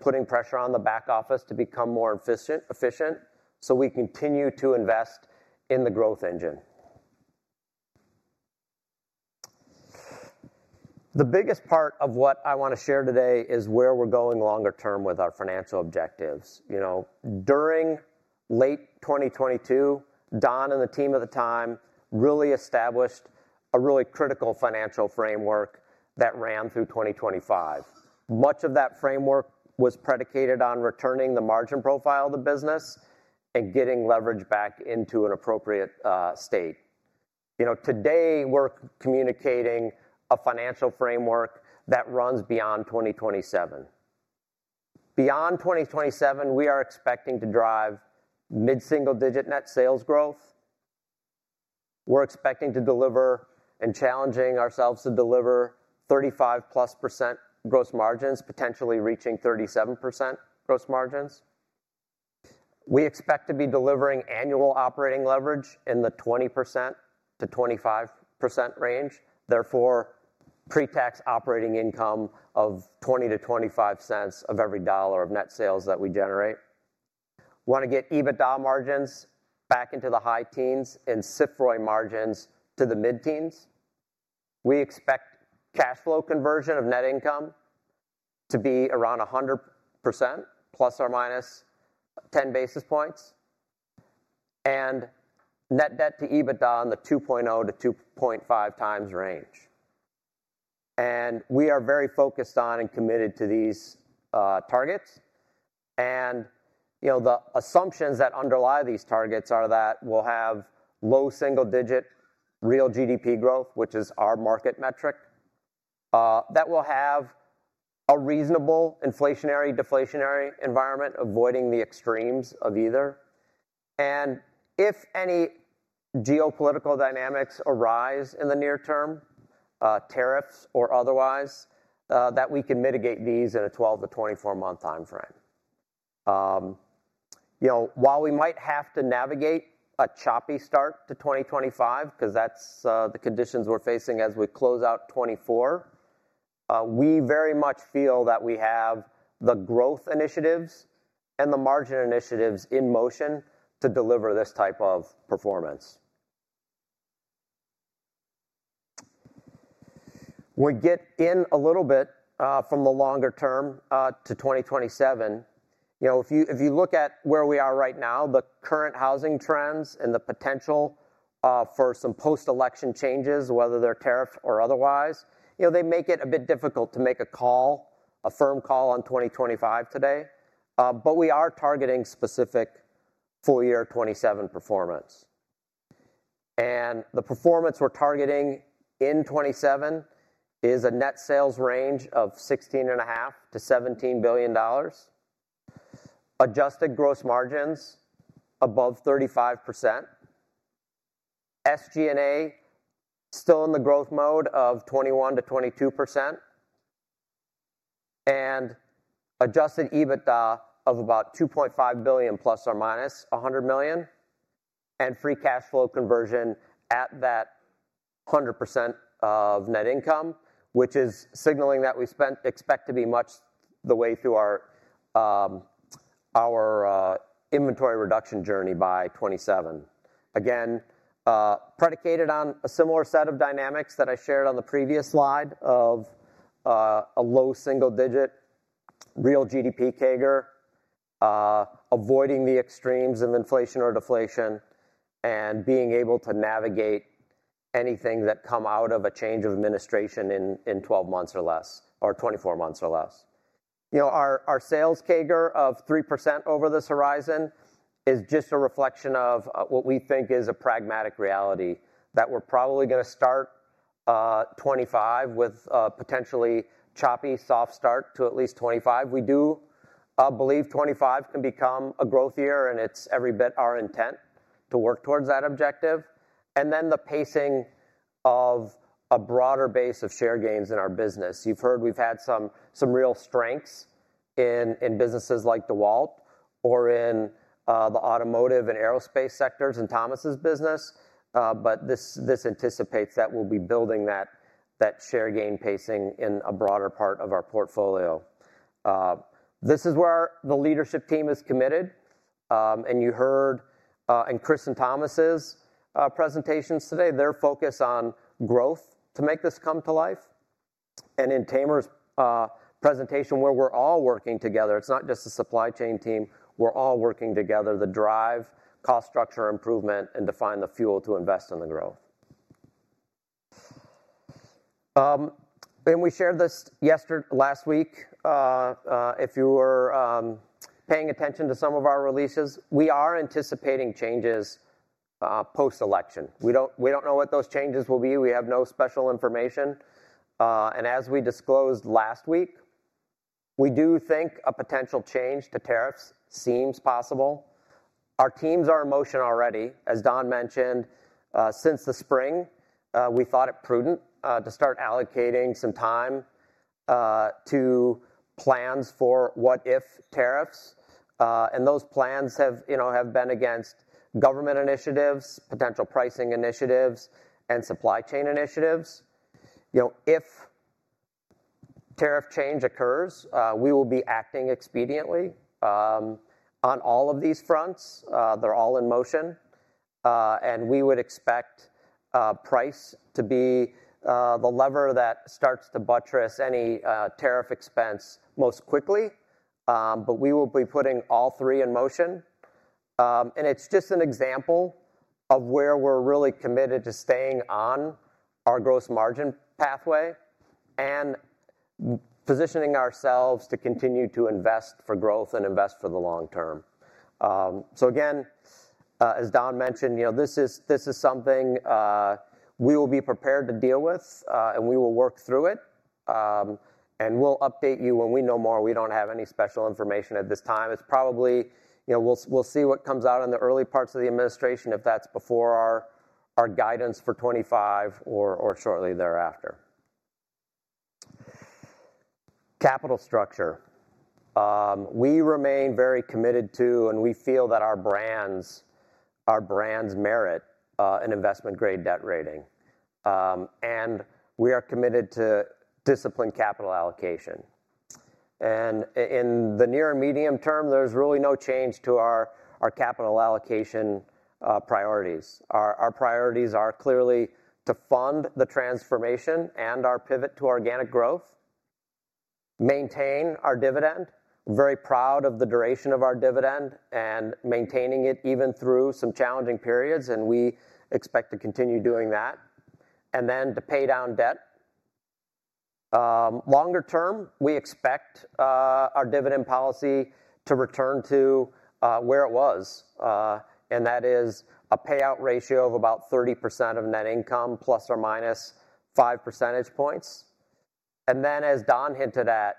putting pressure on the back office to become more efficient so we continue to invest in the growth engine. The biggest part of what I want to share today is where we're going longer term with our financial objectives. During late 2022, Don and the team at the time really established a really critical financial framework that ran through 2025. Much of that framework was predicated on returning the margin profile of the business and getting leverage back into an appropriate state. Today, we're communicating a financial framework that runs beyond 2027. Beyond 2027, we are expecting to drive mid-single-digit net sales growth. We're expecting to deliver and challenging ourselves to deliver 35-plus% gross margins, potentially reaching 37% gross margins. We expect to be delivering annual operating leverage in the 20% to 25% range, therefore pre-tax operating income of 20 to 25 cents of every dollar of net sales that we generate. We want to get EBITDA margins back into the high teens and CFROI margins to the mid-teens. We expect cash flow conversion of net income to be around 100% plus or minus 10 basis points and net debt to EBITDA in the 2.0-2.5 times range, and we are very focused on and committed to these targets. The assumptions that underlie these targets are that we'll have low single-digit real GDP growth, which is our market metric, that we'll have a reasonable inflationary-deflationary environment, avoiding the extremes of either. If any geopolitical dynamics arise in the near term, tariffs or otherwise, that we can mitigate these in a 12- to 24-month timeframe. While we might have to navigate a choppy start to 2025 because that's the conditions we're facing as we close out 2024, we very much feel that we have the growth initiatives and the margin initiatives in motion to deliver this type of performance. We get in a little bit from the longer term to 2027. If you look at where we are right now, the current housing trends and the potential for some post-election changes, whether they're tariffs or otherwise, they make it a bit difficult to make a call, a firm call on 2025 today. But we are targeting specific full-year 2027 performance. And the performance we're targeting in 2027 is a net sales range of $16.5-$17 billion, adjusted gross margins above 35%, SG&A still in the growth mode of 21%-22%, and adjusted EBITDA of about $2.5 billion plus or minus $100 million, and free cash flow conversion at that 100% of net income, which is signaling that we expect to be much the way through our inventory reduction journey by 2027. Again, predicated on a similar set of dynamics that I shared on the previous slide of a low single-digit real GDP CAGR, avoiding the extremes of inflation or deflation, and being able to navigate anything that comes out of a change of administration in 12 months or less or 24 months or less. Our sales CAGR of 3% over this horizon is just a reflection of what we think is a pragmatic reality that we're probably going to start 2025 with a potentially choppy, soft start to at least 2025. We do believe 2025 can become a growth year, and it's every bit our intent to work towards that objective, and then the pacing of a broader base of share gains in our business. You've heard we've had some real strengths in businesses like DeWalt or in the automotive and aerospace sectors in Thomas's business. But this anticipates that we'll be building that share gain pacing in a broader part of our portfolio. This is where the leadership team is committed. And you heard in Chris and Thomas's presentations today, their focus on growth to make this come to life. And in Tamer's presentation, where we're all working together, it's not just the supply chain team. We're all working together to drive cost structure improvement and define the fuel to invest in the growth. And we shared this last week. If you were paying attention to some of our releases, we are anticipating changes post-election. We don't know what those changes will be. We have no special information. And as we disclosed last week, we do think a potential change to tariffs seems possible. Our teams are in motion already. As Don mentioned, since the spring, we thought it prudent to start allocating some time to plans for what-if tariffs, and those plans have been against government initiatives, potential pricing initiatives, and supply chain initiatives. If tariff change occurs, we will be acting expediently on all of these fronts. They're all in motion, and we would expect price to be the lever that starts to buttress any tariff expense most quickly, but we will be putting all three in motion, and it's just an example of where we're really committed to staying on our gross margin pathway and positioning ourselves to continue to invest for growth and invest for the long term, so again, as Don mentioned, this is something we will be prepared to deal with, and we will work through it, and we'll update you when we know more. We don't have any special information at this time. It's probably we'll see what comes out in the early parts of the administration if that's before our guidance for 2025 or shortly thereafter. Capital structure. We remain very committed to, and we feel that our brands merit an investment-grade debt rating. And we are committed to disciplined capital allocation. And in the near and medium term, there's really no change to our capital allocation priorities. Our priorities are clearly to fund the transformation and our pivot to organic growth, maintain our dividend, very proud of the duration of our dividend and maintaining it even through some challenging periods, and we expect to continue doing that, and then to pay down debt. Longer term, we expect our dividend policy to return to where it was. And that is a payout ratio of about 30% of net income plus or minus 5 percentage points. And then, as Don hinted at,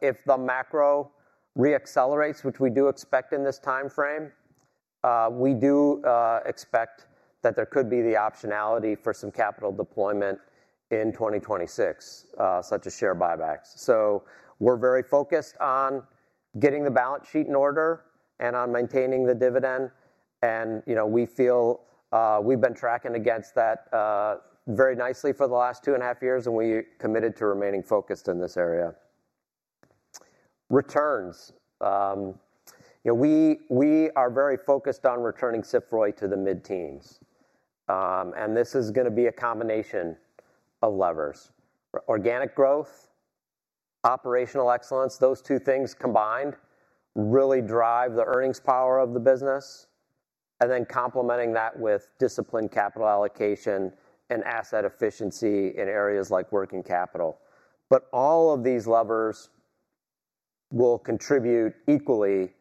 if the macro reaccelerates, which we do expect in this timeframe, we do expect that there could be the optionality for some capital deployment in 2026, such as share buybacks. So we're very focused on getting the balance sheet in order and on maintaining the dividend. And we feel we've been tracking against that very nicely for the last two and a half years, and we are committed to remaining focused in this area. Returns. We are very focused on returning CFROI to the mid-teens. And this is going to be a combination of levers: organic growth, operational excellence. Those two things combined really drive the earnings power of the business, and then complementing that with disciplined capital allocation and asset efficiency in areas like working capital. But all of these levers will contribute equally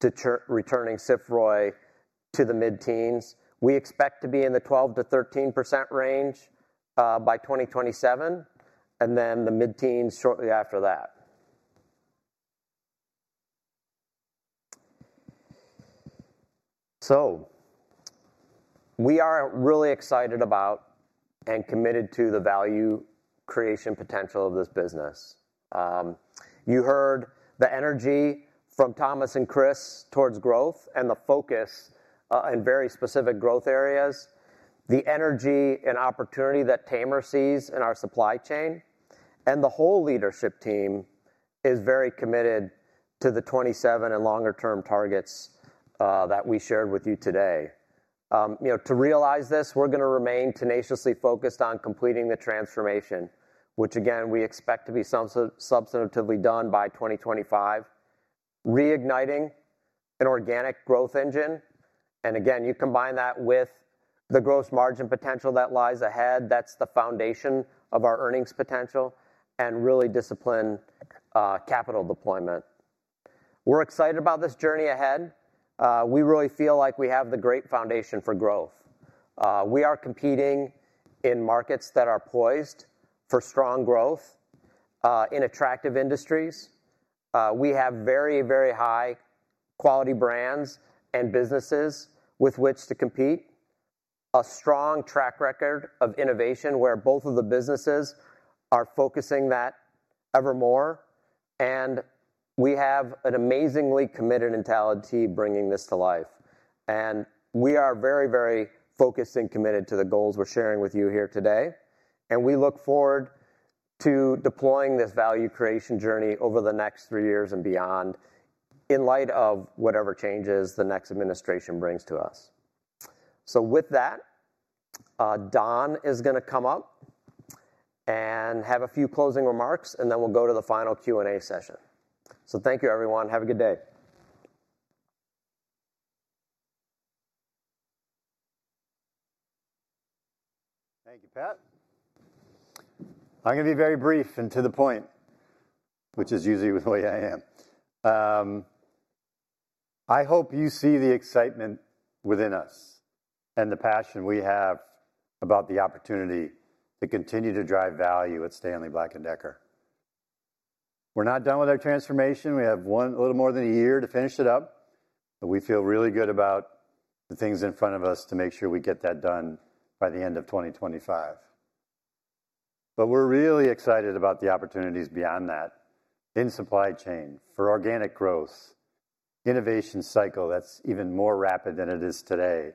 to returning CFROI to the mid-teens. We expect to be in the 12%-13% range by 2027, and then the mid-teens shortly after that. So we are really excited about and committed to the value creation potential of this business. You heard the energy from Thomas and Chris towards growth and the focus in very specific growth areas, the energy and opportunity that Tamer sees in our supply chain. And the whole leadership team is very committed to the 2027 and longer-term targets that we shared with you today. To realize this, we're going to remain tenaciously focused on completing the transformation, which, again, we expect to be substantively done by 2025, reigniting an organic growth engine. And again, you combine that with the gross margin potential that lies ahead, that's the foundation of our earnings potential, and really discipline capital deployment. We're excited about this journey ahead. We really feel like we have the great foundation for growth. We are competing in markets that are poised for strong growth in attractive industries. We have very, very high-quality brands and businesses with which to compete, a strong track record of innovation where both of the businesses are focusing that evermore. And we have an amazingly committed mentality bringing this to life. And we are very, very focused and committed to the goals we're sharing with you here today. And we look forward to deploying this value creation journey over the next three years and beyond in light of whatever changes the next administration brings to us. So with that, Don is going to come up and have a few closing remarks, and then we'll go to the final Q&A session. So thank you, everyone. Have a good day. Thank you, Pat. I'm going to be very brief and to the point, which is usually the way I am. I hope you see the excitement within us and the passion we have about the opportunity to continue to drive value at Stanley Black & Decker. We're not done with our transformation. We have a little more than a year to finish it up. But we feel really good about the things in front of us to make sure we get that done by the end of 2025. But we're really excited about the opportunities beyond that in supply chain for organic growth, innovation cycle that's even more rapid than it is today,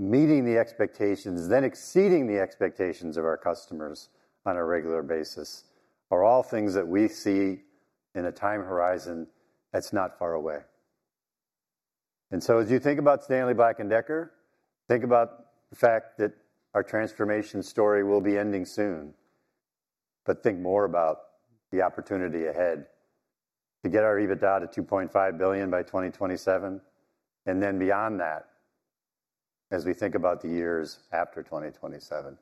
meeting the expectations, then exceeding the expectations of our customers on a regular basis are all things that we see in a time horizon that's not far away. As you think about Stanley Black & Decker, think about the fact that our transformation story will be ending soon, but think more about the opportunity ahead to get our EBITDA to $2.5 billion by 2027 and then beyond that as we think about the years after 2027.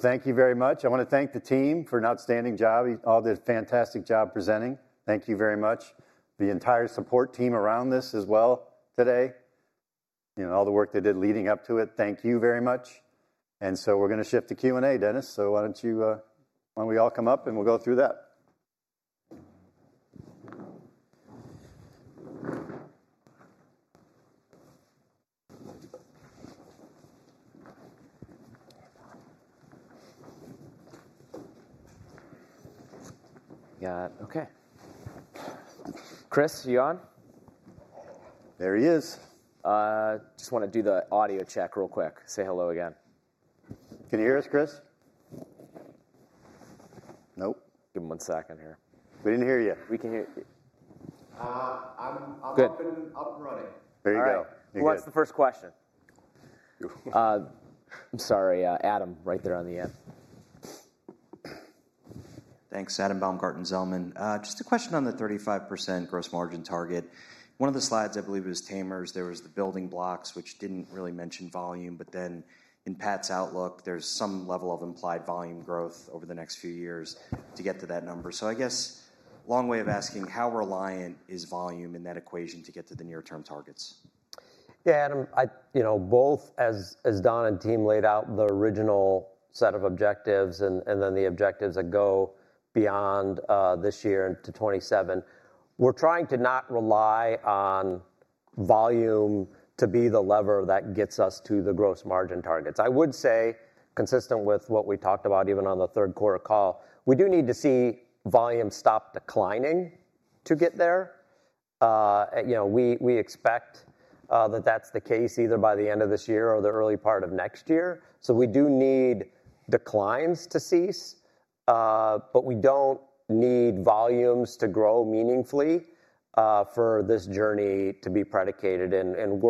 Thank you very much. I want to thank the team for an outstanding job; all did a fantastic job presenting. Thank you very much. The entire support team around this as well today, all the work they did leading up to it, thank you very much. We're going to shift to Q&A, Dennis. Why don't we all come up and we'll go through that. We got it. Okay. Chris, are you on? There he is. Just want to do the audio check real quick. Say hello again. Can you hear us, Chris? Nope. Give him one second here. We didn't hear you. We can hear you. I'm up and running. There you go. What's the first question? I'm sorry. Adam right there on the end. Thanks, Adam Baumgarten. Just a question on the 35% gross margin target. One of the slides, I believe, was Tamer's. There were the building blocks, which didn't really mention volume. But then in Pat's outlook, there's some level of implied volume growth over the next few years to get to that number. So I guess long way of asking, how reliant is volume in that equation to get to the near-term targets? Yeah, Adam, both as Don and team laid out the original set of objectives and then the objectives that go beyond this year into 2027, we're trying to not rely on volume to be the lever that gets us to the gross margin targets. I would say, consistent with what we talked about even on the third quarter call, we do need to see volume stop declining to get there. We expect that that's the case either by the end of this year or the early part of next year. So we do need declines to cease, but we don't need volumes to grow meaningfully for this journey to be predicated. And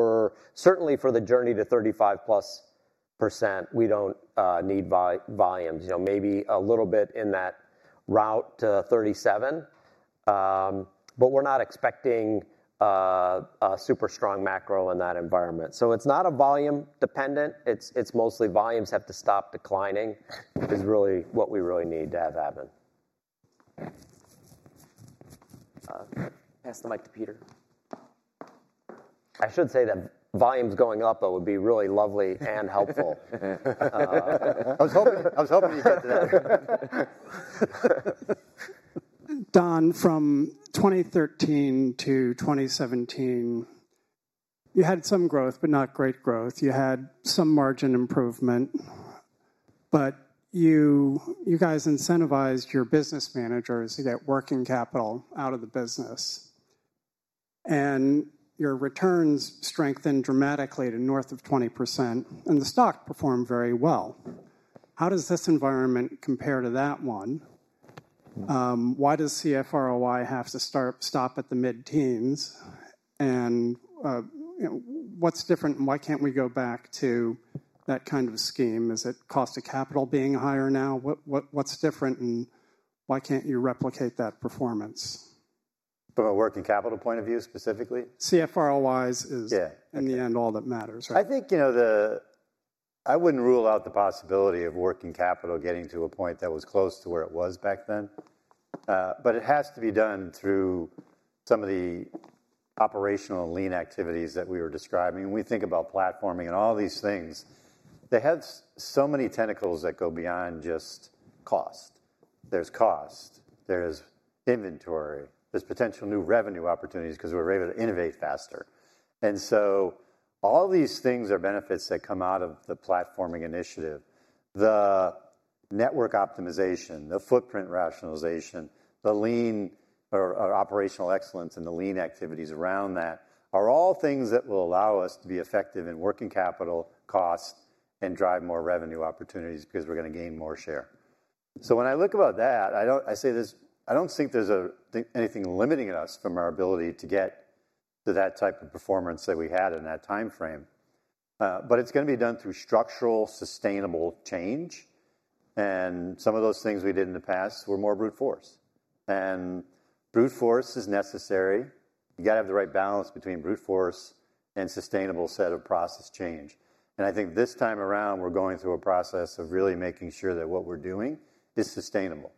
certainly for the journey to 35% plus, we don't need volumes, maybe a little bit in that route to 2037. But we're not expecting a super strong macro in that environment. So it's not a volume dependent. It's mostly volumes have to stop declining is really what we really need to have happen. Pass the mic to Peter. I should say that volumes going up, though, would be really lovely and helpful. I was hoping you'd get to that. Don, from 2013 to 2017, you had some growth, but not great growth. You had some margin improvement. But you guys incentivized your business managers to get working capital out of the business. And your returns strengthened dramatically to north of 20%. And the stock performed very well. How does this environment compare to that one? Why does CFROI have to stop at the mid-teens? And what's different? And why can't we go back to that kind of scheme? Is it cost of capital being higher now? What's different? And why can't you replicate that performance? From a working capital point of view, specifically? CFROI is, in the end, all that matters, right? I think I wouldn't rule out the possibility of working capital getting to a point that was close to where it was back then. But it has to be done through some of the operational lean activities that we were describing. When we think about platforming and all these things, they have so many tentacles that go beyond just cost. There's cost. There is inventory. There's potential new revenue opportunities because we're able to innovate faster. And so all these things are benefits that come out of the platforming initiative. The network optimization, the footprint rationalization, the operational excellence, and the lean activities around that are all things that will allow us to be effective in working capital, cost, and drive more revenue opportunities because we're going to gain more share. So when I look about that, I say this, I don't think there's anything limiting us from our ability to get to that type of performance that we had in that timeframe. But it's going to be done through structural sustainable change. Some of those things we did in the past were more brute force. And brute force is necessary. You got to have the right balance between brute force and sustainable set of process change. And I think this time around, we're going through a process of really making sure that what we're doing is sustainable.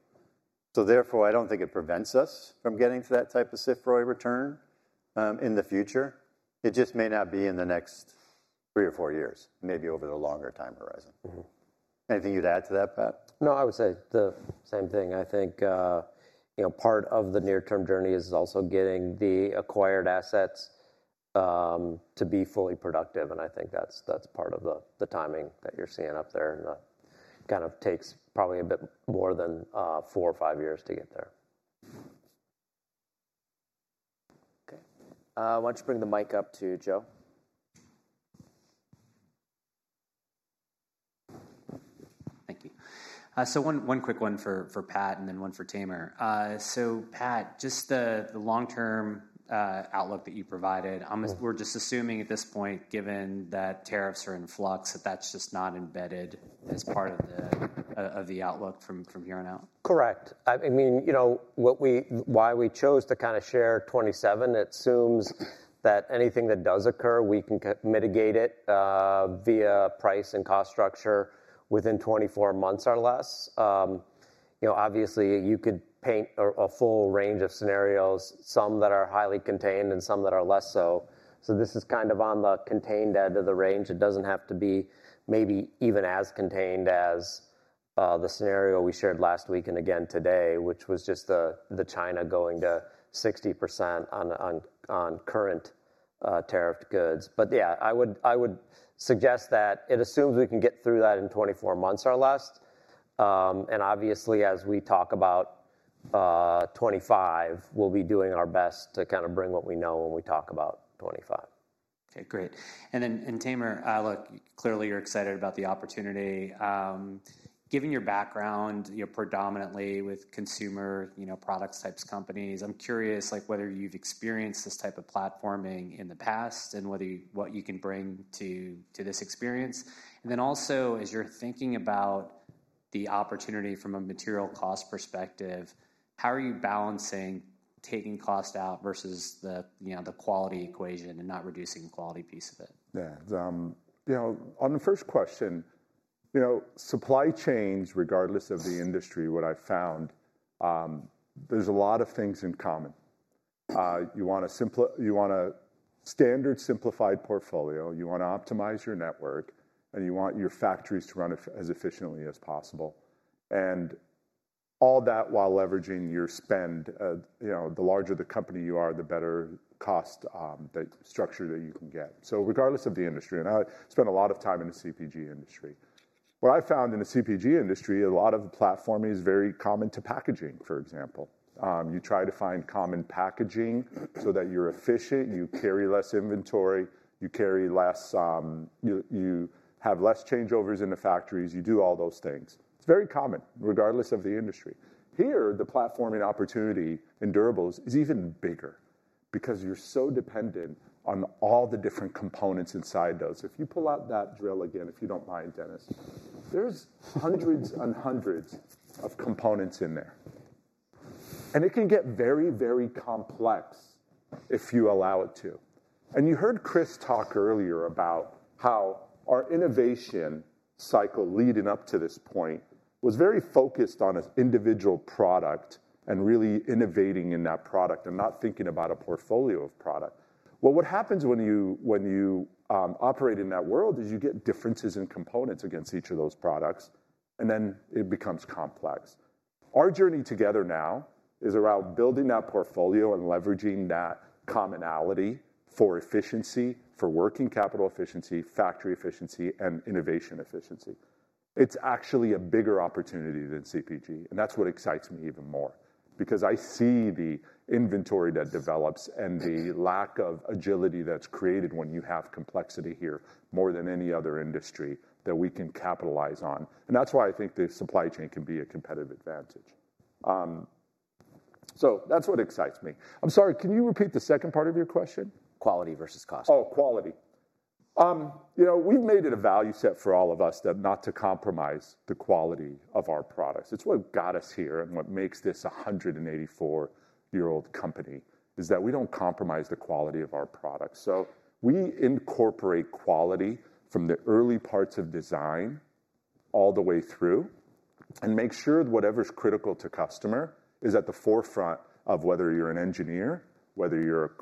So therefore, I don't think it prevents us from getting to that type of CFROI return in the future. It just may not be in the next three or four years, maybe over the longer time horizon. Anything you'd add to that, Pat? No, I would say the same thing. I think part of the near-term journey is also getting the acquired assets to be fully productive. And I think that's part of the timing that you're seeing up there. And that kind of takes probably a bit more than four or five years to get there. Okay. Why don't you bring the mic up to Joe? Thank you. So one quick one for Pat and then one for Tamer. So Pat, just the long-term outlook that you provided, we're just assuming at this point, given that tariffs are in flux, that that's just not embedded as part of the outlook from here on out. Correct. I mean, why we chose to kind of share 2027, it assumes that anything that does occur, we can mitigate it via price and cost structure within 24 months or less. Obviously, you could paint a full range of scenarios, some that are highly contained and some that are less so. So this is kind of on the contained end of the range. It doesn't have to be maybe even as contained as the scenario we shared last week and again today, which was just the China going to 60% on current tariffed goods. But yeah, I would suggest that it assumes we can get through that in 24 months or less. And obviously, as we talk about 2025, we'll be doing our best to kind of bring what we know when we talk about 2025. Okay, great. And then Tamer, look, clearly you're excited about the opportunity. Given your background, you're predominantly with consumer products types companies. I'm curious whether you've experienced this type of platforming in the past and what you can bring to this experience. And then also, as you're thinking about the opportunity from a material cost perspective, how are you balancing taking cost out versus the quality equation and not reducing the quality piece of it? Yeah. On the first question, supply chains, regardless of the industry, what I found, there's a lot of things in common. You want a standard simplified portfolio. You want to optimize your network, and you want your factories to run as efficiently as possible. And all that while leveraging your spend. The larger the company you are, the better cost structure that you can get. So regardless of the industry, and I spent a lot of time in the CPG industry, what I found in the CPG industry, a lot of the platforming is very common to packaging, for example. You try to find common packaging so that you're efficient, you carry less inventory, you have less changeovers in the factories, you do all those things. It's very common, regardless of the industry. Here, the platforming opportunity in durables is even bigger because you're so dependent on all the different components inside those. If you pull out that drill again, if you don't mind, Dennis, there's hundreds and hundreds of components in there. And it can get very, very complex if you allow it to. And you heard Chris talk earlier about how our innovation cycle leading up to this point was very focused on an individual product and really innovating in that product and not thinking about a portfolio of product. Well, what happens when you operate in that world is you get differences in components against each of those products, and then it becomes complex. Our journey together now is around building that portfolio and leveraging that commonality for efficiency, for working capital efficiency, factory efficiency, and innovation efficiency. It's actually a bigger opportunity than CPG. And that's what excites me even more because I see the inventory that develops and the lack of agility that's created when you have complexity here more than any other industry that we can capitalize on. And that's why I think the supply chain can be a competitive advantage. So that's what excites me. I'm sorry, can you repeat the second part of your question? Quality versus cost. Oh, quality. We've made it a value set for all of us not to compromise the quality of our products. It's what got us here, and what makes this a 184-year-old company is that we don't compromise the quality of our products. So we incorporate quality from the early parts of design all the way through and make sure that whatever's critical to customer is at the forefront of whether you're an engineer, whether you're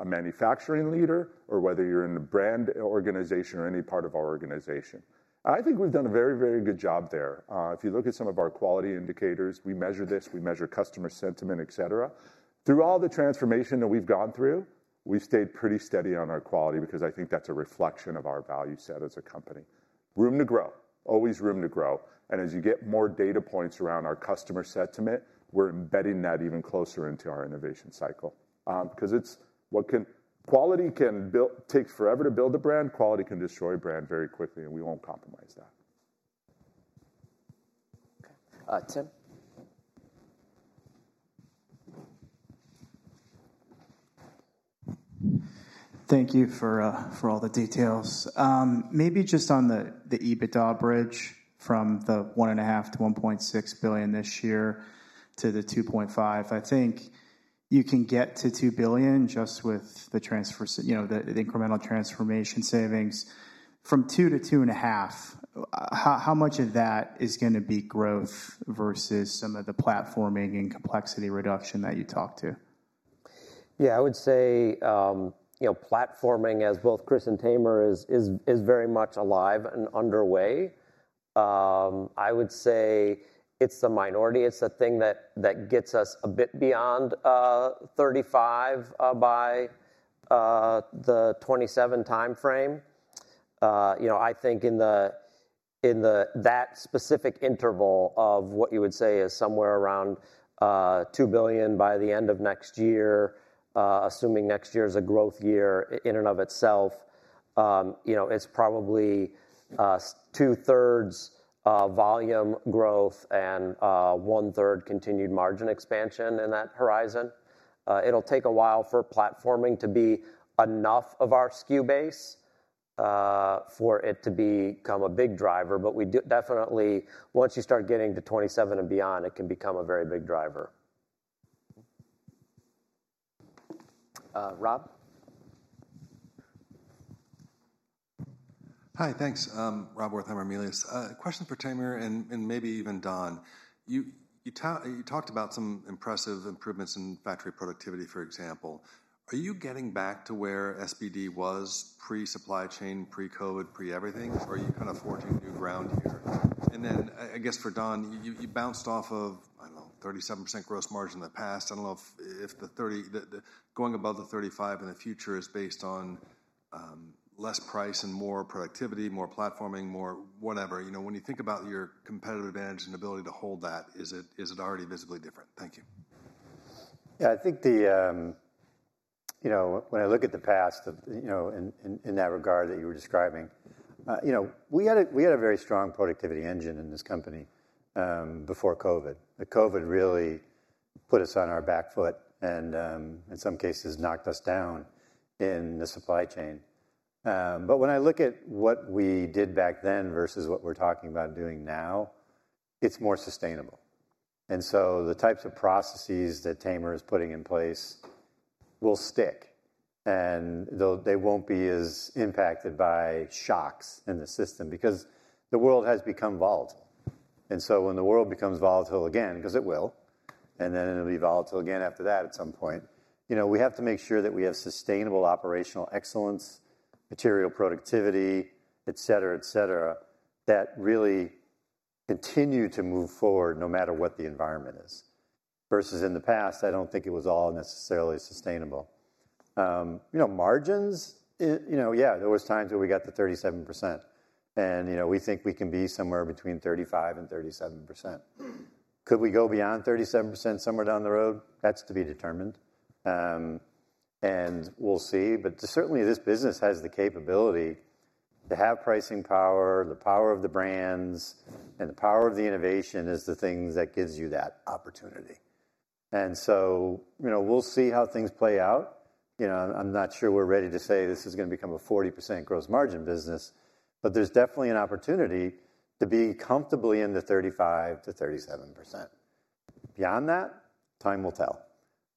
a manufacturing leader, or whether you're in a brand organization or any part of our organization. I think we've done a very, very good job there. If you look at some of our quality indicators, we measure this, we measure customer sentiment, et cetera. Through all the transformation that we've gone through, we've stayed pretty steady on our quality because I think that's a reflection of our value set as a company. Room to grow, always room to grow. And as you get more data points around our customer sentiment, we're embedding that even closer into our innovation cycle because quality can take forever to build a brand. Quality can destroy a brand very quickly, and we won't compromise that. Okay. Tim? Thank you for all the details. Maybe just on the EBITDA bridge from the $1.5-$1.6 billion this year to the $2.5 billion, I think you can get to $2 billion just with the incremental transformation savings. From $2 billion to $2.5 billion, how much of that is going to be growth versus some of the platforming and complexity reduction that you talked to? Yeah, I would say platforming, as both Chris and Tamer is very much alive and underway, I would say it's the minority. It's the thing that gets us a bit beyond 2035 by the 2027 timeframe. I think in that specific interval of what you would say is somewhere around $2 billion by the end of next year, assuming next year is a growth year in and of itself, it's probably two-thirds volume growth and one-third continued margin expansion in that horizon. It'll take a while for platforming to be enough of our SKU base for it to become a big driver. But definitely, once you start getting to 2027 and beyond, it can become a very big driver. Rob? Hi, thanks. Rob Wertheimer, Melius. Question for Tamer and maybe even Don. You talked about some impressive improvements in factory productivity, for example. Are you getting back to where SBD was pre-supply chain, pre-COVID, pre-everything? Are you kind of forging new ground here? And then I guess for Don, you bounced off of, I don't know, 37% gross margin in the past. I don't know if going above the 35 in the future is based on less price and more productivity, more platforming, more whatever. When you think about your competitive advantage and ability to hold that, is it already visibly different? Thank you. Yeah, I think when I look at the past in that regard that you were describing, we had a very strong productivity engine in this company before COVID. COVID really put us on our back foot and in some cases knocked us down in the supply chain. But when I look at what we did back then versus what we're talking about doing now, it's more sustainable. And so the types of processes that Tamer is putting in place will stick. And they won't be as impacted by shocks in the system because the world has become volatile. And so when the world becomes volatile again, because it will, and then it'll be volatile again after that at some point, we have to make sure that we have sustainable operational excellence, material productivity, et cetera, et cetera, that really continue to move forward no matter what the environment is. Versus in the past, I don't think it was all necessarily sustainable. Margins, yeah, there were times where we got to 37%. And we think we can be somewhere between 35% and 37%. Could we go beyond 37% somewhere down the road? That's to be determined. And we'll see. But certainly, this business has the capability to have pricing power, the power of the brands, and the power of the innovation is the thing that gives you that opportunity. And so we'll see how things play out. I'm not sure we're ready to say this is going to become a 40% gross margin business, but there's definitely an opportunity to be comfortably in the 35%-37%. Beyond that, time will tell.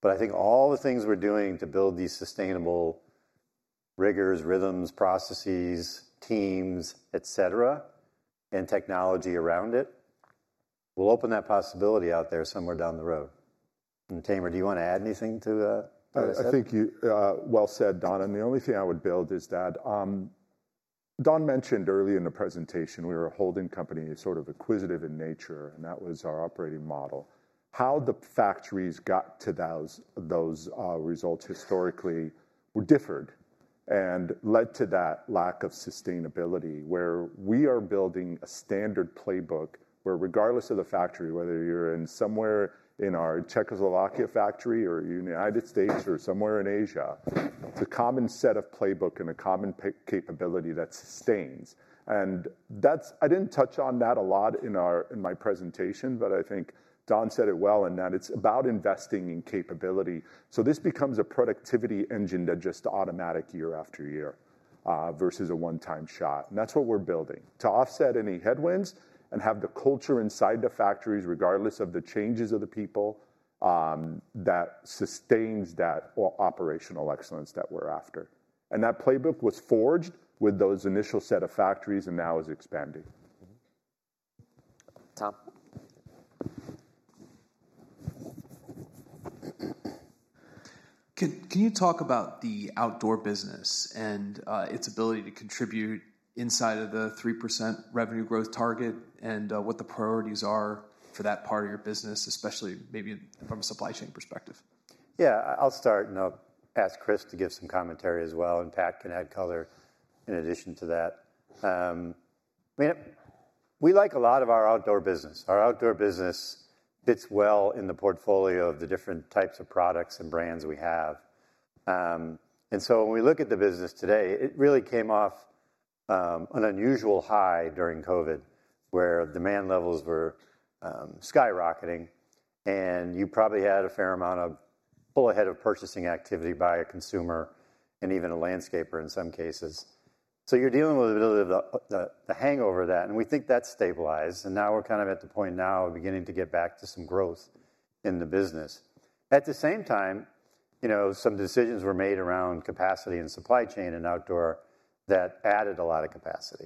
I think all the things we're doing to build these sustainable rigors, rhythms, processes, teams, et cetera, and technology around it will open that possibility out there somewhere down the road. And Tamer, do you want to add anything to that? I think well said, Don. And the only thing I would add is that Don mentioned early in the presentation, we were a holding company sort of acquisitive in nature, and that was our operating model. How the factories got to those results historically differed and led to that lack of sustainability where we are building a standard playbook where regardless of the factory, whether you're somewhere in our Czech Republic factory or in the United States or somewhere in Asia, it's a common set of playbook and a common capability that sustains. And I didn't touch on that a lot in my presentation, but I think Don said it well in that it's about investing in capability. So this becomes a productivity engine that just automatic year after year versus a one-time shot. And that's what we're building to offset any headwinds and have the culture inside the factories, regardless of the changes of the people, that sustains that operational excellence that we're after. And that playbook was forged with those initial set of factories and now is expanding. Tom? Can you talk about the outdoor business and its ability to contribute inside of the 3% revenue growth target and what the priorities are for that part of your business, especially maybe from a supply chain perspective? Yeah, I'll start and I'll ask Chris to give some commentary as well. And Pat can add color in addition to that. We like a lot of our outdoor business. Our outdoor business fits well in the portfolio of the different types of products and brands we have. And so when we look at the business today, it really came off an unusual high during COVID where demand levels were skyrocketing. And you probably had a fair amount of pull ahead of purchasing activity by a consumer and even a landscaper in some cases. So you're dealing with a bit of the hangover of that. And we think that's stabilized. And now we're kind of at the point now of beginning to get back to some growth in the business. At the same time, some decisions were made around capacity and supply chain and outdoor that added a lot of capacity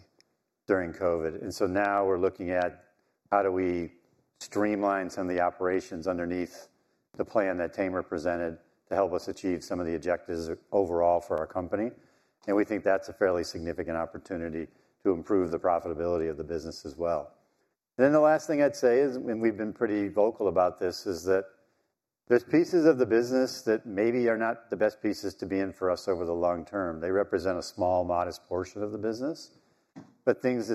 during COVID. And so now we're looking at how do we streamline some of the operations underneath the plan that Tamer presented to help us achieve some of the objectives overall for our company. And we think that's a fairly significant opportunity to improve the profitability of the business as well. And then the last thing I'd say is, and we've been pretty vocal about this, is that there's pieces of the business that maybe are not the best pieces to be in for us over the long term. They represent a small, modest portion of the business. But things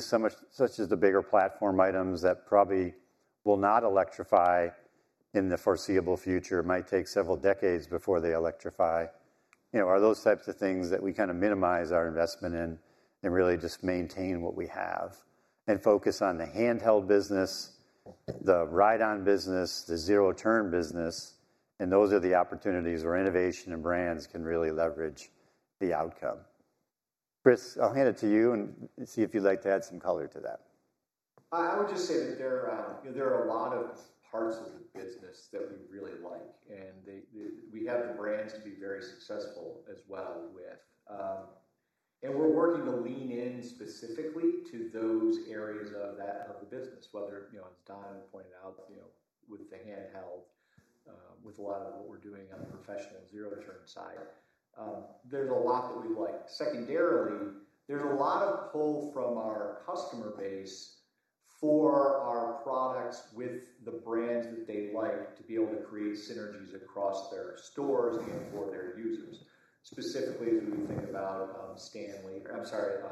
such as the bigger platform items that probably will not electrify in the foreseeable future might take several decades before they electrify. Are those types of things that we kind of minimize our investment in and really just maintain what we have and focus on the handheld business, the ride-on business, the zero-turn business? And those are the opportunities where innovation and brands can really leverage the outcome. Chris, I'll hand it to you and see if you'd like to add some color to that. I would just say that there are a lot of parts of the business that we really like. And we have the brands to be very successful as well with. And we're working to lean in specifically to those areas of the business, whether as Don pointed out with the handheld, with a lot of what we're doing on the professional zero-turn side. There's a lot that we like. Secondarily, there's a lot of pull from our customer base for our products with the brands that they like to be able to create synergies across their stores and for their users, specifically as we think about Stanley or I'm sorry,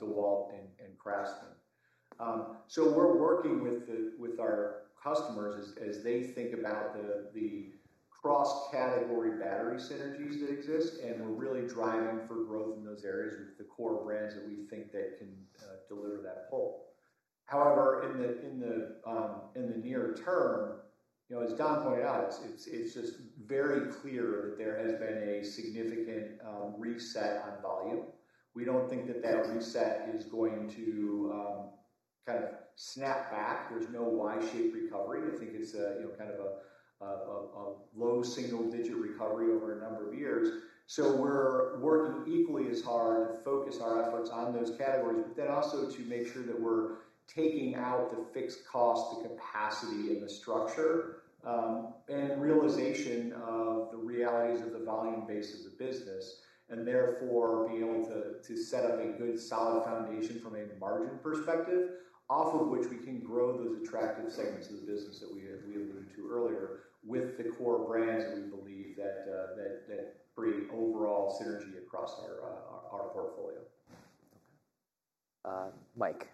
DeWalt and Craftsman. So we're working with our customers as they think about the cross-category battery synergies that exist. And we're really driving for growth in those areas with the core brands that we think that can deliver that pull. However, in the near term, as Don pointed out, it's just very clear that there has been a significant reset on volume. We don't think that that reset is going to kind of snap back. There's no Y-shaped recovery. I think it's kind of a low single-digit recovery over a number of years. So we're working equally as hard to focus our efforts on those categories, but then also to make sure that we're taking out the fixed cost, the capacity, and the structure and realization of the realities of the volume base of the business, and therefore being able to set up a good solid foundation from a margin perspective, off of which we can grow those attractive segments of the business that we alluded to earlier with the core brands that we believe that bring overall synergy across our portfolio. Mike.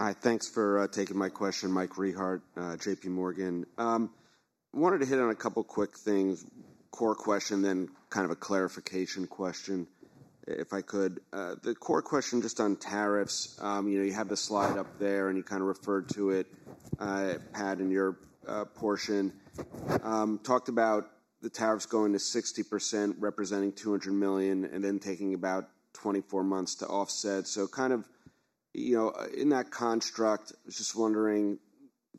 I think we'll leave it there. Yeah. Leave it after this. Hi, thanks for taking my question, Mike Rehaut, JPMorgan. Wanted to hit on a couple of quick things. Core question, then kind of a clarification question, if I could. The core question just on tariffs. You have the slide up there, and you kind of referred to it, Pat, in your portion. Talked about the tariffs going to 60%, representing $200 million, and then taking about 24 months to offset. So kind of in that construct, I was just wondering,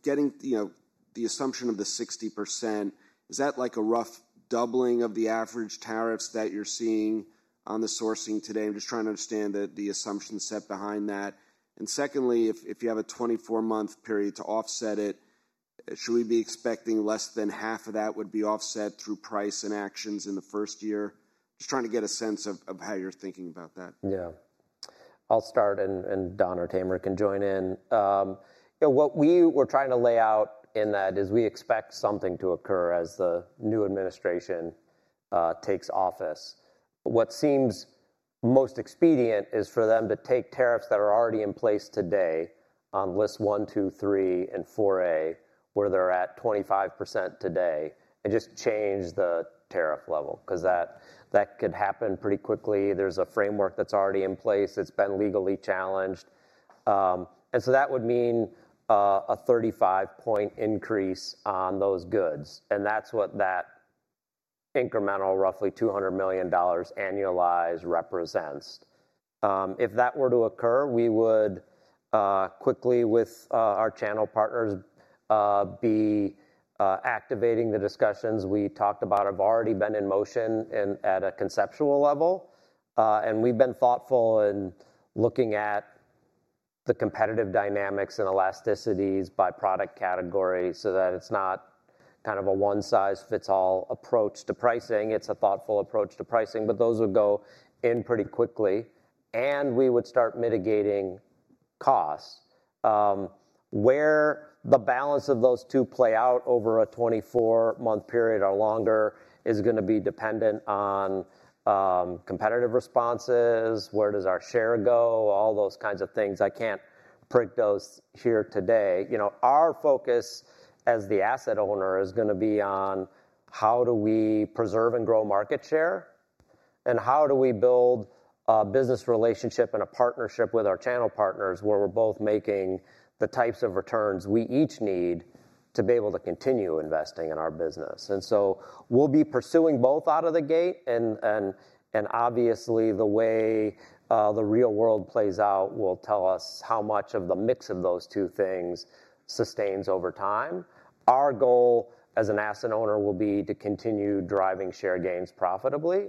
getting the assumption of the 60%, is that like a rough doubling of the average tariffs that you're seeing on the sourcing today? I'm just trying to understand the assumption set behind that. And secondly, if you have a 24-month period to offset it, should we be expecting less than half of that would be offset through price and actions in the first year? Just trying to get a sense of how you're thinking about that. Yeah. I'll start, and Don or Tamer can join in. What we were trying to lay out in that is we expect something to occur as the new administration takes office. What seems most expedient is for them to take tariffs that are already in place today on List 1, 2, 3, and 4A, where they're at 25% today, and just change the tariff level because that could happen pretty quickly. There's a framework that's already in place. It's been legally challenged. And so that would mean a 35-point increase on those goods. And that's what that incremental roughly $200 million annualized represents. If that were to occur, we would quickly, with our channel partners, be activating the discussions we talked about have already been in motion at a conceptual level. And we've been thoughtful in looking at the competitive dynamics and elasticities by product category so that it's not kind of a one-size-fits-all approach to pricing. It's a thoughtful approach to pricing, but those would go in pretty quickly, and we would start mitigating costs. Where the balance of those two play out over a 24-month period or longer is going to be dependent on competitive responses, where does our share go, all those kinds of things. I can't predict those here today. Our focus as the asset owner is going to be on how do we preserve and grow market share, and how do we build a business relationship and a partnership with our channel partners where we're both making the types of returns we each need to be able to continue investing in our business, and so we'll be pursuing both out of the gate, and obviously, the way the real world plays out will tell us how much of the mix of those two things sustains over time. Our goal as an asset owner will be to continue driving share gains profitably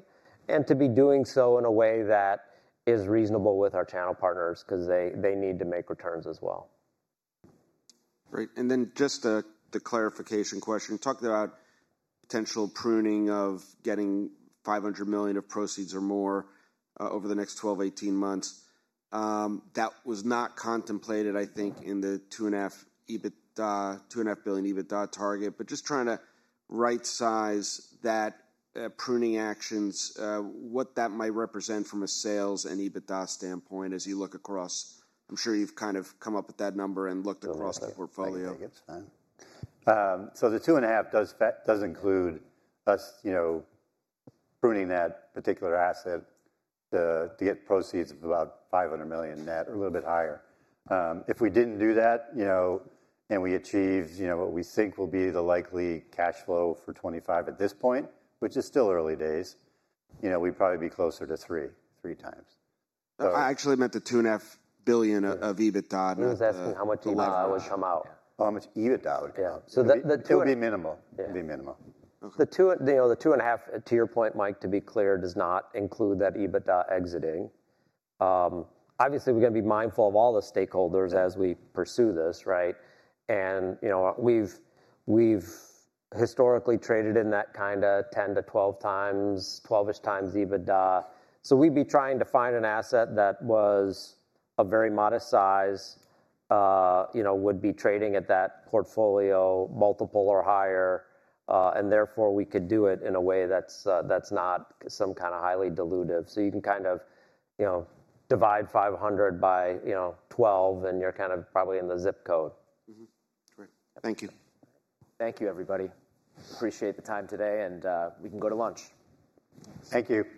and to be doing so in a way that is reasonable with our channel partners because they need to make returns as well. Great. And then just the clarification question. Talked about potential pruning of getting $500 million of proceeds or more over the next 12-18 months. That was not contemplated, I think, in the $2.5 billion EBITDA target. But just trying to right-size that pruning actions, what that might represent from a sales and EBITDA standpoint as you look across. I'm sure you've kind of come up with that number and looked across the portfolio. Yeah, I think it's fine. So the $2.5 billion does include us pruning that particular asset to get proceeds of about $500 million net or a little bit higher. If we didn't do that and we achieved what we think will be the likely cash flow for 2025 at this point, which is still early days, we'd probably be closer to three times. I actually meant the $2.5 billion of EBITDA. He was asking how much EBITDA would come out. How much EBITDA would come out. It would be minimal. It would be minimal. The $2.5 billion, to your point, Mike, to be clear, does not include that EBITDA exiting. Obviously, we're going to be mindful of all the stakeholders as we pursue this, right? We've historically traded in that kind of 10x-12x times, 12-ish times EBITDA. So we'd be trying to find an asset that was of very modest size, would be trading at that portfolio multiple or higher. Therefore, we could do it in a way that's not some kind of highly dilutive. So you can kind of divide 500 by 12, and you're kind of probably in the zip code. Great. Thank you. Thank you, everybody. Appreciate the time today, and we can go to lunch. Thank you.